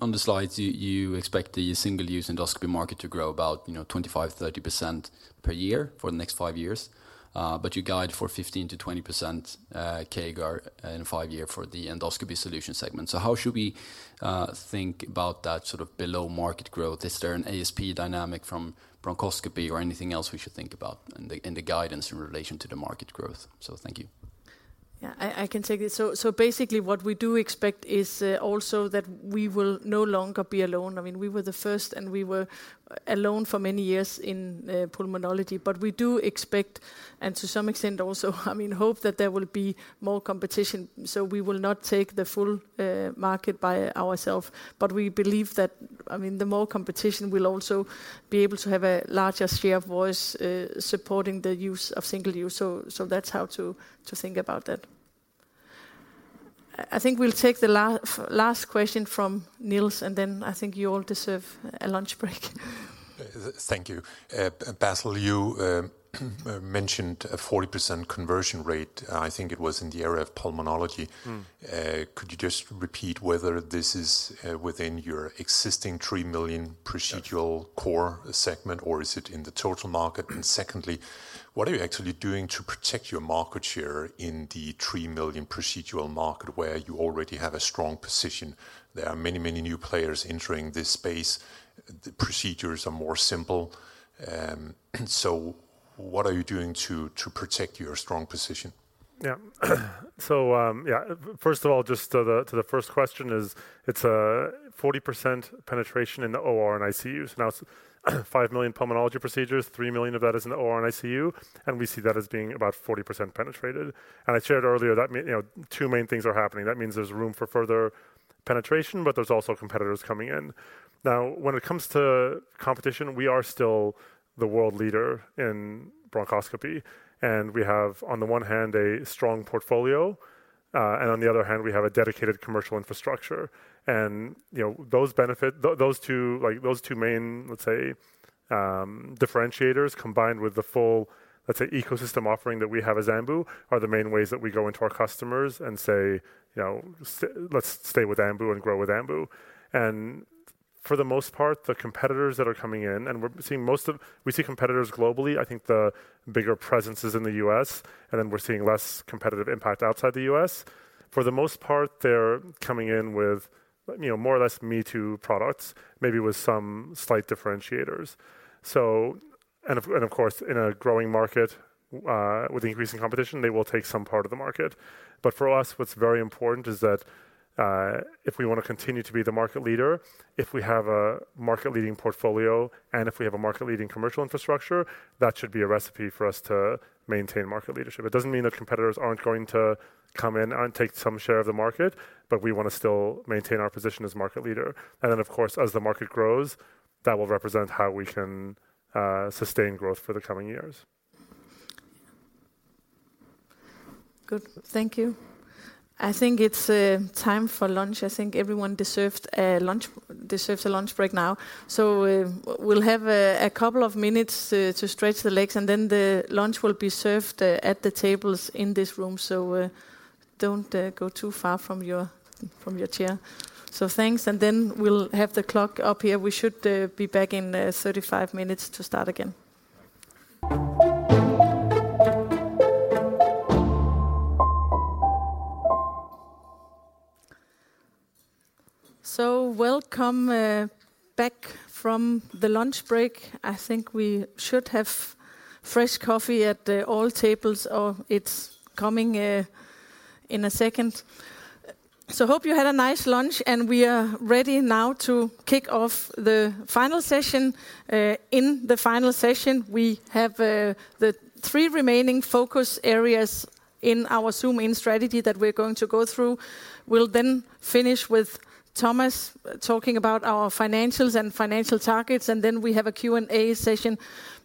On the slides, you expect the single-use endoscopy market to grow about, you know, 25%-30% per year for the next 5 years. You guide for 15%-20% CAGR in 5-year for the endoscopy solution segment. How should we think about that sort of below-market growth? Is there an ASP dynamic from bronchoscopy or anything else we should think about in the guidance in relation to the market growth? Thank you. I can take it. Basically, what we do expect is also that we will no longer be alone. I mean, we were the first, and we were alone for many years in pulmonology. We do expect, and to some extent also, I mean, hope that there will be more competition, so we will not take the full market by ourself. We believe that, I mean, the more competition, we'll also be able to have a larger share of voice, supporting the use of single use. That's how to think about that. I think we'll take the last question from Niels, and then I think you all deserve a lunch break. Thank you. Bassel, you mentioned a 40% conversion rate, I think it was in the area of pulmonology. Could you just repeat whether this is within your existing 3 million procedural core segment, or is it in the total market? Secondly, what are you actually doing to protect your market share in the 3 million procedural market where you already have a strong position? There are many, many new players entering this space. The procedures are more simple. What are you doing to protect your strong position? Yeah. Yeah, first of all, just to the, to the first question is, it's a 40% penetration in the OR and ICU. Now it's 5 million pulmonology procedures, 3 million of that is in OR and ICU, and we see that as being about 40% penetrated. I shared earlier that mean, you know, two main things are happening. That means there's room for further penetration, but there's also competitors coming in. When it comes to competition, we are still the world leader in bronchoscopy, and we have, on the one hand, a strong portfolio, and on the other hand, we have a dedicated commercial infrastructure. You know, those benefit, those two, like, those two main, let's say, differentiators combined with the full, let's say, ecosystem offering that we have as Ambu, are the main ways that we go into our customers and say, you know, let's stay with Ambu and grow with Ambu. For the most part, the competitors that are coming in, we see competitors globally. I think the bigger presence is in the US, and then we're seeing less competitive impact outside the US. For the most part, they're coming in with, you know, more or less me-too products, maybe with some slight differentiators. Of course, in a growing market, with increasing competition, they will take some part of the market. For us, what's very important is that, if we want to continue to be the market leader, if we have a market-leading portfolio, and if we have a market-leading commercial infrastructure, that should be a recipe for us to maintain market leadership. It doesn't mean that competitors aren't going to come in and take some share of the market, but we want to still maintain our position as market leader. Of course, as the market grows, that will represent how we can sustain growth for the coming years. Good. Thank you. I think it's time for lunch. I think everyone deserved a lunch, deserves a lunch break now. We'll have a couple of minutes to stretch the legs, and then the lunch will be served at the tables in this room. Don't go too far from your chair. Thanks, and then we'll have the clock up here. We should be back in 35 minutes to start again. Welcome back from the lunch break. I think we should have fresh coffee at all tables, or it's coming in a second. Hope you had a nice lunch, and we are ready now to kick off the final session. In the final session, we have the three remaining focus areas in our Zoom-in strategy that we're going to go through. We'll finish with Thomas talking about our financials and financial targets. We have a Q&A session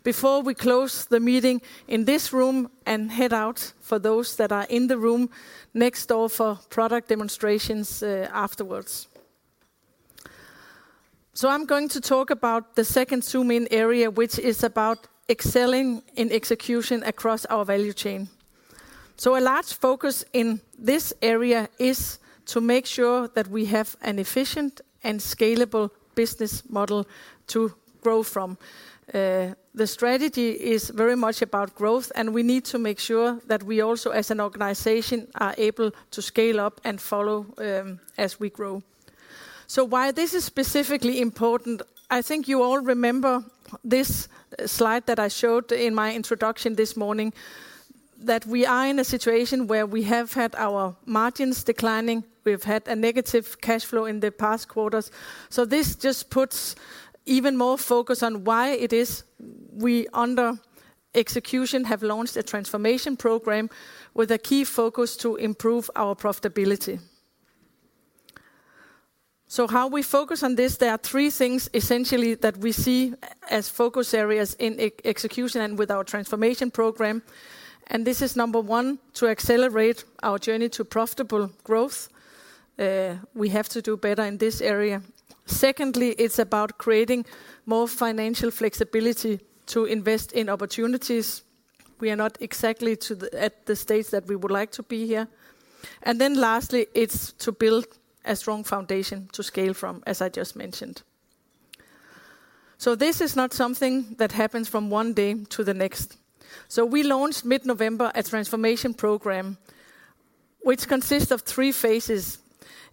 before we close the meeting in this room and head out for those that are in the room next door for product demonstrations afterwards. I'm going to talk about the second Zoom-in area, which is about excelling in execution across our value chain. A large focus in this area is to make sure that we have an efficient and scalable business model to grow from. The strategy is very much about growth, and we need to make sure that we also as an organization are able to scale up and follow as we grow. Why this is specifically important, I think you all remember this slide that I showed in my introduction this morning, that we are in a situation where we have had our margins declining. We've had a negative cash flow in the past quarters. This just puts even more focus on why it is we, under execution, have launched a transformation program with a key focus to improve our profitability. How we focus on this, there are three things essentially that we see as focus areas in ex-execution and with our transformation program. This is number one, to accelerate our journey to profitable growth. We have to do better in this area. Secondly, it's about creating more financial flexibility to invest in opportunities. We are not exactly at the stage that we would like to be here. Lastly, it's to build a strong foundation to scale from, as I just mentioned. This is not something that happens from one day to the next. We launched mid-November a transformation program which consists of three phases.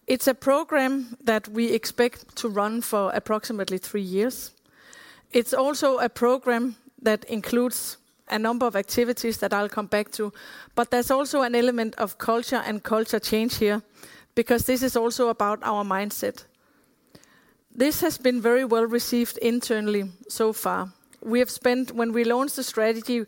It's a program that we expect to run for approximately three years. It's also a program that includes a number of activities that I'll come back to, but there's also an element of culture and culture change here, because this is also about our mindset. This has been very well received internally so far. When we launched the strategy,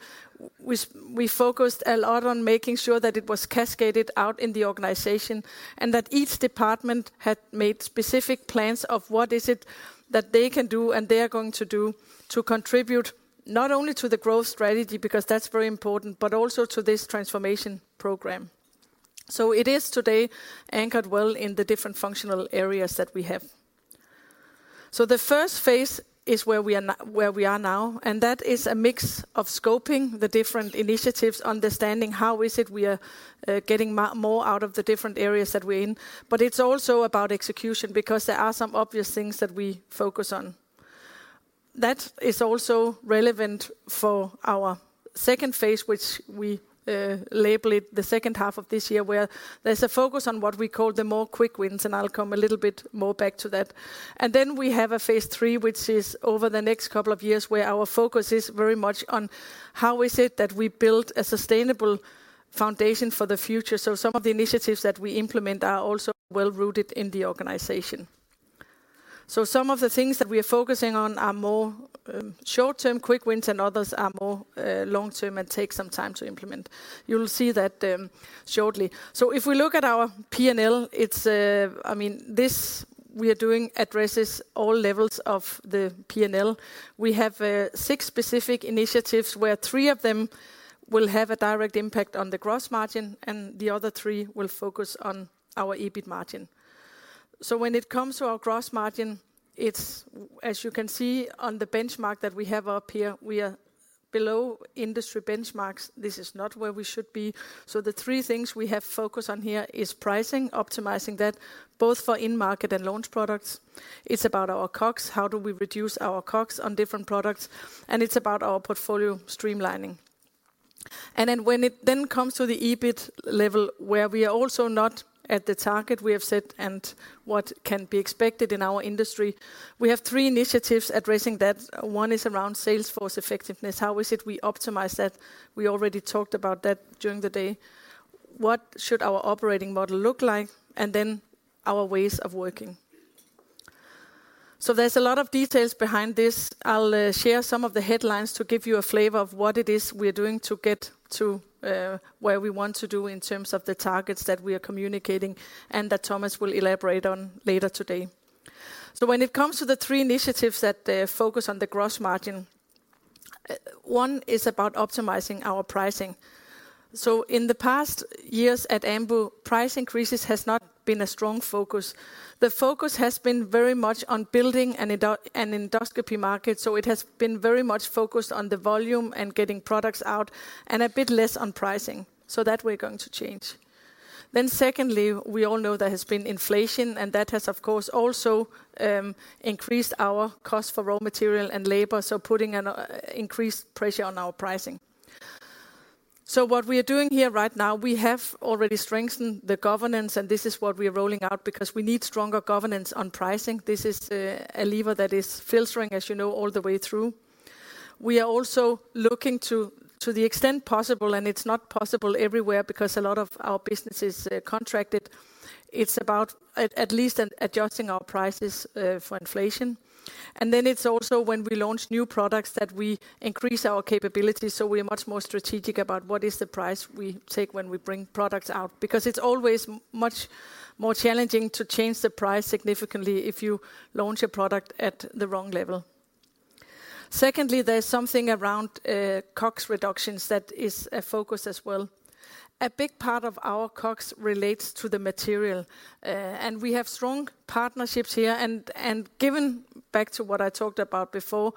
we focused a lot on making sure that it was cascaded out in the organization and that each department had made specific plans of what is it that they can do and they are going to do to contribute not only to the growth strategy, because that's very important, but also to this transformation program. It is today anchored well in the different functional areas that we have. The first phase is where we are now, and that is a mix of scoping the different initiatives, understanding how is it we are getting more out of the different areas that we're in. It's also about execution because there are some obvious things that we focus on. That is also relevant for our second phase, which we label it the second half of this year, where there's a focus on what we call the more quick wins. I'll come a little bit more back to that. We have a phase three, which is over the next couple of years, where our focus is very much on how is it that we build a sustainable foundation for the future. Some of the initiatives that we implement are also well-rooted in the organization. Some of the things that we are focusing on are more short-term quick wins, and others are more long-term and take some time to implement. You'll see that shortly. If we look at our P&L, it's, I mean, this we are doing addresses all levels of the P&L. We have six specific initiatives, where three of them will have a direct impact on the gross margin and the other three will focus on our EBIT margin. When it comes to our gross margin, it's, as you can see on the benchmark that we have up here, we are below industry benchmarks. This is not where we should be. The three things we have focus on here is pricing, optimizing that both for in-market and launch products. It's about our COGS, how do we reduce our COGS on different products, and it's about our portfolio streamlining. When it then comes to the EBIT level, where we are also not at the target we have set and what can be expected in our industry, we have three initiatives addressing that. 1 is around sales force effectiveness. How is it we optimize that? We already talked about that during the day. What should our operating model look like? Our ways of working. There's a lot of details behind this. I'll share some of the headlines to give you a flavor of what it is we're doing to get to where we want to do in terms of the targets that we are communicating and that Thomas will elaborate on later today. When it comes to the three initiatives that focus on the gross margin, one is about optimizing our pricing. In the past years at Ambu, price increases has not been a strong focus. The focus has been very much on building an endoscopy market, it has been very much focused on the volume and getting products out and a bit less on pricing. That we're going to change. Secondly, we all know there has been inflation, and that has, of course, also increased our cost for raw material and labor, so putting an increased pressure on our pricing. What we are doing here right now, we have already strengthened the governance, and this is what we are rolling out because we need stronger governance on pricing. This is a lever that is filtering, as you know, all the way through. We are also looking to the extent possible, and it's not possible everywhere because a lot of our business is contracted, it's about at least adjusting our prices for inflation. It's also when we launch new products that we increase our capabilities, so we are much more strategic about what is the price we take when we bring products out. It's always much more challenging to change the price significantly if you launch a product at the wrong level. Secondly, there's something around COGS reductions that is a focus as well. A big part of our COGS relates to the material. We have strong partnerships here and given back to what I talked about before,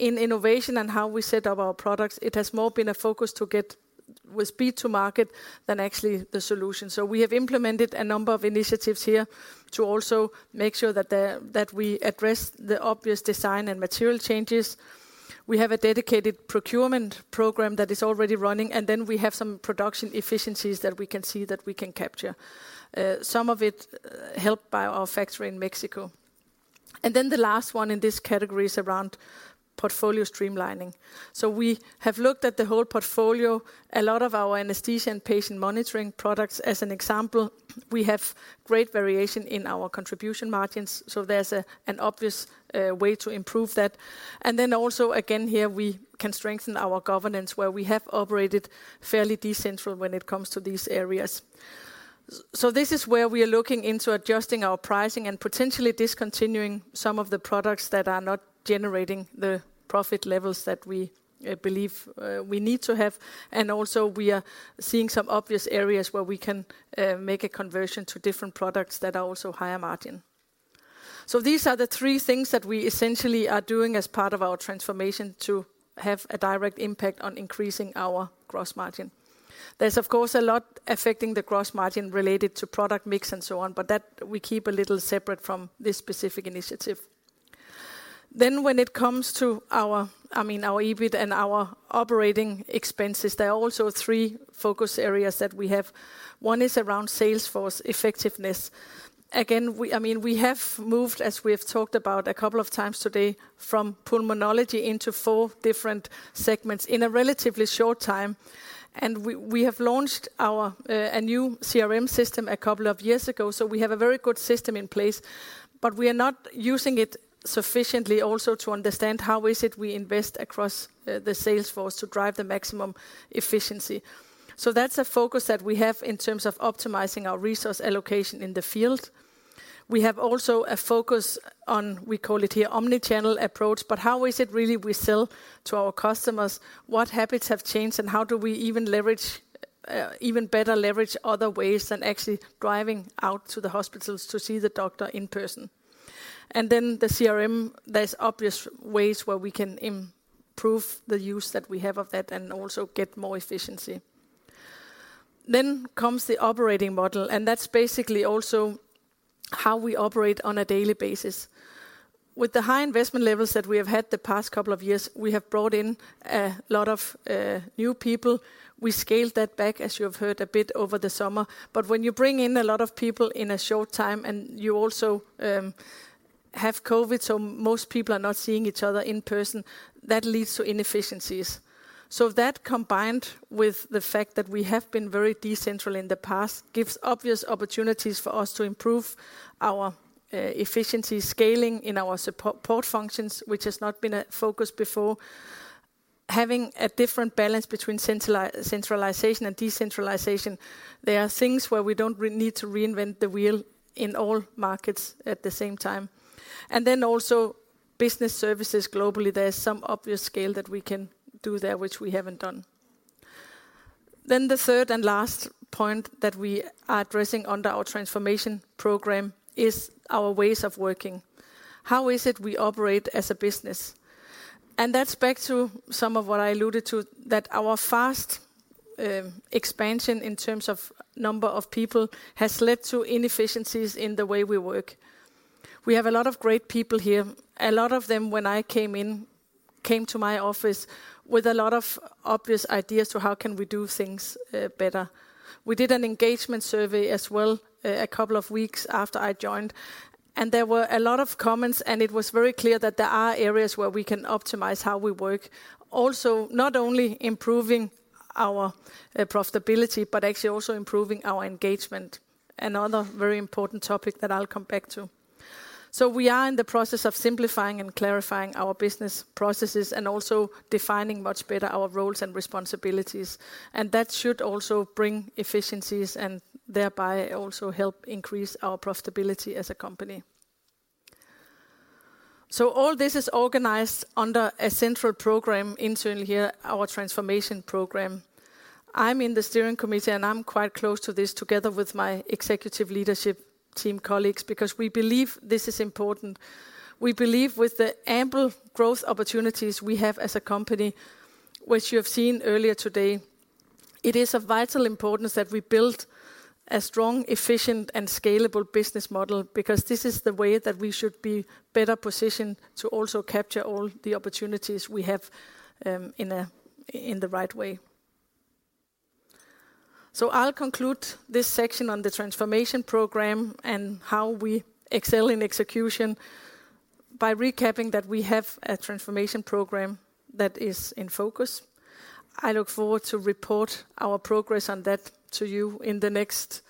in innovation and how we set up our products, it has more been a focus to get with speed to market than actually the solution. We have implemented a number of initiatives here to also make sure that we address the obvious design and material changes. We have a dedicated procurement program that is already running. We have some production efficiencies that we can see that we can capture. Some of it helped by our factory in Mexico. The last one in this category is around portfolio streamlining. We have looked at the whole portfolio. A lot of our anesthesia and patient monitoring products, as an example, we have great variation in our contribution margins, so there's an obvious way to improve that. Also again, here, we can strengthen our governance where we have operated fairly decentral when it comes to these areas. This is where we are looking into adjusting our pricing and potentially discontinuing some of the products that are not generating the profit levels that we believe we need to have. Also, we are seeing some obvious areas where we can make a conversion to different products that are also higher margin. These are the three things that we essentially are doing as part of our transformation to have a direct impact on increasing our gross margin. There's of course a lot affecting the gross margin related to product mix and so on, but that we keep a little separate from this specific initiative. When it comes to our, I mean, our EBIT and our operating expenses, there are also three focus areas that we have. One is around sales force effectiveness. Again, we, I mean, we have moved, as we have talked about a couple of times today, from pulmonology into four different segments in a relatively short time. We have launched our a new CRM system a couple of years ago, so we have a very good system in place. We are not using it sufficiently also to understand how is it we invest across the sales force to drive the maximum efficiency. That's a focus that we have in terms of optimizing our resource allocation in the field. We have also a focus on, we call it here, omni-channel approach, but how is it really we sell to our customers? What habits have changed and how do we even better leverage other ways than actually driving out to the hospitals to see the doctor in person. The CRM, there's obvious ways where we can improve the use that we have of that and also get more efficiency. Comes the operating model, and that's basically also how we operate on a daily basis. With the high investment levels that we have had the past couple of years, we have brought in a lot of new people. We scaled that back, as you have heard, a bit over the summer. When you bring in a lot of people in a short time and you also have COVID, most people are not seeing each other in person, that leads to inefficiencies. That combined with the fact that we have been very decentral in the past, gives obvious opportunities for us to improve our efficiency scaling in our support functions, which has not been a focus before. Having a different balance between centralization and decentralization, there are things where we don't need to reinvent the wheel in all markets at the same time. Also business services globally. There's some obvious scale that we can do there, which we haven't done. The third and last point that we are addressing under our transformation program is our ways of working. How is it we operate as a business? That's back to some of what I alluded to, that our fast expansion in terms of number of people has led to inefficiencies in the way we work. We have a lot of great people here. A lot of them, when I came in, came to my office with a lot of obvious ideas to how can we do things better. We did an engagement survey as well, a couple of weeks after I joined, and there were a lot of comments, and it was very clear that there are areas where we can optimize how we work. Not only improving our profitability, but actually also improving our engagement. Another very important topic that I'll come back to. We are in the process of simplifying and clarifying our business processes and also defining much better our roles and responsibilities. That should also bring efficiencies and thereby also help increase our profitability as a company. All this is organized under a central program internally here, our transformation program. I'm in the steering committee, and I'm quite close to this together with my executive leadership team colleagues, because we believe this is important. We believe with the ample growth opportunities we have as a company, which you have seen earlier today, it is of vital importance that we build a strong, efficient, and scalable business model because this is the way that we should be better positioned to also capture all the opportunities we have in the right way. I'll conclude this section on the transformation program and how we excel in execution by recapping that we have a transformation program that is in focus. I look forward to report our progress on that to you in the next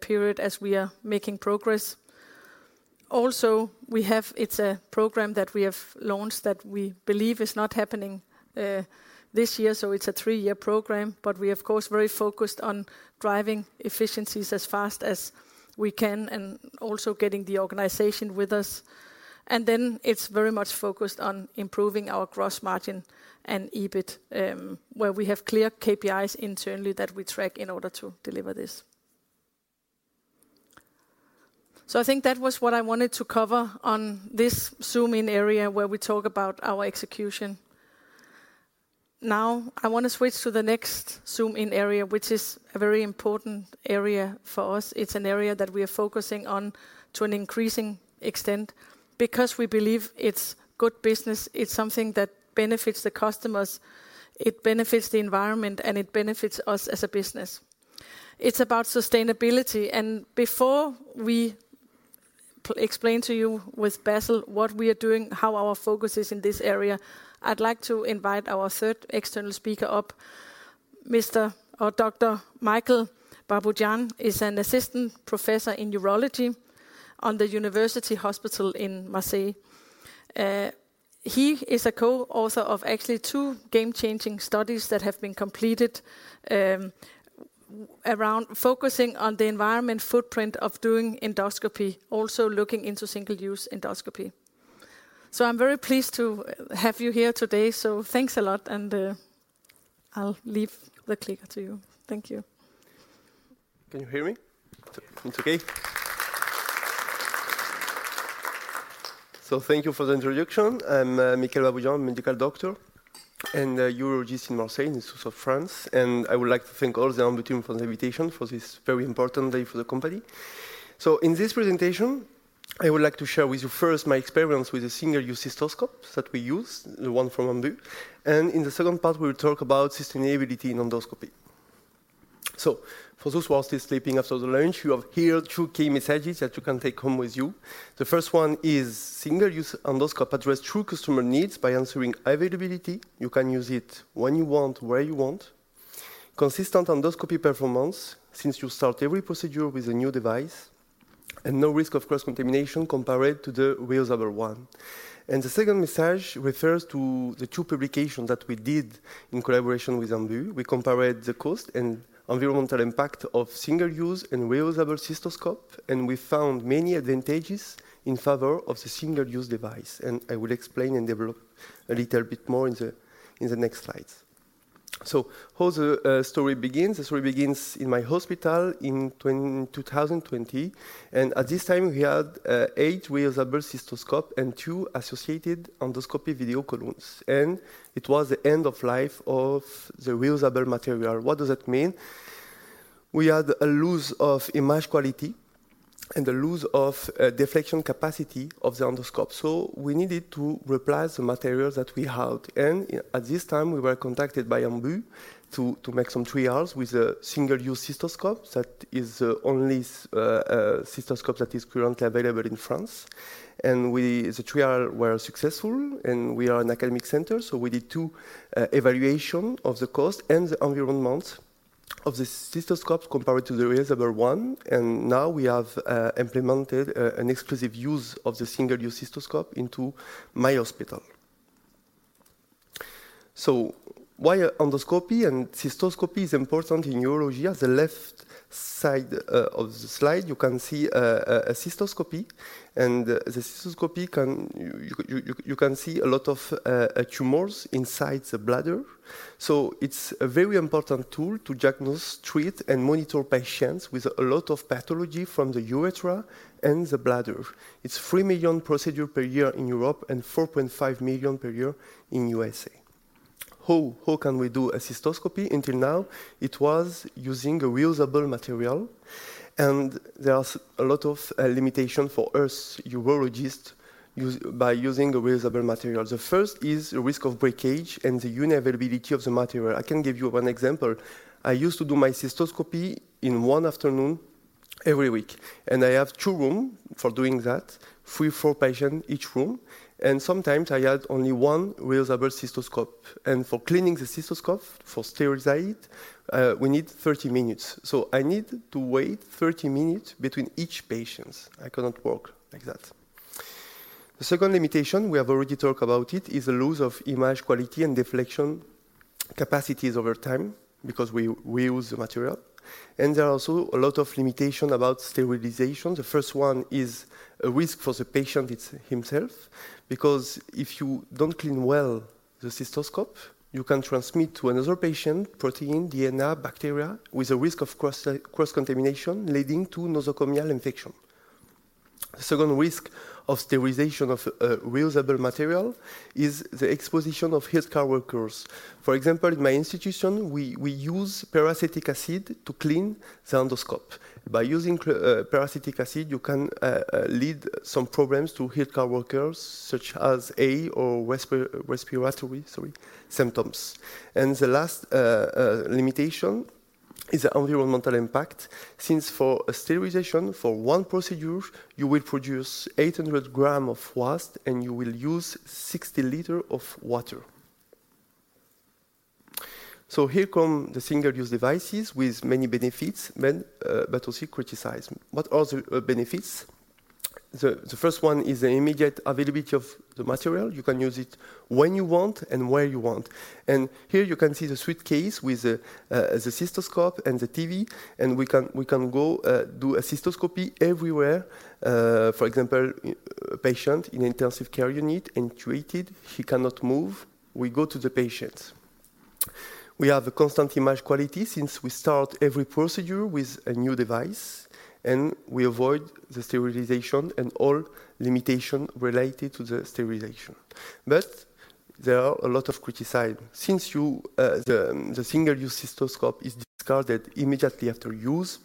period as we are making progress. Also, we have. It's a program that we have launched that we believe is not happening this year, so it's a three-year program. We're of course, very focused on driving efficiencies as fast as we can and also getting the organization with us. It's very much focused on improving our gross margin and EBIT, where we have clear KPIs internally that we track in order to deliver this. I think that was what I wanted to cover on this zoom-in area where we talk about our execution. I want to switch to the next zoom-in area, which is a very important area for us. It's an area that we are focusing on to an increasing extent because we believe it's good business. It's something that benefits the customers, it benefits the environment, and it benefits us as a business. It's about sustainability. Before we explain to you with Bassel what we are doing, how our focus is in this area, I'd like to invite our third external speaker up. Mr. or Dr. Mickaël Baboudjian is an Assistant Professor in urology on the university hospital in Marseille. He is a co-author of actually two game-changing studies that have been completed around focusing on the environment footprint of doing endoscopy, also looking into single-use endoscopy. I'm very pleased to have you here today, so thanks a lot and I'll leave the clicker to you. Thank you. Can you hear me? It's okay. Thank you for the introduction. I'm Mickaël Baboudjian, medical doctor and a urologist in Marseille in the south of France. I would like to thank all the Ambu team for the invitation for this very important day for the company. In this presentation, I would like to share with you first my experience with the single-use cystoscopes that we use, the one from Ambu. In the second part, we'll talk about sustainability in endoscopy. For those who are still sleeping after the lunch, you have here two key messages that you can take home with you. The first one is single-use endoscope address true customer needs by ensuring availability, you can use it when you want, where you want. Consistent endoscopy performance, since you start every procedure with a new device, no risk of cross-contamination compared to the reusable one. The second message refers to thetwo publications that we did in collaboration with Ambu. We compared the cost and environmental impact of single-use and reusable cystoscope, we found many advantages in favor of the single-use device. I will explain and develop a little bit more in the next slides. How the story begins. The story begins in my hospital in 2020, at this time we had eight reusable cystoscope and two associated endoscopy video columns, it was the end of life of the reusable material. What does that mean? We had a loss of image quality and a loss of deflection capacity of the endoscope. We needed to replace the material that we had. At this time, we were contacted by Ambu to make some trials with the single-use cystoscope that is the only cystoscope that is currently available in France. The trial were successful, and we are an academic center, so we did two evaluation of the cost and the environment of the cystoscope compared to the reusable one. Now we have implemented an exclusive use of the single-use cystoscope into my hospital. Why endoscopy and cystoscopy is important in urology? On the left side of the slide, you can see a cystoscopy, and the cystoscopy you can see a lot of tumors inside the bladder. It's a very important tool to diagnose, treat, and monitor patients with a lot of pathology from the urethra and the bladder. It's 3 million procedure per year in Europe and $4.5 million per year in USA. How can we do a cystoscopy? Until now, it was using a reusable material, and there are a lot of limitation for us urologist by using a reusable material. The first is the risk of breakage and the unavailability of the material. I can give you, one example. I used to do my cystoscopy in one afternoon every week, and I have two room for doing that, three, four patient each room, and sometimes I had only one reusable cystoscope. For cleaning the cystoscope for sterilize, we need 30 minutes. I need to wait 30 minutes between each patients. I cannot work like that. The second limitation, we have already talked about it, is a loss of image quality and deflection capacities over time because we use the material. There are also a lot of limitation about sterilization. The first one is a risk for the patient himself, because if you don't clean well the cystoscope, you can transmit to another patient protein, DNA, bacteria with a risk of cross-contamination leading to nosocomial infection. The second risk of sterilization of reusable material is the exposition of healthcare workers. For example, in my institution, we use peracetic acid to clean the endoscope. By using peracetic acid, you can lead some problems to healthcare workers such as A or respiratory, sorry, symptoms. The last limitation is the environmental impact, since for a sterilization for one procedure, you will produce 800g of waste, and you will use 60 liter of water. Here come the single-use devices with many benefits, but also criticize. What are the benefits? The first one is the immediate availability of the material. You can use it when you want and where you want. Here you can see the suitcase with the cystoscope and the TV, and we can go do a cystoscopy everywhere. For example, patient in intensive care unit intubated, he cannot move. We go to the patient. We have a constant image quality since we start every procedure with a new device, and we avoid the sterilization and all limitation related to the sterilization. There are a lot of criticize. Since the single-use cystoscope is discarded immediately after use,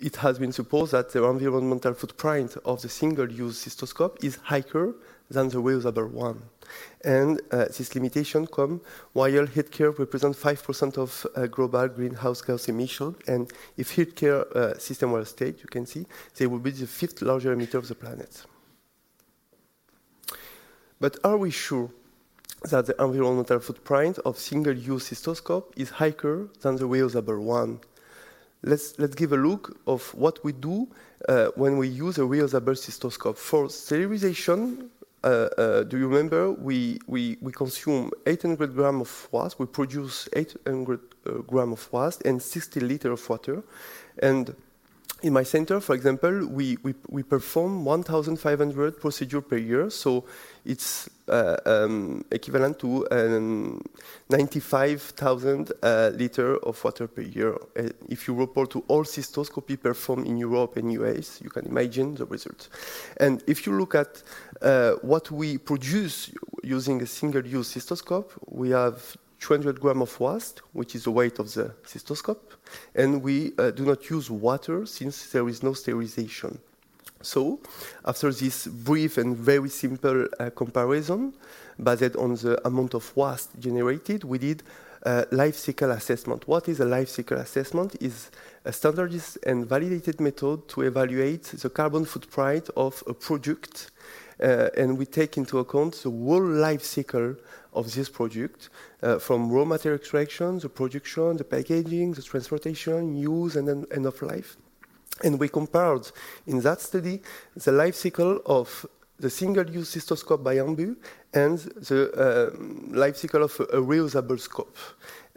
it has been supposed that the environmental footprint of the single-use cystoscope is higher than the reusable one. This limitation come while healthcare represent 5% of global greenhouse gas emission, and if healthcare system were a state, you can see, they would be the fifth largest emitter of the planet. Are we sure that the environmental footprint of single-use cystoscope is higher than the reusable one? Let's give a look of what we do when we use a reusable cystoscope. For sterilization, do you remember, we consume 800g of waste. We produce 800g of waste and 60 liter of water. In my center, for example, we perform 1,500 procedure per year, so it's equivalent to 95,000 liter of water per year. If you report to all cystoscopy performed in Europe and US, you can imagine the result. If you look at what we produce using a single-use cystoscope, we have 200g of waste, which is the weight of the cystoscope, and we do not use water since there is no sterilization. After this brief and very simple comparison based on the amount of waste generated, we did a life cycle assessment. What is a life cycle assessment? It's a standardized and validated method to evaluate the carbon footprint of a product. We take into account the whole life cycle of this product, from raw material extraction, the production, the packaging, the transportation, use, and then end of life. We compared in that study the life cycle of the single-use cystoscope by Ambu and the life cycle of a reusable scope.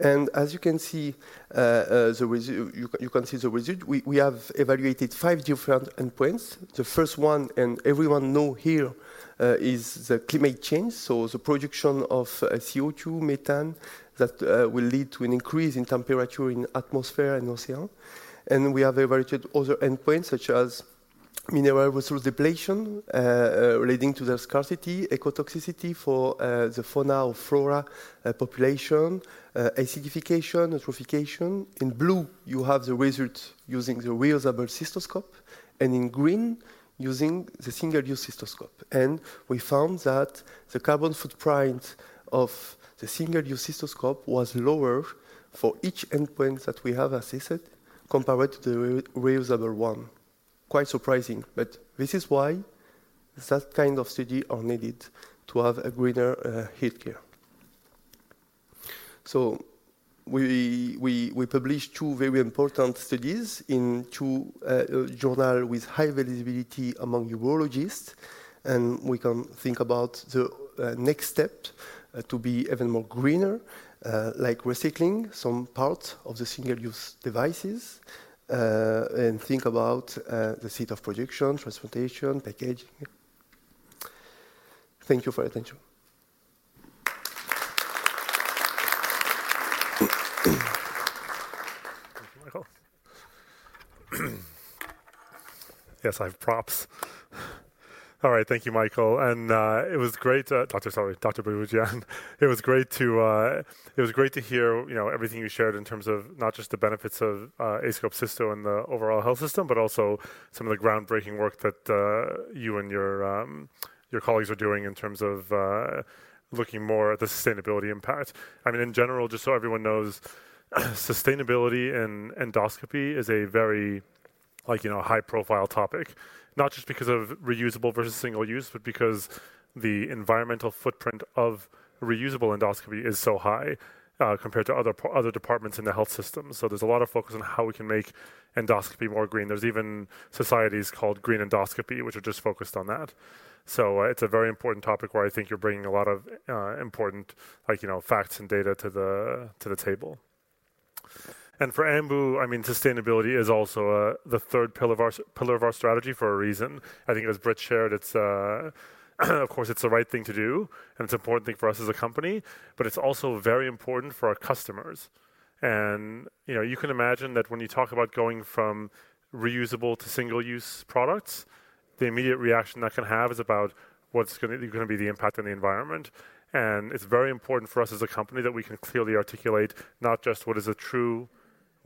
As you can see, you can see the result. We have evaluated five different endpoints. The first one, and everyone know here, is the climate change, so the production of CO2, methane, that will lead to an increase in temperature in atmosphere and ocean. We have evaluated other endpoints, such as mineral resource depletion, relating to the scarcity, ecotoxicity for the fauna or flora, population, acidification, eutrophication. In blue, you have the results using the reusable cystoscope, and in green, using the single-use cystoscope. We found that the carbon footprint of the single-use cystoscope was lower for each endpoint that we have assessed compared to the reusable one. Quite surprising, this is why that kind of study are needed to have a greener healthcare. We published two very important studies in two journal with high visibility among urologists, we can think about the next step to be even more greener, like recycling some parts of the single-use devices, and think about the site of production, transportation, packaging. Thank you for your attention. Thank you, Mickaël. Yes, I have props. All right. Thank you, Mickaël. Doctor, sorry, Dr. Baboudjian. It was great to hear, you know, everything you shared in terms of not just the benefits of aScope Cysto and the overall health system, but also some of the groundbreaking work that you and your colleagues are doing in terms of looking more at the sustainability impact. I mean, in general, just so everyone knows, sustainability in endoscopy is a very, like, you know, high-profile topic, not just because of reusable versus single-use, but because the environmental footprint of reusable endoscopy is so high, compared to other departments in the health system. There's a lot of focus on how we can make endoscopy more green. There's even societies called Green Endoscopy, which are just focused on that. It's a very important topic where I think you're bringing a lot of important, like, you know, facts and data to the table. For Ambu, I mean, sustainability is also the third pillar of our strategy for a reason. I think as Britt shared, it's, of course, it's the right thing to do, and it's an important thing for us as a company, but it's also very important for our customers. You know, you can imagine that when you talk about going from reusable to single-use products, the immediate reaction that can have is about what's going to be the impact on the environment. It's very important for us as a company that we can clearly articulate not just what is a true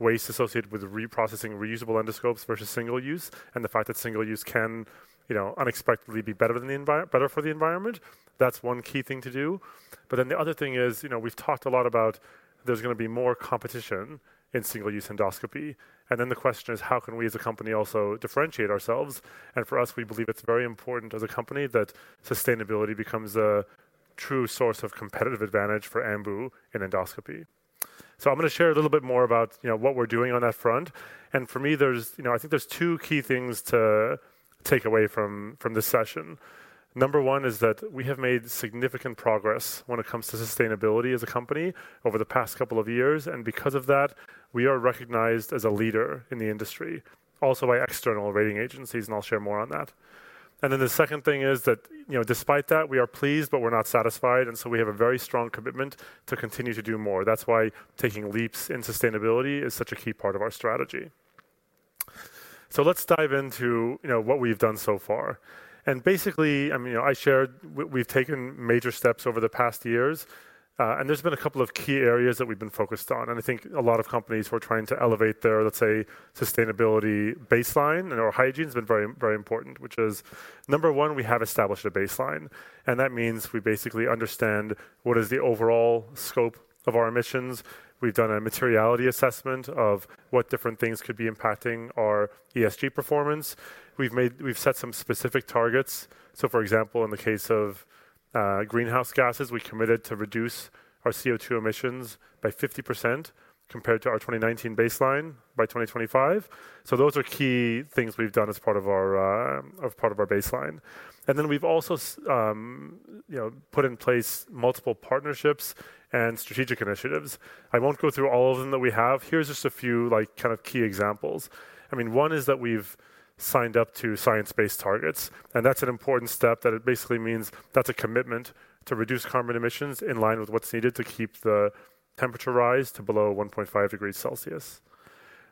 waste associated with reprocessing reusable endoscopes versus single-use, and the fact that single-use can, you know, unexpectedly be better for the environment. That's one key thing to do. The other thing is, you know, we've talked a lot about there's going to be more competition in single-use endoscopy, and then the question is, how can we, as a company, also differentiate ourselves? For us, we believe it's very important as a company that sustainability becomes a true source of competitive advantage for Ambu in endoscopy. I'm going to share a little bit more about, you know, what we're doing on that front. For me, there's, you know, I think there's two key things to take away from this session. Number one is that we have made significant progress when it comes to sustainability as a company over the past couple of years. Because of that, we are recognized as a leader in the industry, also by external rating agencies. I'll share more on that. The second thing is that, you know, despite that, we are pleased, but we're not satisfied. We have a very strong commitment to continue to do more. That's why taking leaps in sustainability is such a key part of our strategy. Let's dive into, you know, what we've done so far. Basically, I mean, you know, I shared we've taken major steps over the past years. There's been a couple of key areas that we've been focused on. I think a lot of companies who are trying to elevate their, let's say, sustainability baseline and our hygiene has been very, very important, which is, number one, we have established a baseline, and that means we basically understand what is the overall scope of our emissions. We've done a materiality assessment of what different things could be impacting our ESG performance. We've set some specific targets. For example, in the case of greenhouse gases, we committed to reduce our CO2 emissions by 50% compared to our 2019 baseline by 2025. Those are key things we've done as part of our as part of our baseline. We've also, you know, put in place multiple partnerships and strategic initiatives. I won't go through all of them that we have. Here's just a few, like, kind of key examples. I mean, one is that we've signed up to science-based targets. That's an important step that it basically means that's a commitment to reduce carbon emissions in line with what's needed to keep the temperature rise to below 1.5 degrees Celsius.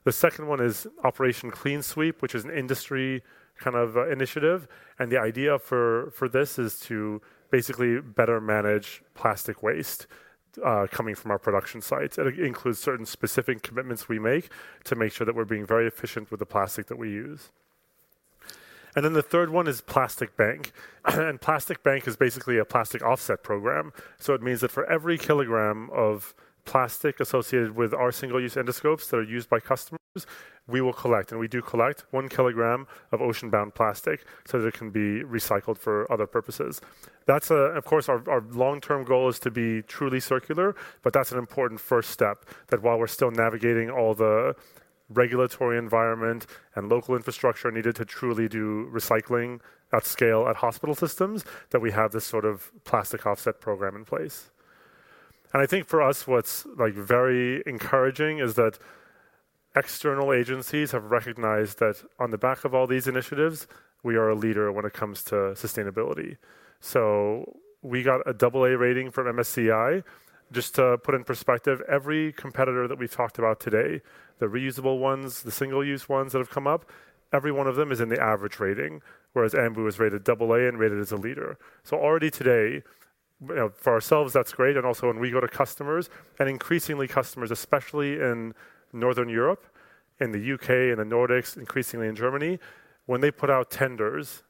The second one is Operation Clean Sweep, which is an industry kind of initiative. The idea for this is to basically better manage plastic waste coming from our production sites. It includes certain specific commitments we make to make sure that we're being very efficient with the plastic that we use. Then the third one is Plastic Bank. Plastic Bank is basically a plastic offset program. It means that for every 1kg of plastic associated with our single-use endoscopes that are used by customers, we will collect, and we do collect, 1kg of ocean-bound plastic, so that it can be recycled for other purposes. That's, of course, our long-term goal is to be truly circular, but that's an important first step, that while we're still navigating all the regulatory environment and local infrastructure needed to truly do recycling at scale at hospital systems, that we have this sort of plastic offset program in place. I think for us, what's, like, very encouraging is that external agencies have recognized that on the back of all these initiatives, we are a leader when it comes to sustainability. We got an AA rating from MSCI. Just to put in perspective, every competitor that we talked about today, the reusable ones, the single-use ones that have come up, every one of them is in the average rating, whereas Ambu is rated AA and rated as a leader. Already today, you know, for ourselves that's great, and also when we go to customers, and increasingly customers, especially in Northern Europe, in the UK, in the Nordics, increasingly in Germany, when they put out tenders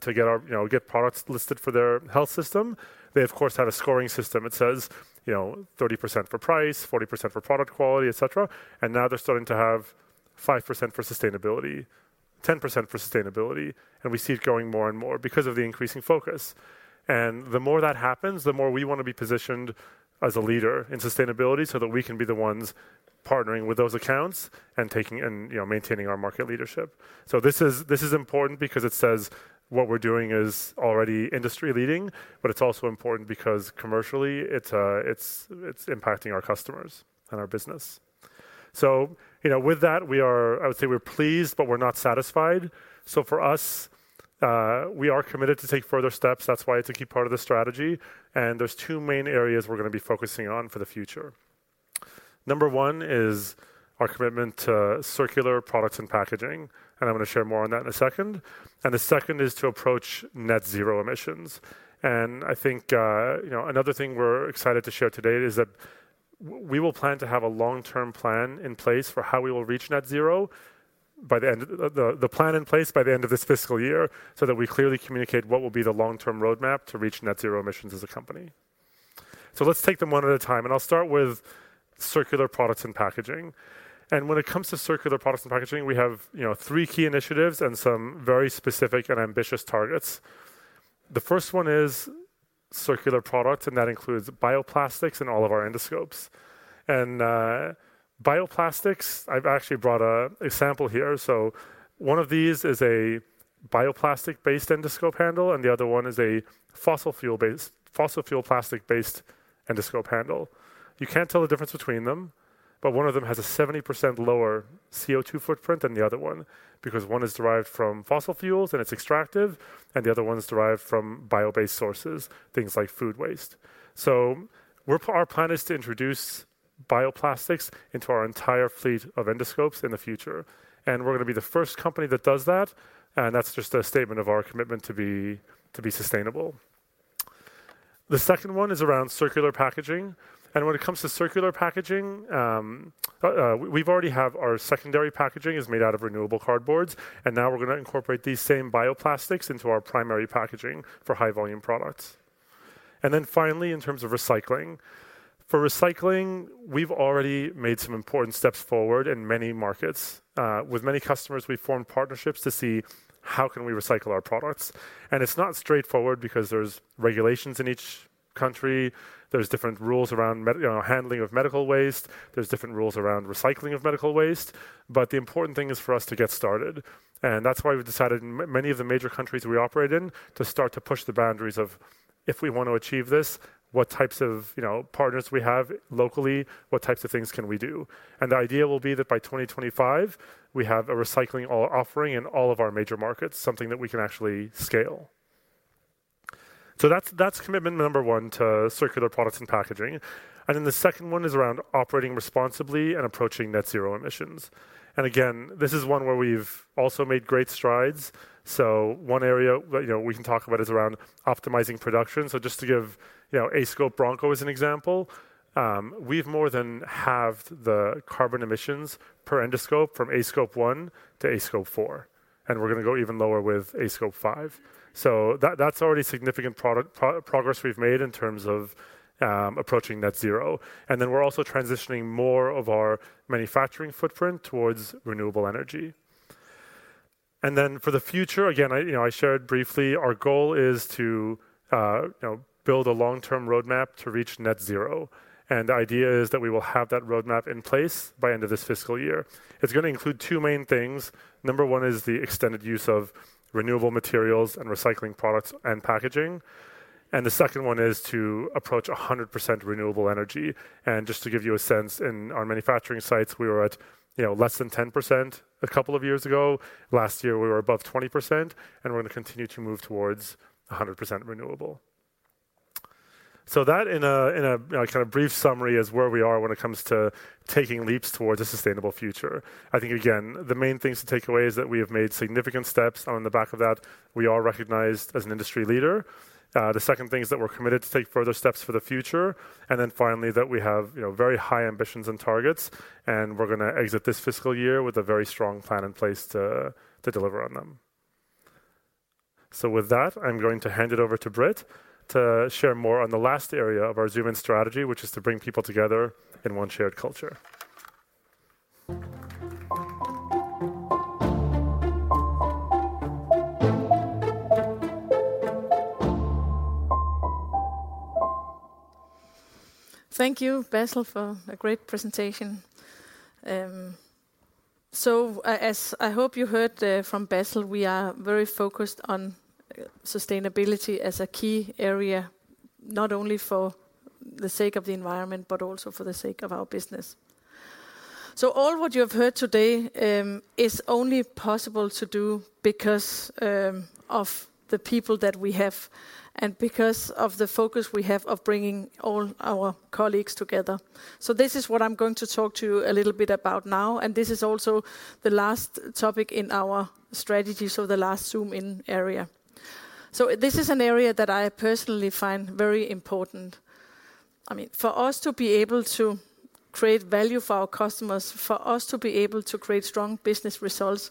to get our you know, get products listed for their health system, they of course have a scoring system. It says, you know, 30% for price, 40% for product quality, et cetera. Now they're starting to have 5% for sustainability, 10% for sustainability, and we see it growing more and more because of the increasing focus. The more that happens, the more we want to be positioned as a leader in sustainability so that we can be the ones partnering with those accounts and taking and, you know, maintaining our market leadership. This is important because it says what we're doing is already industry-leading, but it's also important because commercially it's impacting our customers and our business. You know, with that we are. I would say we're pleased, but we're not satisfied. For us, we are committed to take further steps, that's why it's a key part of the strategy, and there's two main areas we're going to be focusing on for the future. Number one is our commitment to circular products and packaging, and I'm going to share more on that in a second. The second is to approach net zero emissions. I think, you know, another thing we're excited to share today is that we will plan to have a long-term plan in place for how we will reach net zero by the end, the plan in place by the end of this fiscal year, that we clearly communicate what will be the long-term roadmap to reach net zero emissions as a company. Let's take them one at a time, and I'll start with circular products and packaging. When it comes to circular products and packaging, we have, you know, three key initiatives and some very specific and ambitious targets. The first one is circular products, and that includes bioplastics in all of our endoscopes. Bioplastics, I've actually brought a sample here. One of these is a bioplastic-based endoscope handle, and the other one is a fossil fuel-based. Fossil fuel plastic-based endoscope handle. You can't tell the difference between them, but one of them has a 70% lower CO2 footprint than the other one, because one is derived from fossil fuels, and it's extractive, and the other one is derived from bio-based sources, things like food waste. Our plan is to introduce bioplastics into our entire fleet of endoscopes in the future, and we're going to be the first company that does that, and that's just a statement of our commitment to be sustainable. The second one is around circular packaging. When it comes to circular packaging, we've already have our secondary packaging is made out of renewable cardboards, and now we're going to incorporate these same bioplastics into our primary packaging for high-volume products. Finally, in terms of recycling. For recycling, we've already made some important steps forward in many markets. With many customers we've formed partnerships to see how can we recycle our products. It's not straightforward because there's regulations in each country. There's different rules around you know, handling of medical waste. There's different rules around recycling of medical waste. The important thing is for us to get started, and that's why we've decided in many of the major countries we operate in to start to push the boundaries of if we want to achieve this, what types of, you know, partners we have locally, what types of things can we do. The idea will be that by 2025 we have a recycling offering in all of our major markets, something that we can actually scale. That's commitment number one to circular products and packaging. The second one is around operating responsibly and approaching net zero emissions. Again, this is one where we've also made great strides. One area you know, we can talk about is around optimizing production. Just to give, you know, aScope Broncho as an example, we've more than halved the carbon emissions per endoscope from aScope 1 to aScope 4, and we're going to go even lower with aScope 5. That, that's already significant progress we've made in terms of approaching net zero. We're also transitioning more of our manufacturing footprint towards renewable energy. For the future, again, I, you know, I shared briefly our goal is to, you know, build a long-term roadmap to reach net zero. The idea is that we will have that roadmap in place by end of this fiscal year. It's going to include two main things. Number one is the extended use of renewable materials and recycling products and packaging. The second one is to approach 100% renewable energy. Just to give you a sense, in our manufacturing sites, we were at, you know, less than 10% a couple of years ago. Last year, we were above 20%, and we're going to continue to move towards 100% renewable. That in a, you know, kind of brief summary is where we are when it comes to taking leaps towards a sustainable future. I think, again, the main things to take away is that we have made significant steps. On the back of that, we are recognized as an industry leader. The second thing is that we're committed to take further steps for the future. Finally, that we have, you know, very high ambitions and targets, and we're going to exit this fiscal year with a very strong plan in place to deliver on them. With that, I'm going to hand it over to Britt to share more on the last area of our Zoom-in strategy, which is to bring people together in one shared culture. Thank you, Bassel, for a great presentation. As I hope you heard from Bassel, we are very focused on sustainability as a key area, not only for the sake of the environment, but also for the sake of our business. All what you have heard today is only possible to do because of the people that we have and because of the focus we have of bringing all our colleagues together. This is what I'm going to talk to you a little bit about now, and this is also the last topic in our strategy, so the last Zoom-in area. This is an area that I personally find very important. I mean, for us to be able to create value for our customers, for us to be able to create strong business results,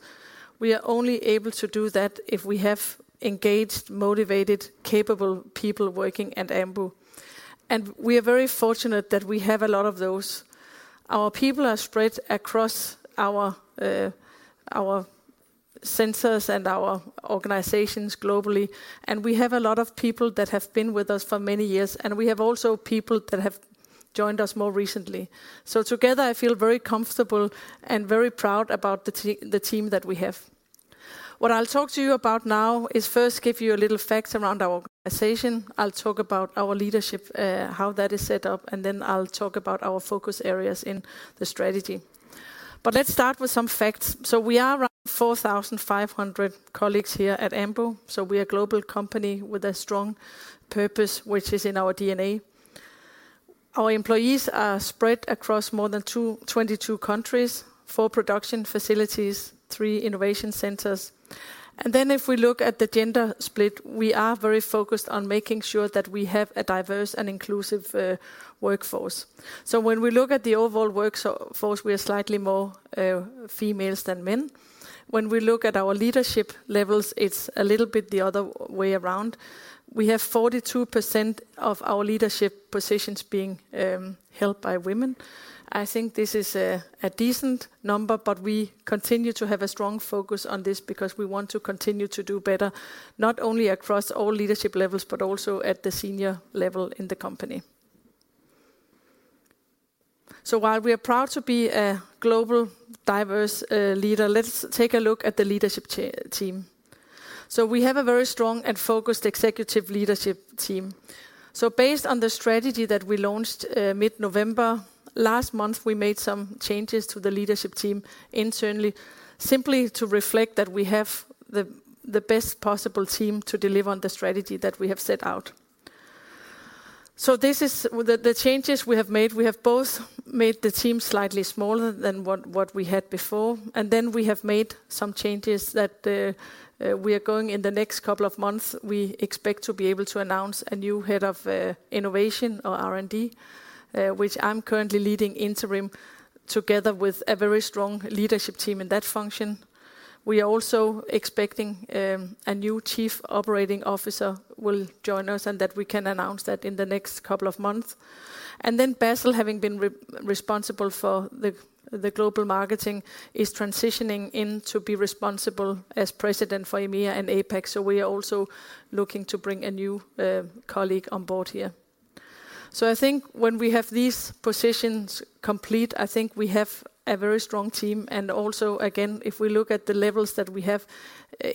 we are only able to do that if we have engaged, motivated, capable people working at Ambu. We are very fortunate that we have a lot of those. Our people are spread across our centers and our organizations globally, and we have a lot of people that have been with us for many years, and we have also people that have joined us more recently. Together, I feel very comfortable and very proud about the team that we have. What I'll talk to you about now is first give you a little facts around our organization. I'll talk about our leadership, how that is set up, and then I'll talk about our focus areas in the strategy. Let's start with some facts. We are around 4,500 colleagues here at Ambu. We're a global company with a strong purpose, which is in our DNA. Our employees are spread across more than 22 countries, four production facilities, three innovation centers. If we look at the gender split, we are very focused on making sure that we have a diverse and inclusive workforce. When we look at the overall workforce, we are slightly more females than men. When we look at our leadership levels, it's a little bit the other way around. We have 42% of our leadership positions being held by women. I think this is a decent number, but we continue to have a strong focus on this because we want to continue to do better, not only across all leadership levels, but also at the senior level in the company. While we are proud to be a global diverse leader, let's take a look at the leadership team. We have a very strong and focused executive leadership team. Based on the strategy that we launched mid-November last month, we made some changes to the leadership team internally, simply to reflect that we have the best possible team to deliver on the strategy that we have set out. This is. The changes we have made, we have both made the team slightly smaller than what we had before, and then we have made some changes that we are going in the next couple of months. We expect to be able to announce a new head of innovation or R&D, which I'm currently leading interim together with a very strong leadership team in that function. We are also expecting a new chief operating officer will join us and that we can announce that in the next couple of months. And then Bassel, having been re-responsible for the global marketing, is transitioning in to be responsible as president for EMEA and APAC. We are also looking to bring a new colleague on board here. I think when we have these positions complete, I think we have a very strong team. Also, again, if we look at the levels that we have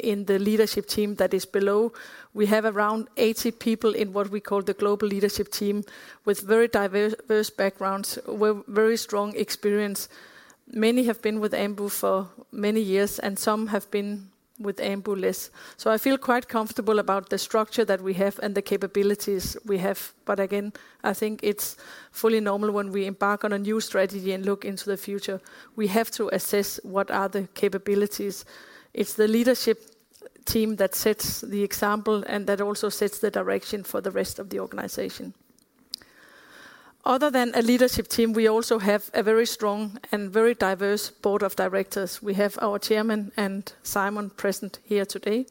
in the leadership team that is below, we have around 80 people in what we call the global leadership team with very diverse backgrounds, with very strong experience. Many have been with Ambu for many years, some have been with Ambu less. I feel quite comfortable about the structure that we have and the capabilities we have. Again, I think it's fully normal when we embark on a new strategy and look into the future. We have to assess what are the capabilities. It's the leadership team that sets the example and that also sets the direction for the rest of the organization. Other than a leadership team, we also have a very strong andBoard of Directors. we have our Chairman and Simon present here today.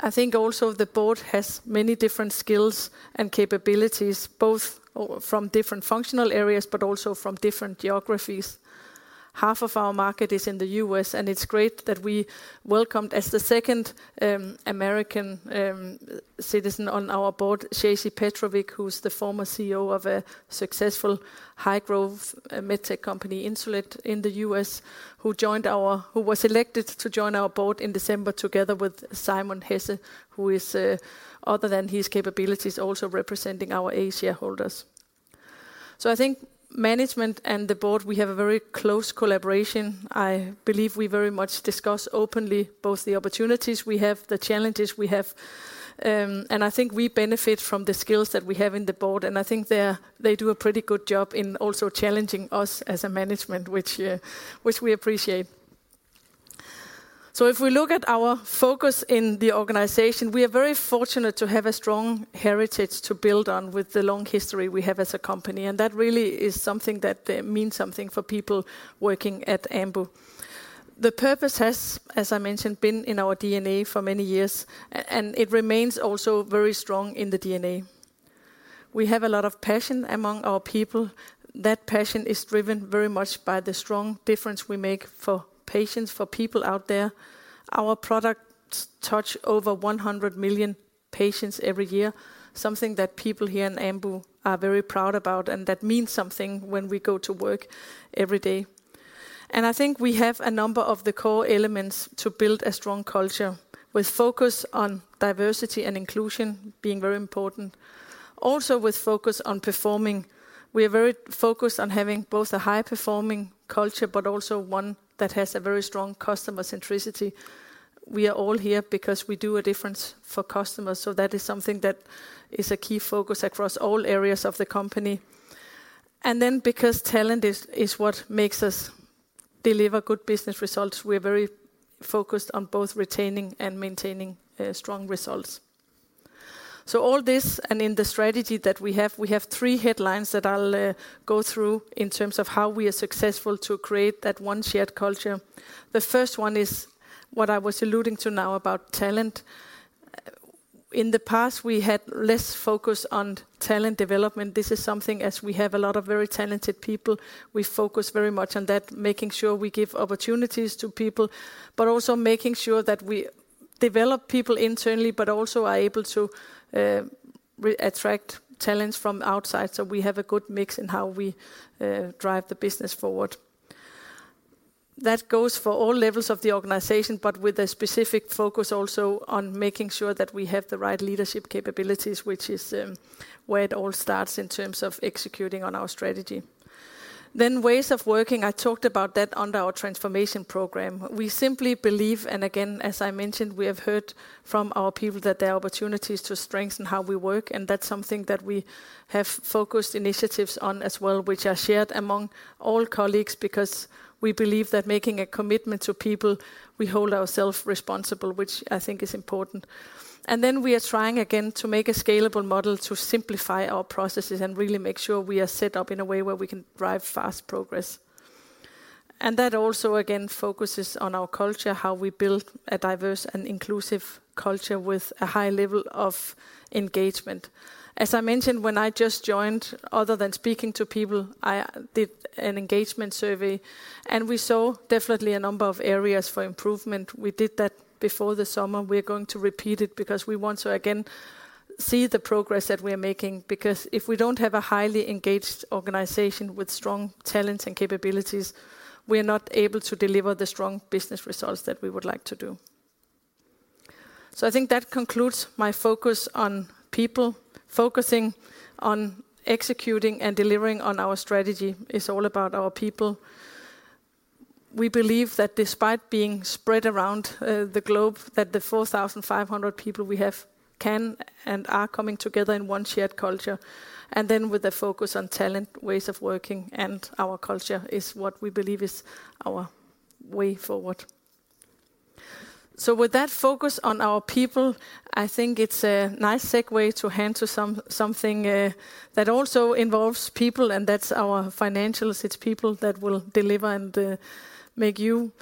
I think also the board has many different skills and capabilities, both from different functional areas, but also from different geographies. Half of our market is in the US, it's great that we welcomed as the second American citizen on our board, Shacey Petrovic, who's the former CEO of a successful high-growth med tech company, Insulet, in the US, who was elected to join our board in December together with Simon Hesse, who is other than his capabilities, also representing our Asia holders. I think management and the board, we have a very close collaboration. I believe we very much discuss openly both the opportunities we have, the challenges we have. I think we benefit from the skills that we have in the board. I think they do a pretty good job in also challenging us as a management, which we appreciate. If we look at our focus in the organization, we are very fortunate to have a strong heritage to build on with the long history we have as a company. That really is something that means something for people working at Ambu. The purpose has, as I mentioned, been in our DNA for many years, and it remains also very strong in the DNA. We have a lot of passion among our people. That passion is driven very much by the strong difference we make for patients, for people out there. Our products touch over 100 million patients every year, something that people here in Ambu are very proud about, and that means something when we go to work every day. I think we have a number of the core elements to build a strong culture with focus on diversity and inclusion being very important. Also, with focus on performing, we are very focused on having both a high-performing culture, but also one that has a very strong customer centricity. We are all here because we do a difference for customers. That is something that is a key focus across all areas of the company. Because talent is what makes us deliver good business results, we are very focused on both retaining and maintaining strong results. All this and in the strategy that we have, we have three headlines that I'll go through in terms of how we are successful to create that one shared culture. The first one is what I was alluding to now about talent. In the past, we had less focus on talent development. This is something as we have a lot of very talented people, we focus very much on that, making sure we give opportunities to people, but also making sure that we develop people internally but also are able to re-attract talents from outside, so we have a good mix in how we drive the business forward. That goes for all levels of the organization, but with a specific focus also on making sure that we have the right leadership capabilities, which is where it all starts in terms of executing on our strategy. Ways of working, I talked about that under our transformation program. We simply believe, again, as I mentioned, we have heard from our people that there are opportunities to strengthen how we work, and that's something that we have focused initiatives on as well, which are shared among all colleagues because we believe that making a commitment to people, we hold ourselves responsible, which I think is important. Then we are trying again to make a scalable model to simplify our processes and really make sure we are set up in a way where we can drive fast progress. That also again focuses on our culture, how we build a diverse and inclusive culture with a high level of engagement. As I mentioned, when I just joined, other than speaking to people, I did an engagement survey. We saw definitely a number of areas for improvement. We did that before the summer. We're going to repeat it because we want to again see the progress that we are making, because if we don't have a highly engaged organization with strong talents and capabilities, we are not able to deliver the strong business results that we would like to do. I think that concludes my focus on people. Focusing on executing and delivering on our strategy is all about our people. We believe that despite being spread around the globe, that the 4,500 people we have can and are coming together in one shared culture, and then with a focus on talent, ways of working, and our culture is what we believe is our way forward. With that focus on our people, I think it's a nice segue to hand to something that also involves people, and that's our financials. It's people that will deliver and make you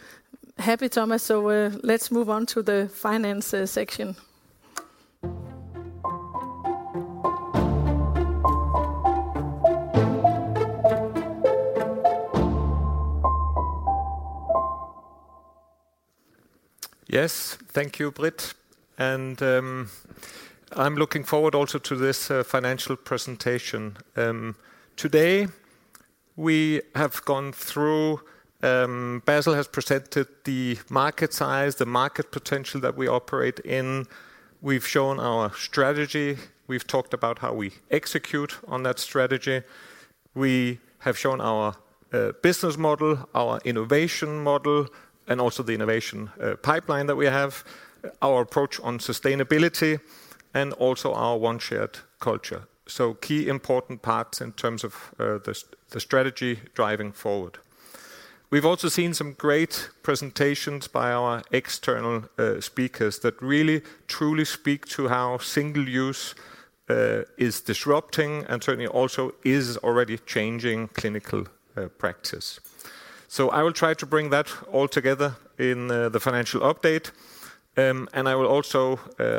happy, Thomas. Let's move on to the finance section. Yes. Thank you, Britt. I'm looking forward also to this financial presentation. Today we have gone through, Bassel has presented the market size, the market potential that we operate in. We've shown our strategy. We've talked about how we execute on that strategy. We have shown our business model, our innovation model, and also the innovation pipeline that we have, our approach on sustainability, and also our one shared culture. Key important parts in terms of the strategy driving forward. We've also seen some great presentations by our external speakers that really truly speak to how single-use is disrupting and certainly also is already changing clinical practice. I will try to bring that all together in the financial update, and I will also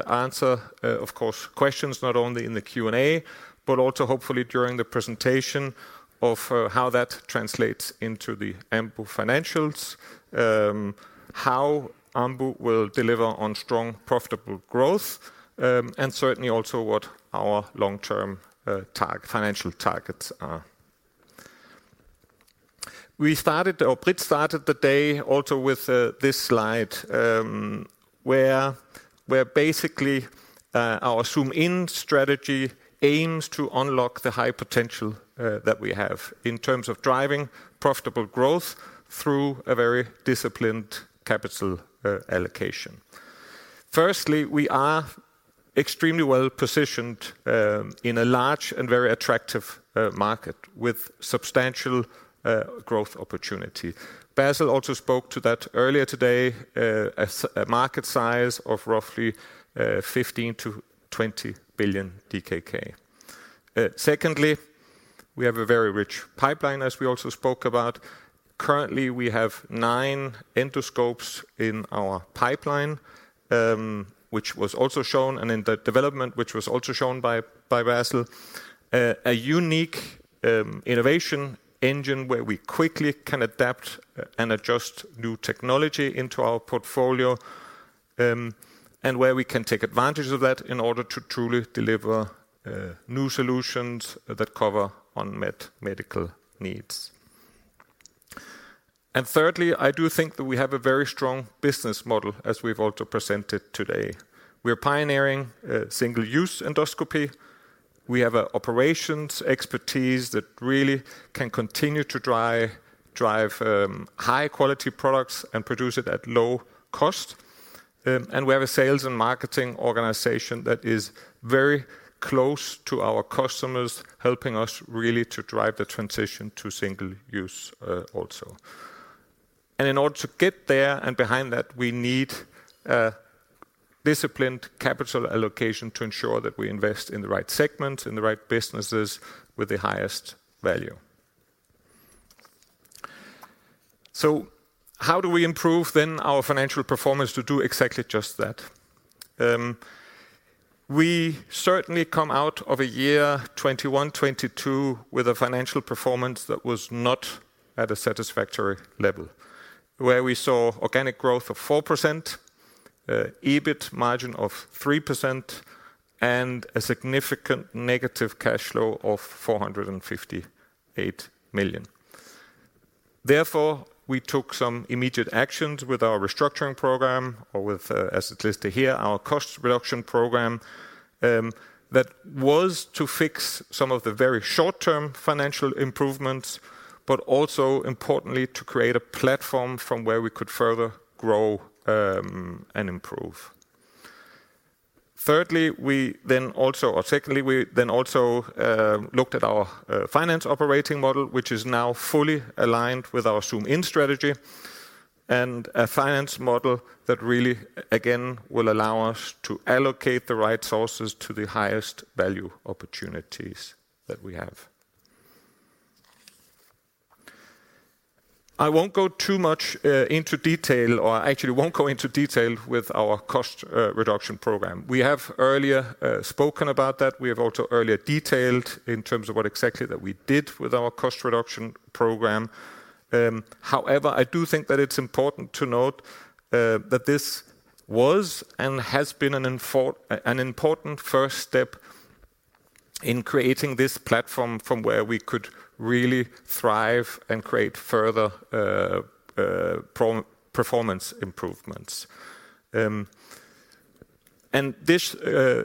answer, of course, questions not only in the Q&A, but also hopefully during the presentation of how that translates into the Ambu financials, how Ambu will deliver on strong profitable growth, and certainly also what our long-term financial targets are. We started, or Britt started the day also with this slide, where basically our zoom-in strategy aims to unlock the high potential that we have in terms of driving profitable growth through a very disciplined capital allocation. Firstly, we are extremely well-positioned in a large and very attractive market with substantial growth opportunity. Bassel also spoke to that earlier today, a market size of roughly 15 billion-20 billion DKK. Secondly, we have a very rich pipeline, as we also spoke about. Currently, we have 9 endoscopes in our pipeline, which was also shown, and in the development, which was also shown by Bassel. A unique innovation engine where we quickly can adapt and adjust new technology into our portfolio, and where we can take advantage of that in order to truly deliver new solutions that cover unmet medical needs. Thirdly, I do think that we have a very strong business model, as we've also presented today. We are pioneering single-use endoscopy. We have a operations expertise that really can continue to drive high quality products and produce it at low cost. We have a sales and marketing organization that is very close to our customers, helping us really to drive the transition to single use, also. In order to get there and behind that, we need a disciplined capital allocation to ensure that we invest in the right segment, in the right businesses with the highest value. How do we improve then our financial performance to do exactly just that? We certainly come out of a year 2021, 2022 with a financial performance that was not at a satisfactory level, where we saw organic growth of 4%, EBIT margin of 3%, and a significant negative cash flow of 458 million. Therefore, we took some immediate actions with our restructuring program or with, as it listed here, our cost reduction program, that was to fix some of the very short-term financial improvements, but also importantly, to create a platform from where we could further grow and improve. Thirdly, or secondly, we then also looked at our finance operating model, which is now fully aligned with our zoom-in strategy and a finance model that really again will allow us to allocate the right sources to the highest value opportunities that we have. I won't go too much into detail or actually won't go into detail with our cost reduction program. We have earlier spoken about that. We have also earlier detailed in terms of what exactly that we did with our cost reduction program. However, I do think that it's important to note that this was and has been an important first step in creating this platform from where we could really thrive and create further performance improvements. This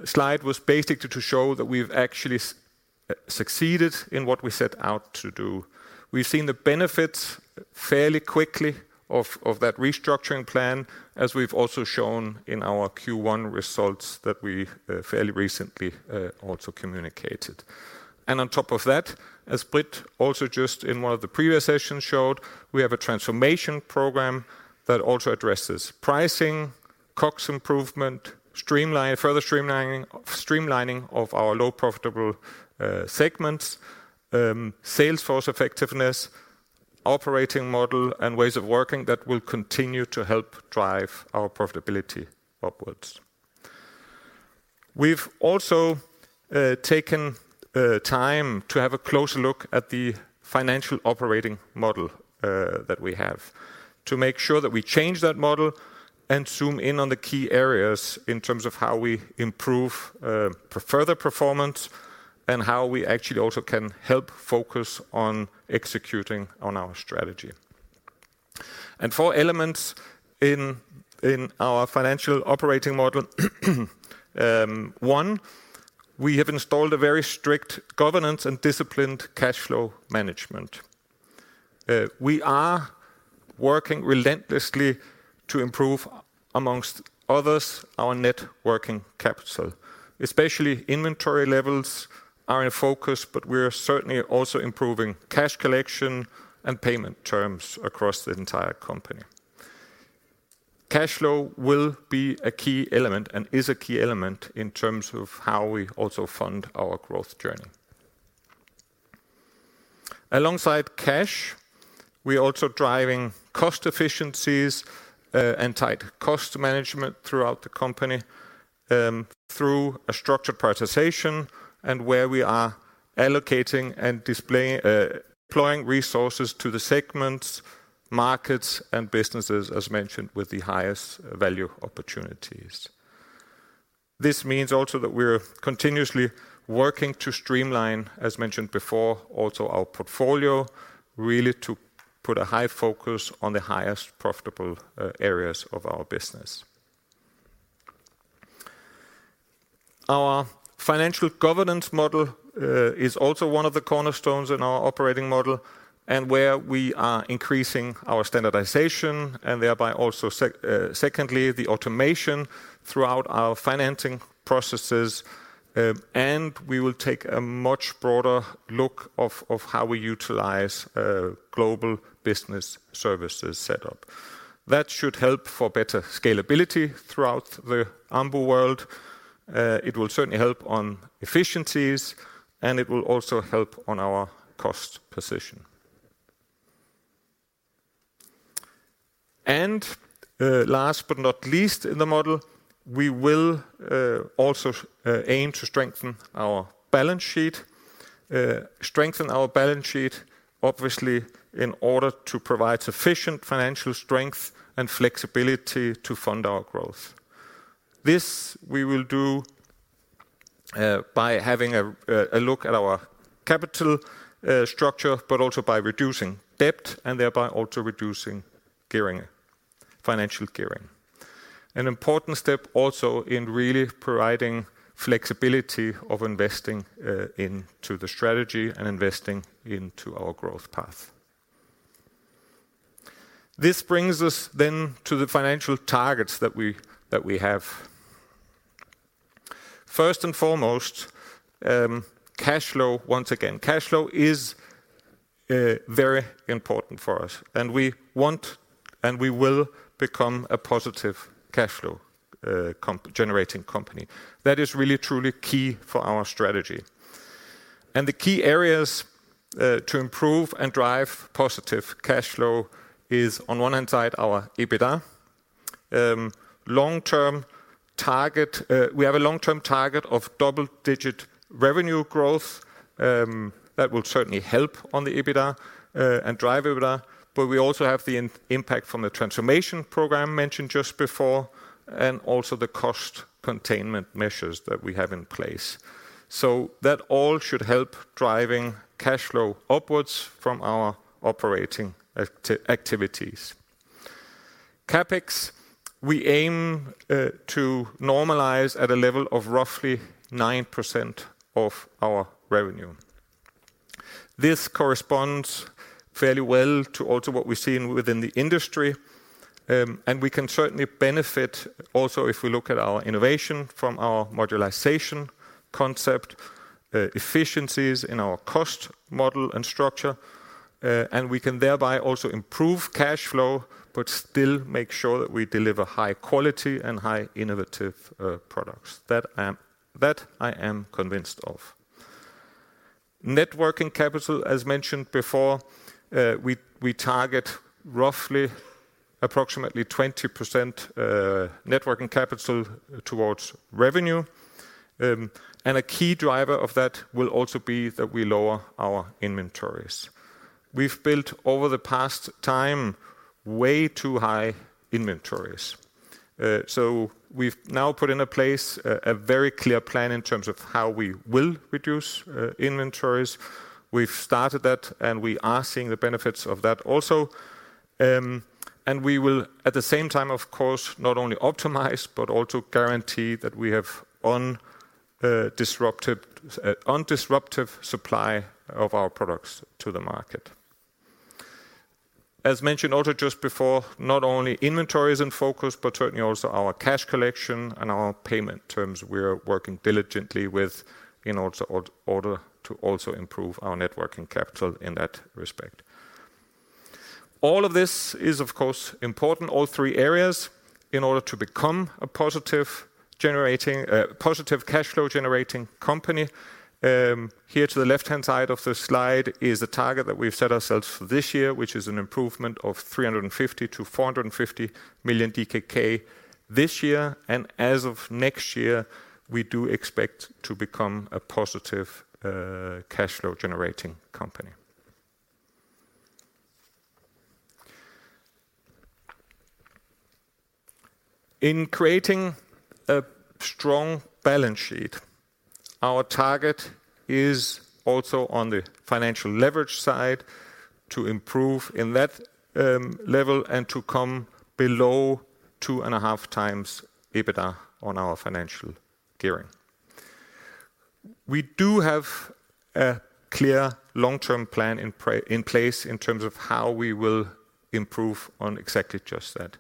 slide was basically to show that we've actually succeeded in what we set out to do. We've seen the benefits fairly quickly of that restructuring plan, as we've also shown in our Q1 results that we fairly recently also communicated. On top of that, as Britt also just in one of the previous sessions showed, we have a transformation program that also addresses pricing, COGS improvement, further streamlining of our low profitable segments, sales force effectiveness, operating model and ways of working that will continue to help drive our profitability upwards. We've also taken time to have a closer look at the financial operating model that we have to make sure that we change that model and zoom in on the key areas in terms of how we improve further performance and how we actually also can help focus on executing on our strategy. Four elements in our financial operating model. One, we have installed a very strict governance and disciplined cash flow management. We are working relentlessly to improve, amongst others, our net working capital. Especially inventory levels are in focus, but we are certainly also improving cash collection and payment terms across the entire company. Cash flow will be a key element and is a key element in terms of how we also fund our growth journey. Alongside cash, we are also driving cost efficiencies and tight cost management throughout the company through a structured prioritization and where we are allocating and deploying resources to the segments, markets and businesses as mentioned with the highest value opportunities. This means also that we're continuously working to streamline as mentioned before, also our portfolio really to put a high focus on the highest profitable areas of our business. Our financial governance model is also one of the cornerstones in our operating model and where we are increasing our standardization and thereby also secondly, the automation throughout our financing processes. We will take a much broader look of how we utilize global business services setup. That should help for better scalability throughout the Ambu world. It will certainly help on efficiencies and it will also help on our cost position. Last but not least in the model, we will also aim to strengthen our balance sheet. Strengthen our balance sheet obviously in order to provide sufficient financial strength and flexibility to fund our growth. This we will do by having a look at our capital structure, but also by reducing debt and thereby also reducing gearing, financial gearing. An important step also in really providing flexibility of investing into the strategy and investing into our growth path. This brings us to the financial targets that we have. First and foremost, cash flow, once again, cash flow is very important for us, and we will become a positive cash flow generating company. That is really truly key for our strategy. The key areas to improve and drive positive cash flow is on one hand side, our EBITDA. Long-term target, we have a long-term target of double-digit revenue growth, that will certainly help on the EBITDA and drive EBITDA. We also have the impact from the transformation program mentioned just before, and also the cost containment measures that we have in place. That all should help driving cash flow upwards from our operating activities. CapEx, we aim to normalize at a level of roughly 9% of our revenue. This corresponds fairly well to also what we see in within the industry, and we can certainly benefit also if we look at our innovation from our modularization concept, efficiencies in our cost model and structure, and we can thereby also improve cash flow, but still make sure that we deliver high quality and high innovative products. That I am convinced of. Net working capital, as mentioned before, we target roughly approximately 20% net working capital towards revenue. A key driver of that will also be that we lower our inventories. We've built over the past time way too high inventories. We've now put into place a very clear plan in terms of how we will reduce inventories. We've started that, we are seeing the benefits of that also. We will, at the same time, of course, not only optimize, but also guarantee that we have undisrupted, undisruptive supply of our products to the market. As mentioned also just before, not only inventory is in focus, but certainly also our cash collection and our payment terms we are working diligently with in order to also improve our net working capital in that respect. All of this is, of course, important, all three areas, in order to become a positive generating, positive cash flow generating company. Here to the left-hand side of the slide is a target that we've set ourselves for this year, which is an improvement of 350 million-450 million DKK this year. As of next year, we do expect to become a positive, cash flow generating company. In creating a strong balance sheet, our target is also on the financial leverage side to improve in that level and to come below 2.5 times EBITDA on our financial gearing. We do have a clear long-term plan in place in terms of how we will improve on exactly just that.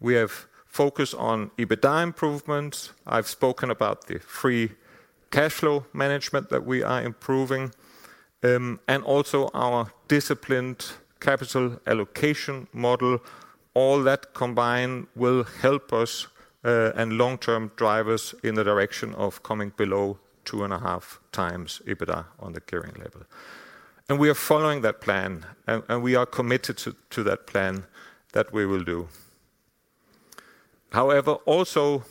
We have focused on EBITDA improvements. I've spoken about the free cash flow management that we are improving, and also our disciplined capital allocation model. All that combined will help us and long-term drive us in the direction of coming below 2.5x EBITDA on the gearing level. We are following that plan, and we are committed to that plan that we will do. However, also,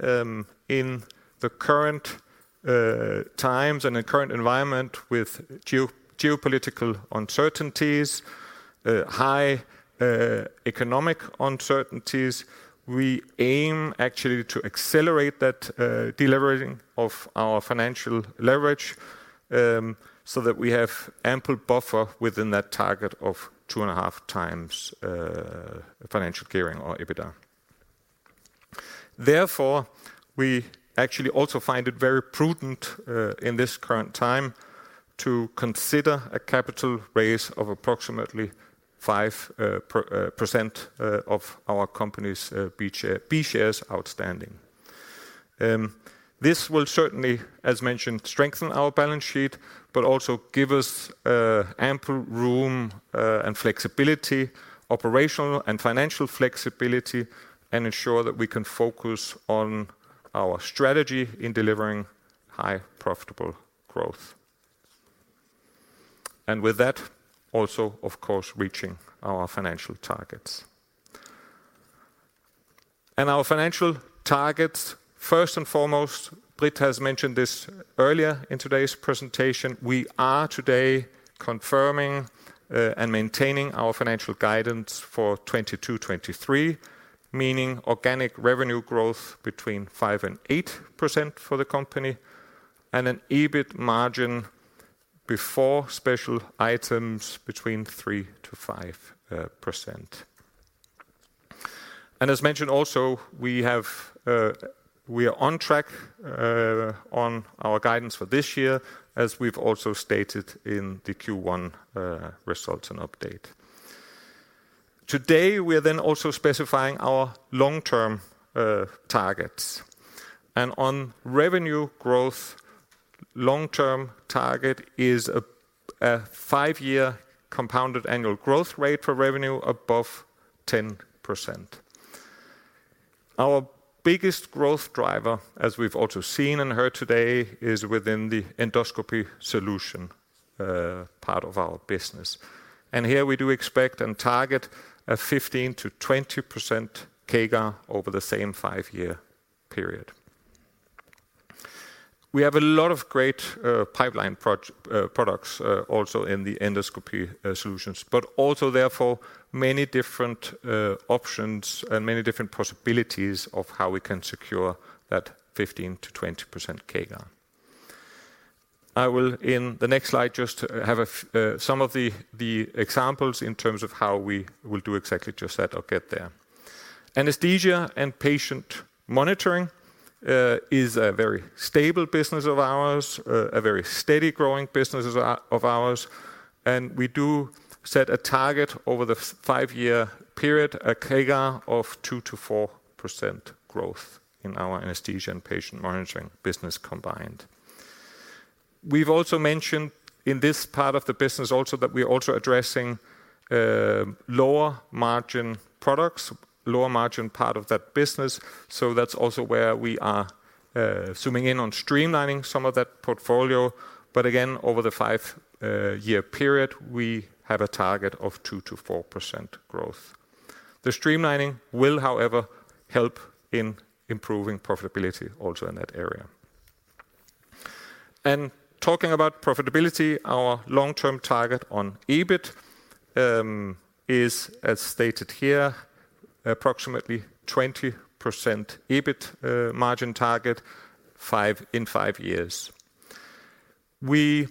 in the current times and the current environment with geopolitical uncertainties, high economic uncertainties, we aim actually to accelerate that deleveraging of our financial leverage, so that we have ample buffer within that target of 2.5x financial gearing on EBITDA. We actually also find it very prudent in this current time to consider a capital raise of approximately 5% of our company's B shares outstanding. This will certainly, as mentioned, strengthen our balance sheet, but also give us ample room and flexibility, operational and financial flexibility, and ensure that we can focus on our strategy in delivering high profitable growth. Also, of course, reaching our financial targets. Our financial targets, first and foremost, Britt has mentioned this earlier in today's presentation, we are today confirming and maintaining our financial guidance for 2022, 2023, meaning organic revenue growth between 5%-8% for the company and an EBIT margin before special items between 3%-5%. As mentioned also, we have, we are on track on our guidance for this year as we've also stated in the Q1 results and update. Today, we are also specifying our long-term targets. On revenue growth long-term target is a five-year compounded annual growth rate for revenue above 10%. Our biggest growth driver, as we've also seen and heard today, is within the endoscopy solution part of our business. Here we do expect and target a 15%-20% CAGR over the same five-year period. We have a lot of great pipeline products also in the endoscopy solutions, but also therefore many different options and many different possibilities of how we can secure that 15%-20% CAGR. I will in the next slide just have some of the examples in terms of how we will do exactly just that or get there. Anesthesia and patient monitoring is a very stable business of ours, a very steady growing business as of ours. We do set a target over the five year period, a CAGR of 2%-4% growth in our anesthesia and patient monitoring business combined. We've also mentioned in this part of the business also that we're also addressing lower margin products, lower margin part of that business, that's also where we are zooming in on streamlining some of that portfolio. Again, over the five-year period, we have a target of 2%-4% growth. The streamlining will, however, help in improving profitability also in that area. Talking about profitability, our long-term target on EBIT is, as stated here, approximately 20% EBIT margin target five in five years. We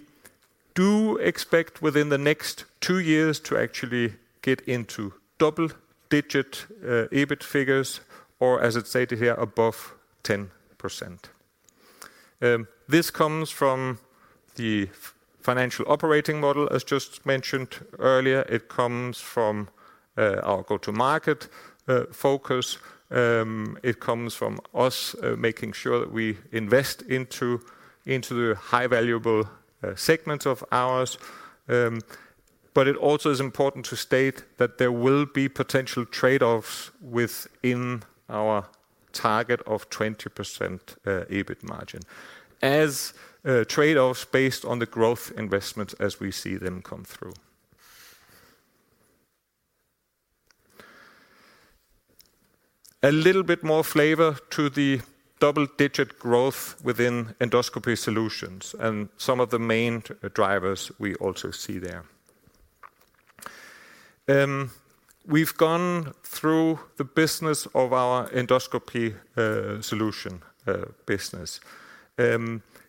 do expect within the next two years to actually get into double-digit EBIT figures, or as it's stated here, above 10%. This comes from the financial operating model, as just mentioned earlier. It comes from our go-to-market focus. It comes from us making sure that we invest into the high valuable segments of ours. It also is important to state that there will be potential trade-offs within our target of 20% EBIT margin as trade-offs based on the growth investments as we see them come through. A little bit more flavor to the double-digit growth within endoscopy solutions and some of the main drivers we also see there. We've gone through the business of our endoscopy solution business.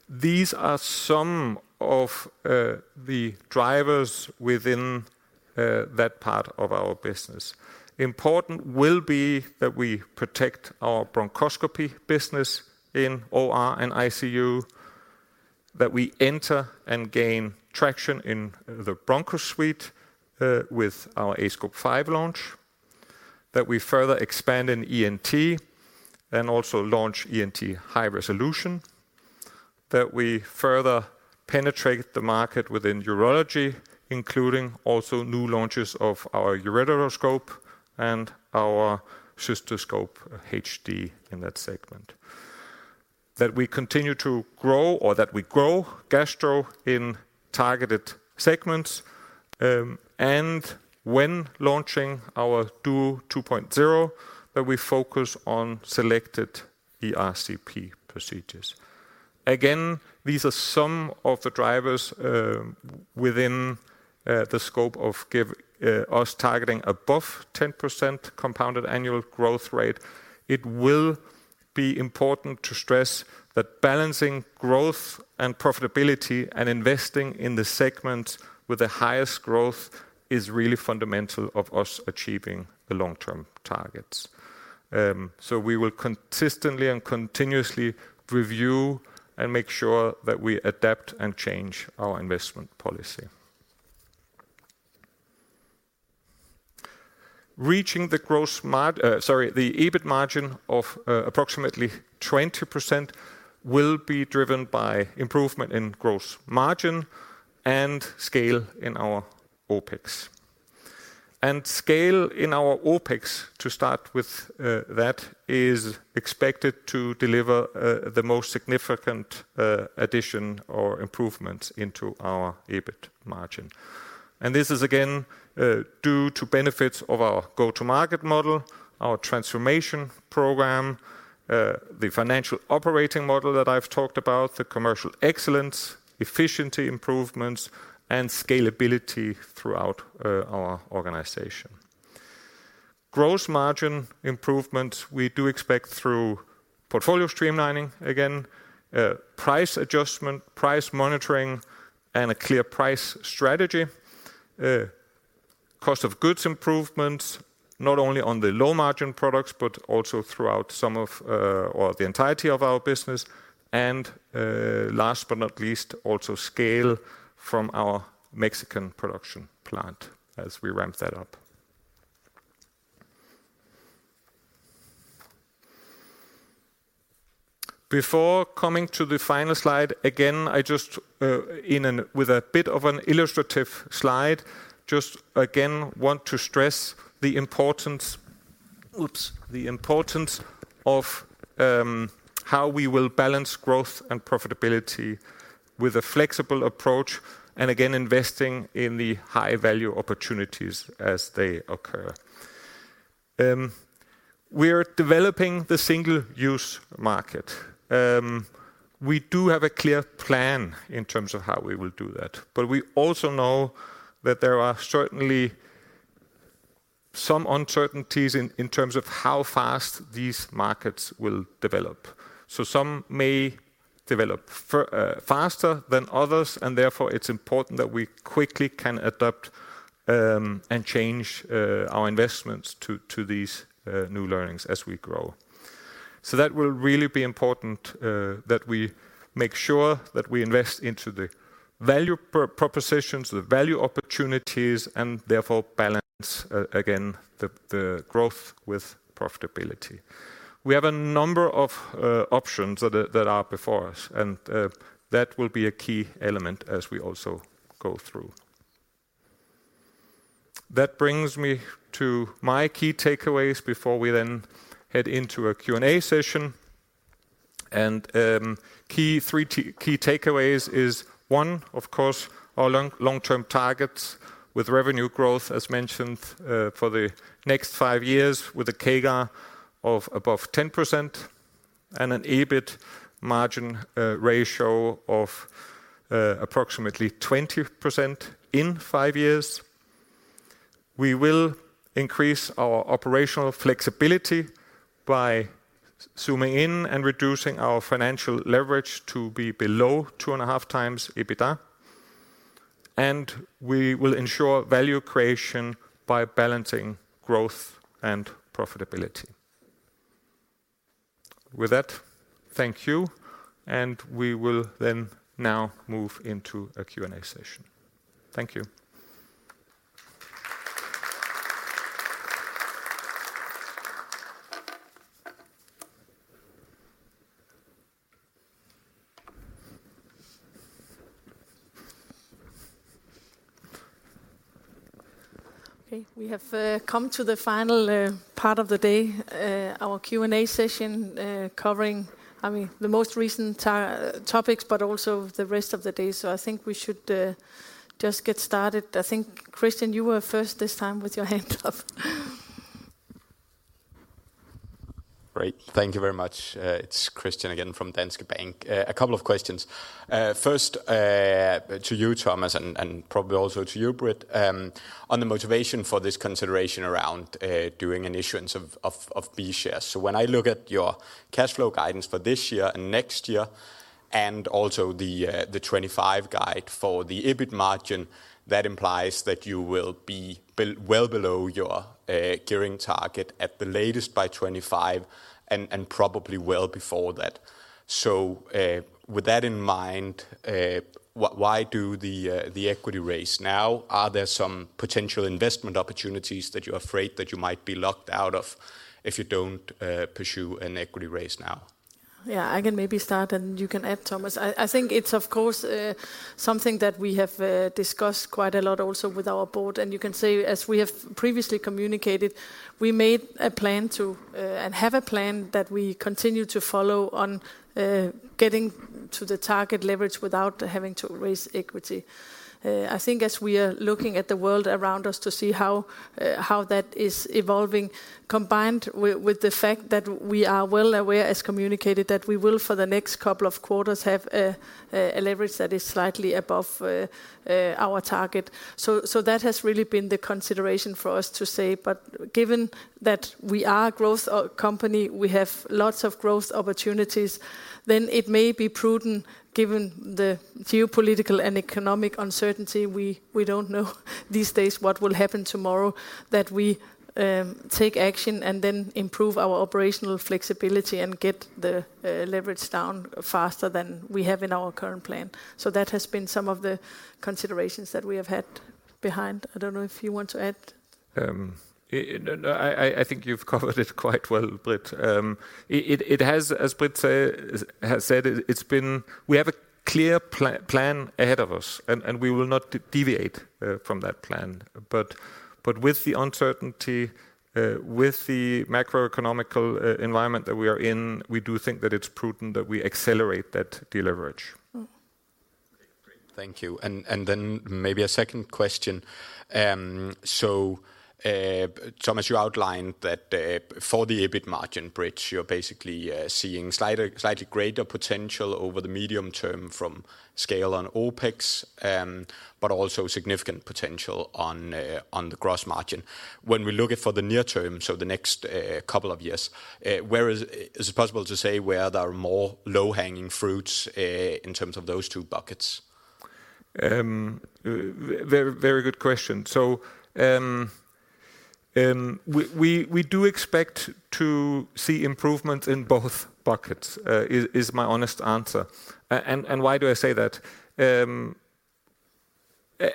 These are some of the drivers within that part of our business. Important will be that we protect our bronchoscopy business in OR and ICU, that we enter and gain traction in the broncho suite with our aScope 5 launch. We further expand in ENT and also launch ENT high resolution. We further penetrate the market within urology, including also new launches of our ureteroscope and our cystoscope HD in that segment. We continue to grow or that we grow gastro in targeted segments. When launching our Duo 2.0 that we focus on selected ERCP procedures. Again, these are some of the drivers, within the scope of, give us targeting above 10% compounded annual growth rate. It will be important to stress that balancing growth and profitability and investing in the segment with the highest growth is really fundamental of us achieving the long-term targets. We will consistently and continuously review and make sure that we adapt and change our investment policy. Reaching the EBIT margin of approximately 20% will be driven by improvement in gross margin and scale in our OpEx. Scale in our OpEx to start with, that is expected to deliver the most significant addition or improvements into our EBIT margin. This is again due to benefits of our go-to-market model, our transformation program, the financial operating model that I've talked about, the commercial excellence, efficiency improvements, and scalability throughout our organization. Gross margin improvements we do expect through portfolio streamlining again, price adjustment, price monitoring, and a clear price strategy. Cost of goods improvements, not only on the low-margin products, but also throughout some of, or the entirety of our business. Last but not least, also scale from our Mexican production plant as we ramp that up. Before coming to the final slide, again, I just with a bit of an illustrative slide, just again want to stress the importance. Oops. The importance of how we will balance growth and profitability with a flexible approach, and again, investing in the high-value opportunities as they occur. We are developing the single-use market. We do have a clear plan in terms of how we will do that. We also know that there are certainly some uncertainties in terms of how fast these markets will develop. Some may develop faster than others, and therefore it's important that we quickly can adapt and change our investments to these new learnings as we grow. That will really be important that we make sure that we invest into the value propositions, the value opportunities, and therefore balance again, the growth with profitability. We have a number of options that are before us, and that will be a key element as we also go through. That brings me to my key takeaways before we then head into a Q&A session. Three key takeaways is, one, of course, our long-term targets with revenue growth, as mentioned, for the next five years, with a CAGR of above 10% and an EBIT margin ratio of approximately 20% in five years. We will increase our operational flexibility by zooming in and reducing our financial leverage to be below 2.5x EBITDA. We will ensure value creation by balancing growth and profitability. With that, thank you, and we will then now move into a Q&A session. Thank you. Okay, we have come to the final part of the day, our Q&A session, covering, I mean, the most recent topics, but also the rest of the day. I think we should just get started. I think, Christian, you were first this time with your hand up. Great. Thank you very much. It's Christian again from Danske Bank. A couple of questions. First, to you, Thomas, and probably also to you, Britt, on the motivation for this consideration around doing an issuance of B shares. When I look at your cash flow guidance for this year and next year, and also the 2025 guide for the EBIT margin, that implies that you will be well below your gearing target at the latest by 2025 and probably well before that. With that in mind, why do the equity raise now? Are there some potential investment opportunities that you're afraid that you might be locked out of if you don't pursue an equity raise now? Yeah, I can maybe start, and you can add, Thomas. I think it's of course something that we have discussed quite a lot also with our board. You can say, as we have previously communicated, we made a plan to and have a plan that we continue to follow on getting to the target leverage without having to raise equity. I think as we are looking at the world around us to see how how that is evolving, combined with the fact that we are well aware, as communicated, that we will, for the next two quarters, have a leverage that is slightly above our target. That has really been the consideration for us to say. Given that we are a growth company, we have lots of growth opportunities, then it may be prudent, given the geopolitical and economic uncertainty, we don't know these days what will happen tomorrow, that we take action and then improve our operational flexibility and get the leverage down faster than we have in our current plan. That has been some of the considerations that we have had behind. I don't know if you want to add. No, no, I think you've covered it quite well, Britt. It has, as Britt has said, we have a clear plan ahead of us, and we will not deviate from that plan. With the uncertainty, with the macroeconomical environment that we are in, we do think that it's prudent that we accelerate that deleverage. Great. Thank you. Then maybe a second question. Thomas, you outlined that for the EBIT margin bridge, you're basically seeing slightly greater potential over the medium term from scale on OpEx, also significant potential on the gross margin. When we look at for the near term, so the next couple of years, Is it possible to say where there are more low-hanging fruits in terms of those two buckets? Very, very good question. We do expect to see improvements in both buckets, is my honest answer. Why do I say that?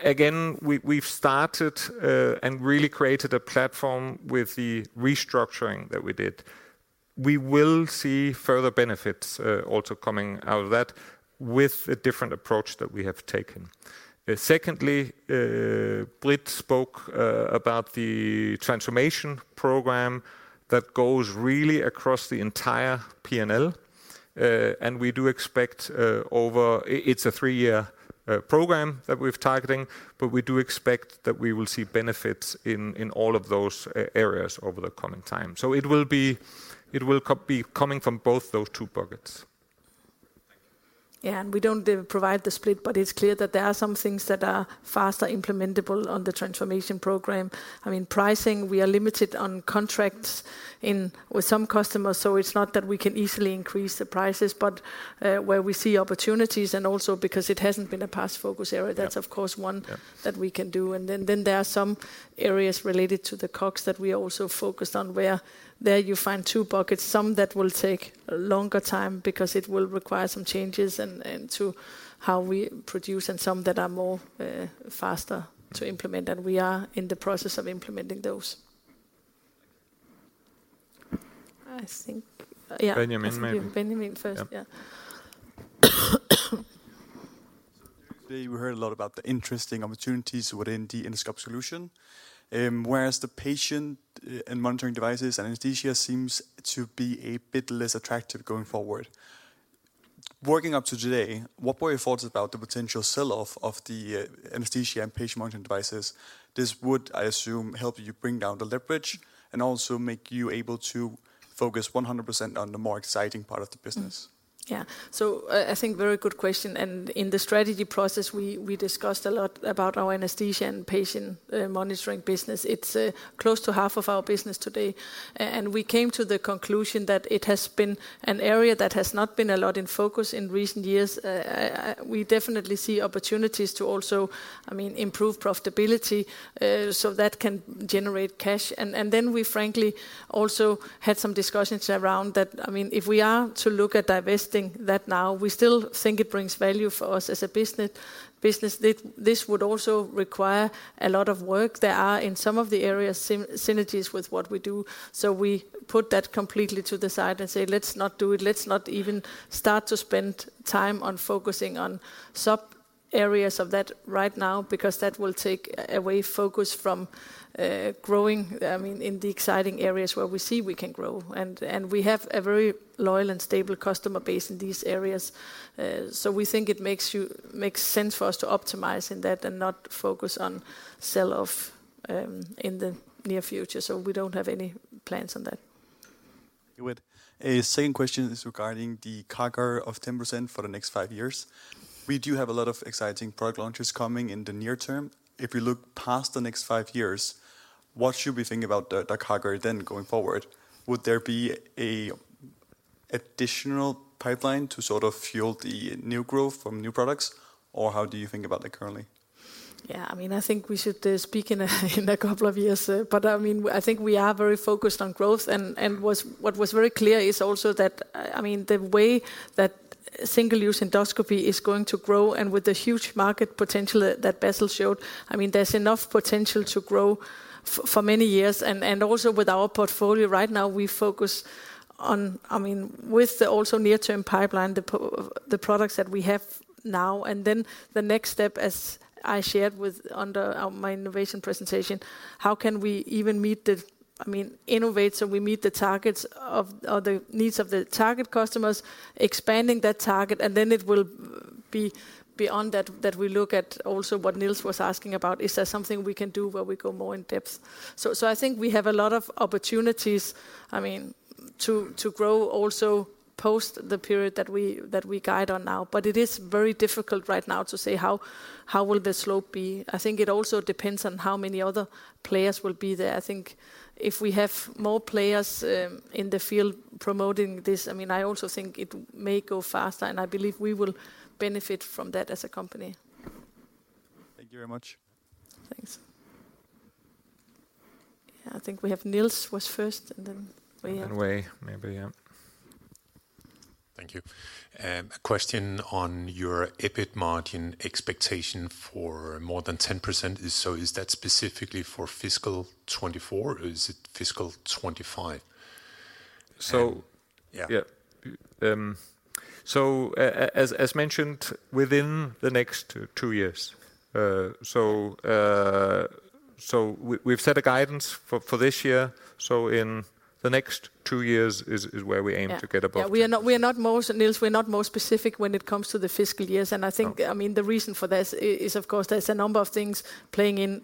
Again, we've started and really created a platform with the restructuring that we did. We will see further benefits also coming out of that with a different approach that we have taken. Secondly, Blitz spoke about the transformation program that goes really across the entire PNL. We do expect over. It's a three-year program that we're targeting, but we do expect that we will see benefits in all of those areas over the coming time. It will be coming from both those two buckets. Thank you. Yeah. We don't provide the split, but it's clear that there are some things that are faster implementable on the transformation program. I mean, pricing, we are limited on contracts in, with some customers, so it's not that we can easily increase the prices, but where we see opportunities and also because it hasn't been a past focus area. Yeah. That's of course. Yeah. That we can do. Then there are some areas related to the costs that we are also focused on, where there you find two buckets, some that will take a longer time because it will require some changes and to how we produce, and some that are more faster to implement, and we are in the process of implementing those. I think. Yeah. Benjamin maybe. I think we have Benjamin first. Yeah. Today we heard a lot about the interesting opportunities within the endoscope solution, whereas the patient and monitoring devices anesthesia seems to be a bit less attractive going forward. Working up to today, what were your thoughts about the potential sell-off of the anesthesia and patient monitoring devices? This would, I assume, help you bring down the leverage and also make you able to focus 100% on the more exciting part of the business. I think very good question. In the strategy process, we discussed a lot about our anesthesia and patient monitoring business. It's close to half of our business today. We came to the conclusion that it has been an area that has not been a lot in focus in recent years. We definitely see opportunities to also, I mean, improve profitability, so that can generate cash. We frankly also had some discussions around that. I mean, if we are to look at divesting that now, we still think it brings value for us as a business. This would also require a lot of work. There are, in some of the areas, synergies with what we do. We put that completely to the side and say, Let's not do it. Let's not even start to spend time on focusing on sub areas of that right now, because that will take away focus from, I mean, growing in the exciting areas where we see we can grow. We have a very loyal and stable customer base in these areas. We think it makes sense for us to optimize in that and not focus on sell-off in the near future. We don't have any plans on that. With a second question is regarding the CAGR of 10% for the next five years. We do have a lot of exciting product launches coming in the near term. If you look past the next five years, what should we think about the CAGR then going forward? Would there be a additional pipeline to sort of fuel the new growth from new products, or how do you think about that currently? I mean, I think we should speak in a couple of years. I mean, I think we are very focused on growth. What was very clear is also that, I mean, the way that single-use endoscopy is going to grow and with the huge market potential that Bassel showed, I mean, there's enough potential to grow for many years. Also with our portfolio right now, we focus on, I mean, with the also near-term pipeline, the products that we have now, and then the next step, as I shared with under my innovation presentation, how can we even meet the. I mean, innovate, so we meet the targets of the needs of the target customers, expanding that target, and then it will be beyond that we look at also what Niels was asking about, is there something we can do where we go more in depth? I think we have a lot of opportunities, I mean, to grow also post the period that we guide on now. It is very difficult right now to say how will the slope be. I think it also depends on how many other players will be there. I think if we have more players in the field promoting this, I mean, I also think it may go faster, and I believe we will benefit from that as a company. Thank you very much. Thanks. Yeah, I think we have Niels was first, and then Wei. Wei maybe. Yeah. Thank you. A question on your EBIT margin expectation for more than 10%. Is that specifically for fiscal 2024, or is it fiscal 2025? So. Yeah. Yeah. As mentioned, within the next two years. So we've set a guidance for this year. In the next two years is where we aim to get above that. Yeah. Yeah. We are not more, Niels, we're not more specific when it comes to the fiscal years. I think, I mean, the reason for this is of course there's a number of things playing in.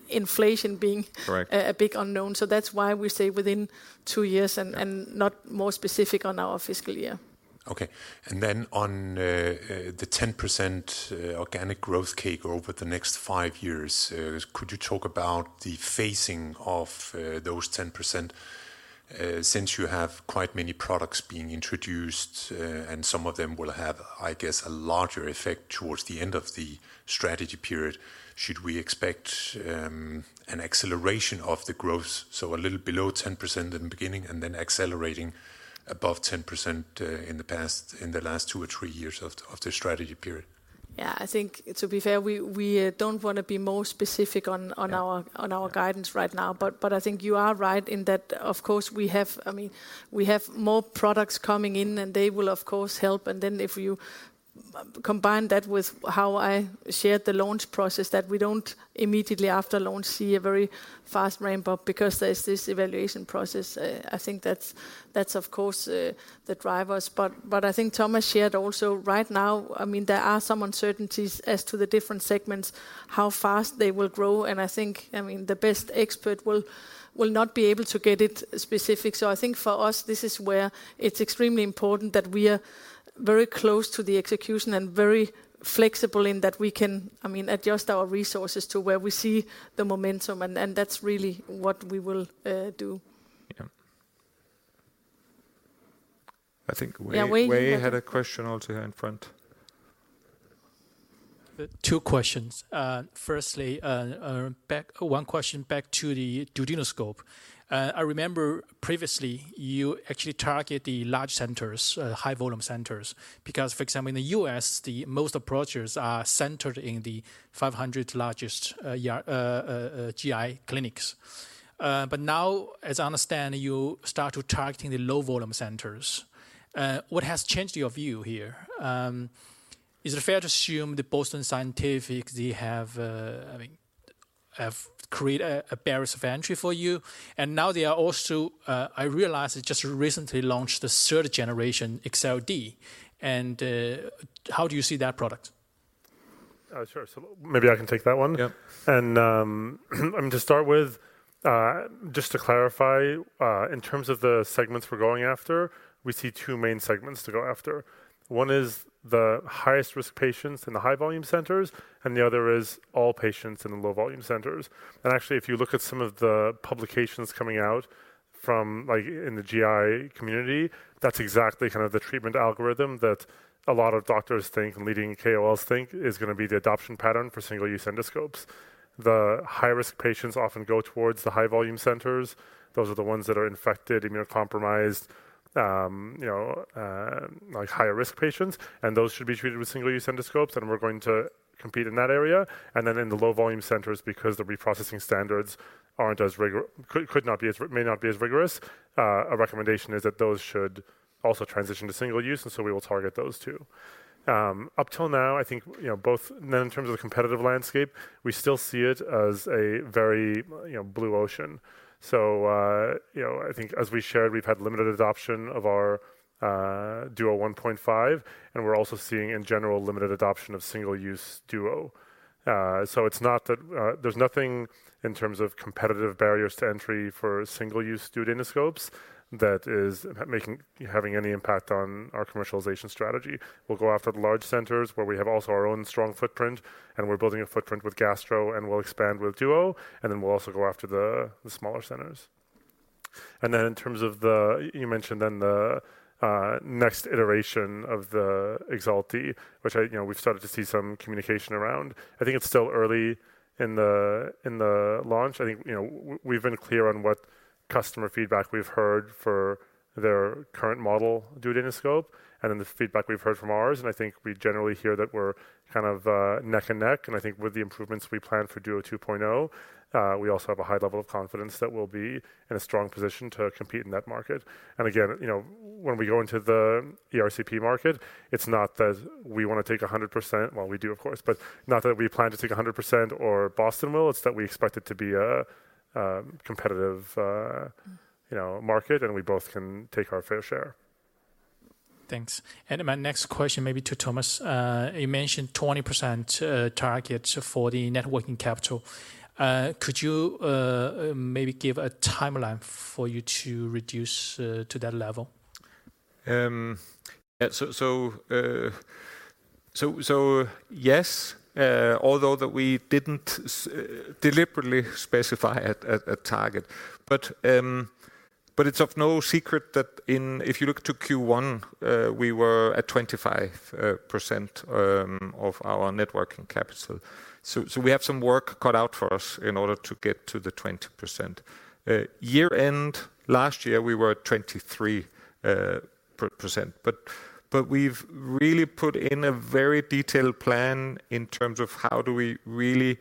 Correct. A big unknown. That's why we say within two years not more specific on our fiscal year. Okay. Then on, the 10% organic growth cake over the next five years, could you talk about the phasing of those 10%? Since you have quite many products being introduced, and some of them will have, I guess, a larger effect towards the end of the strategy period, should we expect an acceleration of the growth, so a little below 10% in the beginning and then accelerating above 10%, in the past, in the last two or three years of the strategy period? Yeah. I think to be fair, we don't want to be more specific on. On our guidance right now. I think you are right in that, of course, we have... I mean, we have more products coming in, and they will of course help. If you combine that with how I shared the launch process, that we don't immediately after launch see a very fast ramp-up because there's this evaluation process. I think that's of course, the drivers. I think Thomas shared also right now, I mean, there are some uncertainties as to the different segments, how fast they will grow. I think, I mean, the best expert will not be able to get it specific. I think for us, this is where it's extremely important that we are very close to the execution and very flexible in that we can, I mean, adjust our resources to where we see the momentum and that's really what we will do. Yeah. I think Yeah. Wei you have. Wei had a question also in front. Two questions. Firstly, one question back to the duodenoscope. I remember previously you actually target the large centers, high volume centers, because for example, in the US the most approaches are centered in the 500 largest, GI clinics. Now as I understand, you start to targeting the low volume centers. What has changed your view here? Is it fair to assume that Boston Scientific, they have, I mean, have create a barriers of entry for you and now they are also, I realize it just recently launched the third generation EXALT D and, how do you see that product? Sure, maybe I can take that one. Yeah. I mean to start with, just to clarify, in terms of the segments we're going after, we see two main segments to go after. One is the highest risk patients in the high volume centers, and the other is all patients in the low volume centers. Actually, if you look at some of the publications coming out from, like in the GI community, that's exactly kind of the treatment algorithm that a lot of doctors think and leading KOLs think is going to be the adoption pattern for single-use endoscopes. The high risk patients often go towards the high volume centers. Those are the ones that are infected, immunocompromised, you know, like higher risk patients. Those should be treated with single-use endoscopes, and we're going to compete in that area. In the low volume centers, because the reprocessing standards aren't as rigorous, a recommendation is that those should also transition to single use, we will target those two. Up till now, I think, you know, in terms of the competitive landscape, we still see it as a very, you know, blue ocean. You know, I think as we shared, we've had limited adoption of our aScope Duodeno 1.5, and we're also seeing in general limited adoption of single-use duodenoscope. It's not that there's nothing in terms of competitive barriers to entry for single-use duodenoscopes that is having any impact on our commercialization strategy. We'll go after the large centers where we have also our own strong footprint. We're building a footprint with Gastro and we'll expand with Duo. Then we'll also go after the smaller centers. In terms of the, you mentioned then the next iteration of the EXALT D, which I, you know, we've started to see some communication around. I think it's still early in the launch. I think, you know, we've been clear on what customer feedback we've heard for their current model duodenoscope, and then the feedback we've heard from ours. I think we generally hear that we're kind of neck and neck. I think with the improvements we plan for Duo 2.0, we also have a high level of confidence that we'll be in a strong position to compete in that market. You know, when we go into the ERCP market, it's not that we want to take 100%. Well, we do, of course, but not that we plan to take 100% or Boston will. It's that we expect it to be a competitive, you know, market and we both can take our fair share. Thanks. My next question maybe to Thomas. You mentioned 20% target for the net working capital. Could you maybe give a timeline for you to reduce to that level? Yeah. So yes, although that we didn't deliberately specify a target. It's of no secret that if you look to Q1, we were at 25% of our net working capital. We have some work cut out for us in order to get to the 20%. Year end last year we were at 23%. We've really put in a very detailed plan in terms of how do we really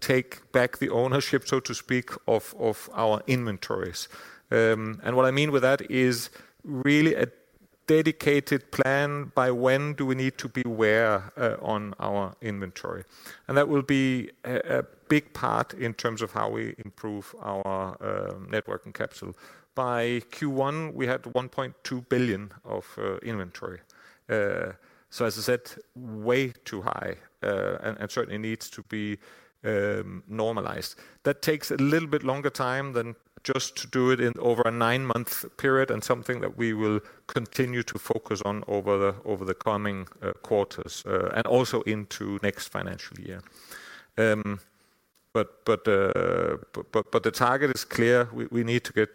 take back the ownership, so to speak, of our inventories. What I mean with that is really a dedicated plan by when do we need to be where on our inventory. That will be a big part in terms of how we improve our net working capital. By Q1, we had 1.2 billion of inventory. As I said, way too high, and certainly needs to be normalized. That takes a little bit longer time than just to do it in over a nine-month period, and something that we will continue to focus on over the coming quarters, and also into next financial year. The target is clear. We need to get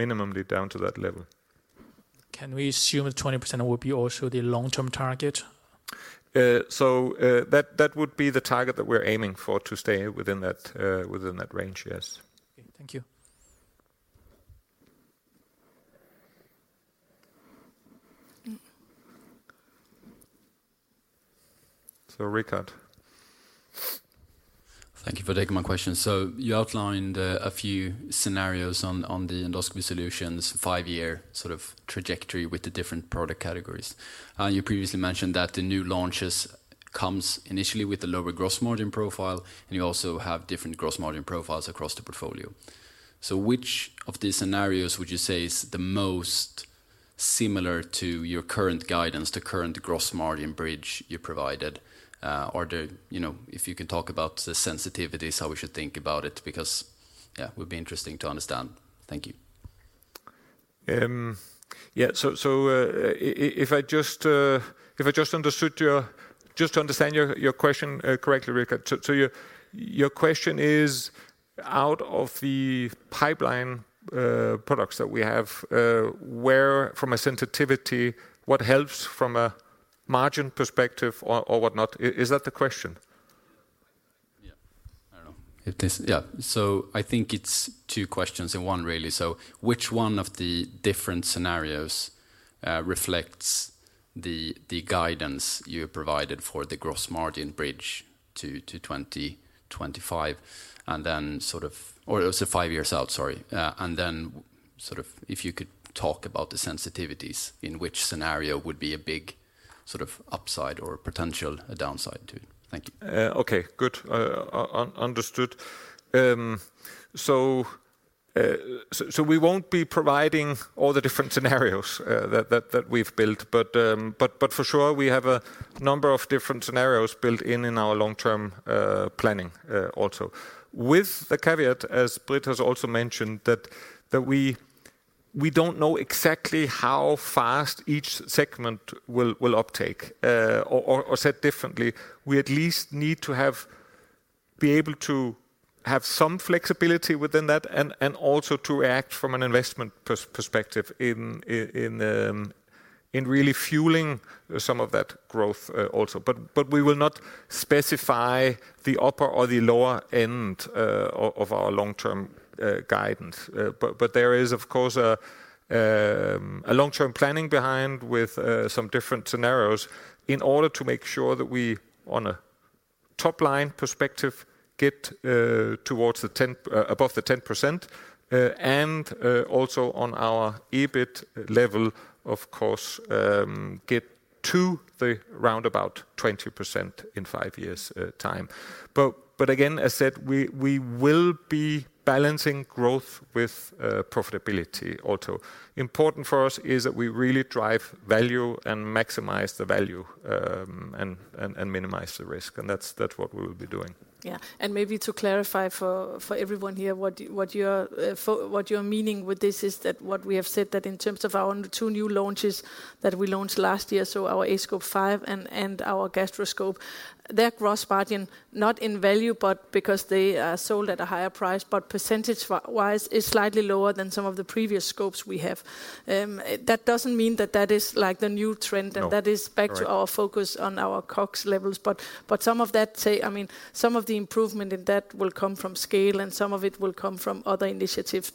minimally down to that level. Can we assume that 20% will be also the long-term target? That would be the target that we're aiming for, to stay within that, within that range, yes. Okay, thank you. Rickard. Thank you for taking my question. You outlined a few scenarios on the endoscopy solutions five-year sort of trajectory with the different product categories. You previously mentioned that the new launches comes initially with the lower gross margin profile, and you also have different gross margin profiles across the portfolio. Which of these scenarios would you say is the most similar to your current guidance, the current gross margin bridge you provided? You know, if you can talk about the sensitivities, how we should think about it, because would be interesting to understand. Thank you. Yeah. Just to understand your question correctly, Rickard. Your question is out of the pipeline products that we have, where from a sensitivity, what helps from a margin perspective or whatnot? Is that the question? I think it's two questions in one really. Which one of the different scenarios reflects the guidance you provided for the gross margin bridge to 2025. It was five years out, sorry. Sort of if you could talk about the sensitivities in which scenario would be a big sort of upside or potential downside to. Thank you. Okay, good. Understood. We won't be providing all the different scenarios that we've built, but for sure, we have a number of different scenarios built in our long-term planning also. With the caveat, as Britt has also mentioned, that we don't know exactly how fast each segment will uptake. Or said differently, we at least need to be able to have some flexibility within that and also to act from an investment perspective in really fueling some of that growth also. We will not specify the upper or the lower end of our long-term guidance. There is of course a long-term planning behind with some different scenarios in order to make sure that we, on a top-line perspective, get towards the 10%, above the 10%, and also on our EBIT level, of course, get to the round about 20% in 5 years' time. Again, as said, we will be balancing growth with profitability also. Important for us is that we really drive value and maximize the value, and minimize the risk, and that's what we will be doing. Yeah. Maybe to clarify for everyone here what you're, for, what you're meaning with this is that what we have said that in terms of our two new launches that we launched last year, so our aScope 5 and our gastroscope, their gross margin, not in value, but because they are sold at a higher price, but percentage-wise is slightly lower than some of the previous scopes we have. That doesn't mean that that is like the new trend. No. Right. And that is back to our focus on our COGS levels. Some of that, say, I mean, some of the improvement in that will come from scale, and some of it will come from other initiatives.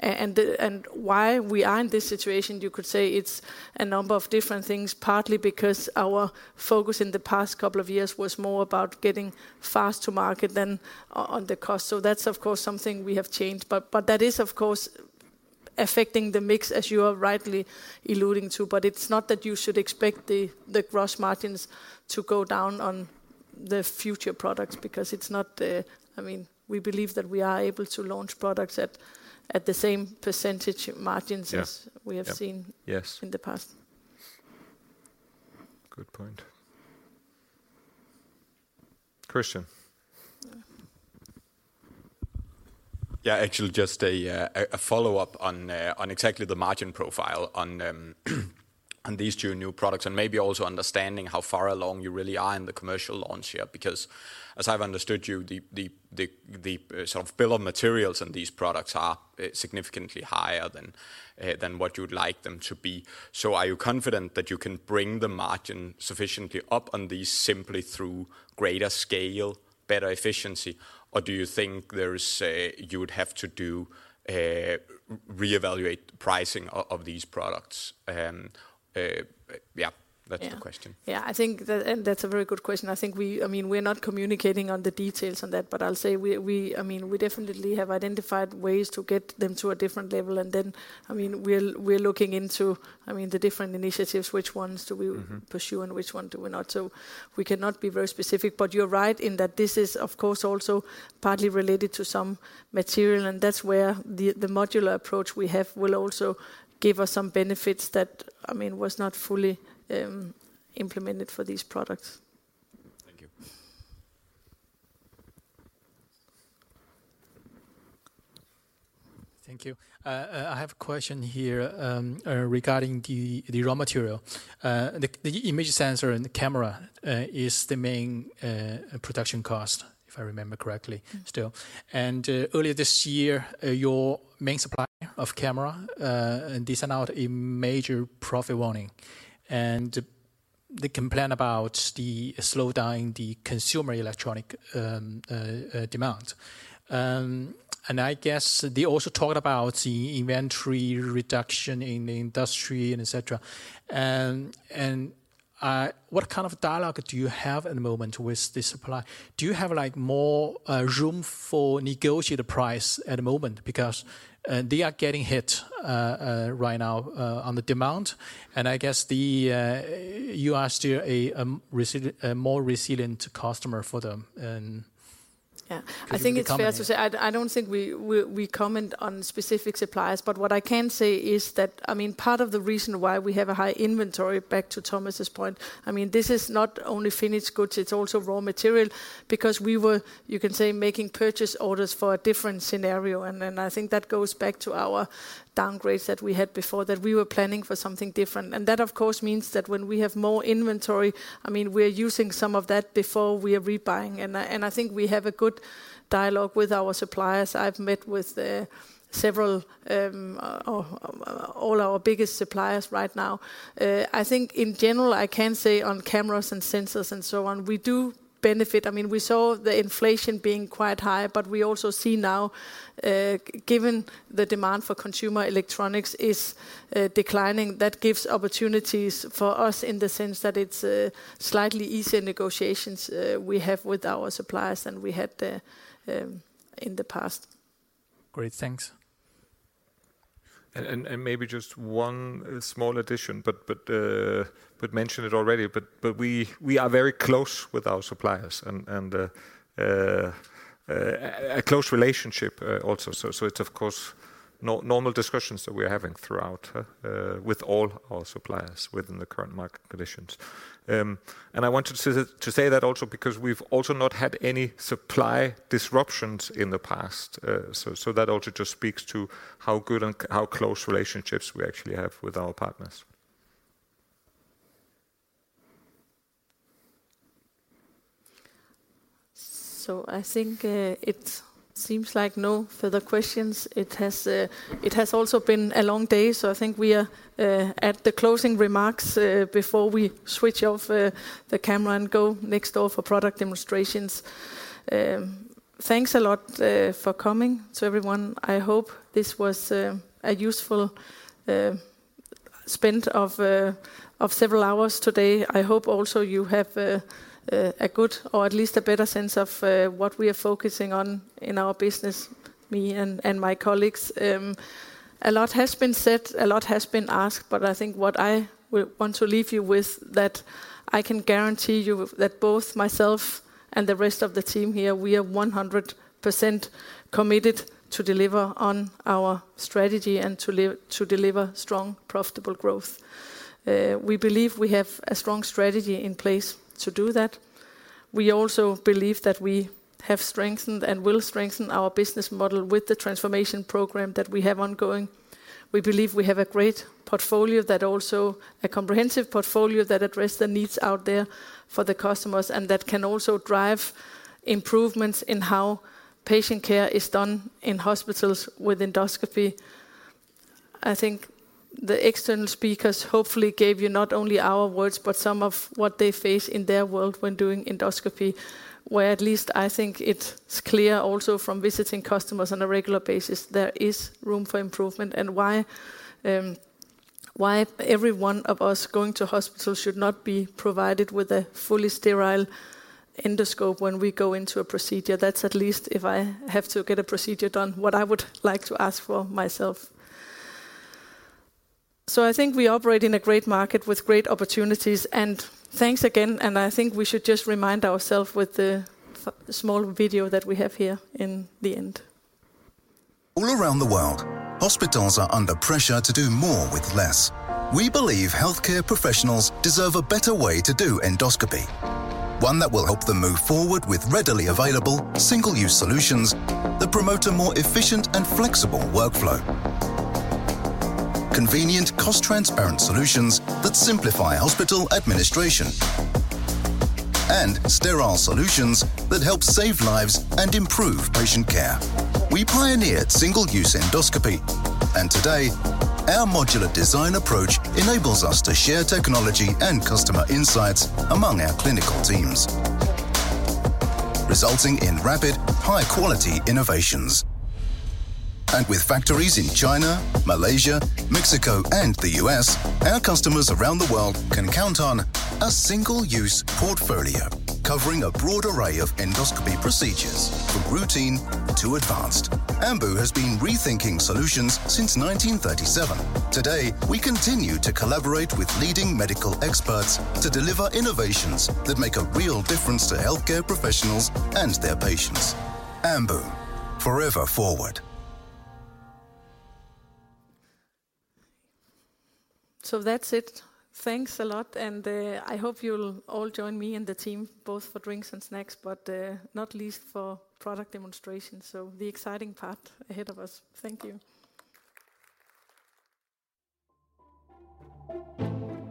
And why we are in this situation, you could say it's a number of different things, partly because our focus in the past couple of years was more about getting fast to market than on the cost. That's of course something we have changed. That is of course affecting the mix, as you are rightly alluding to, but it's not that you should expect the gross margins to go down on the future products, because it's not the I mean, we believe that we are able to launch products at the same % margins as we have in the past. Good point. Christian. Yeah. Actually, just a follow-up on exactly the margin profile on these two new products, and maybe also understanding how far along you really are in the commercial launch here. As I've understood you, the sort of bill of materials on these products are significantly higher than what you'd like them to be. Are you confident that you can bring the margin sufficiently up on these simply through greater scale, better efficiency? Or do you think there is a you would have to do re-evaluate pricing of these products? Yeah, that's the question. Yeah. Yeah, I think that. That's a very good question. I think, I mean, we're not communicating on the details on that. I'll say we, I mean, we definitely have identified ways to get them to a different level. I mean, we're looking into, I mean, the different initiatives. pursue and which one do we not. We cannot be very specific. You're right in that this is, of course, also partly related to some material, and that's where the modular approach we have will also give us some benefits that, I mean, was not fully implemented for these products. Thank you. Thank you. I have a question here regarding the raw material. The image sensor and the camera is the main production cost, if I remember correctly still. Earlier this year, your main supplier of camera, they sent out a major profit warning. They complain about the slowdown the consumer electronic demand. I guess they also talk about the inventory reduction in the industry and et cetera. What kind of dialogue do you have at the moment with the supplier? Do you have, like, more room for negotiate the price at the moment? Because they are getting hit right now on the demand, and I guess you are still a more resilient customer for them. Yeah. I think it's fair to say. Can you comment? I don't think we comment on specific suppliers. What I can say is that, I mean, part of the reason why we have a high inventory, back to Thomas' point, I mean, this is not only finished goods, it's also raw material, because we were, you can say, making purchase orders for a different scenario. I think that goes back to our downgrades that we had before, that we were planning for something different. That, of course, means that when we have more inventory, I mean, we're using some of that before we are rebuying. I think we have a good dialogue with our suppliers. I've met with several or all our biggest suppliers right now. I think in general, I can say on cameras and sensors and so on, we do benefit. I mean, we saw the inflation being quite high, but we also see now, given the demand for consumer electronics is declining, that gives opportunities for us in the sense that it's slightly easier negotiations we have with our suppliers than we had in the past. Great. Thanks. Maybe just one small addition, mentioned it already. We are very close with our suppliers and a close relationship also. It's of course normal discussions that we're having throughout with all our suppliers within the current market conditions. I wanted to say that also because we've also not had any supply disruptions in the past. That also just speaks to how good and how close relationships we actually have with our partners. I think, it seems like no further questions. It has, it has also been a long day, so I think we are at the closing remarks before we switch off the camera and go next door for product demonstrations. Thanks a lot for coming to everyone. I hope this was a useful spend of several hours today. I hope also you have a good or at least a better sense of what we are focusing on in our business, me and my colleagues. A lot has been said, a lot has been asked, I think what I want to leave you with, that I can guarantee you that both myself and the rest of the team here, we are 100% committed to deliver on our strategy and to deliver strong, profitable growth. We believe we have a strong strategy in place to do that. We also believe that we have strengthened and will strengthen our business model with the transformation program that we have ongoing. We believe we have a great portfolio that also, a comprehensive portfolio that address the needs out there for the customers, and that can also drive improvements in how patient care is done in hospitals with endoscopy. I think the external speakers hopefully gave you not only our words, but some of what they face in their world when doing endoscopy, where at least I think it's clear also from visiting customers on a regular basis, there is room for improvement, and why every one of us going to hospital should not be provided with a fully sterile endoscope when we go into a procedure. That's at least if I have to get a procedure done, what I would like to ask for myself. I think we operate in a great market with great opportunities. Thanks again. I think we should just remind ourself with the small video that we have here in the end. All around the world, hospitals are under pressure to do more with less. We believe healthcare professionals deserve a better way to do endoscopy, one that will help them move forward with readily available, single-use solutions that promote a more efficient and flexible workflow. Convenient, cost-transparent solutions that simplify hospital administration. Sterile solutions that help save lives and improve patient care. We pioneered single-use endoscopy. Today, our modular design approach enables us to share technology and customer insights among our clinical teams, resulting in rapid, high-quality innovations. With factories in China, Malaysia, Mexico, and the US, our customers around the world can count on a single-use portfolio covering a broad array of endoscopy procedures from routine to advanced. Ambu has been rethinking solutions since 1937. Today, we continue to collaborate with leading medical experts to deliver innovations that make a real difference to healthcare professionals and their patients. Ambu, forever forward. That's it. Thanks a lot, and, I hope you'll all join me and the team both for drinks and snacks, but, not least for product demonstrations. The exciting part ahead of us. Thank you.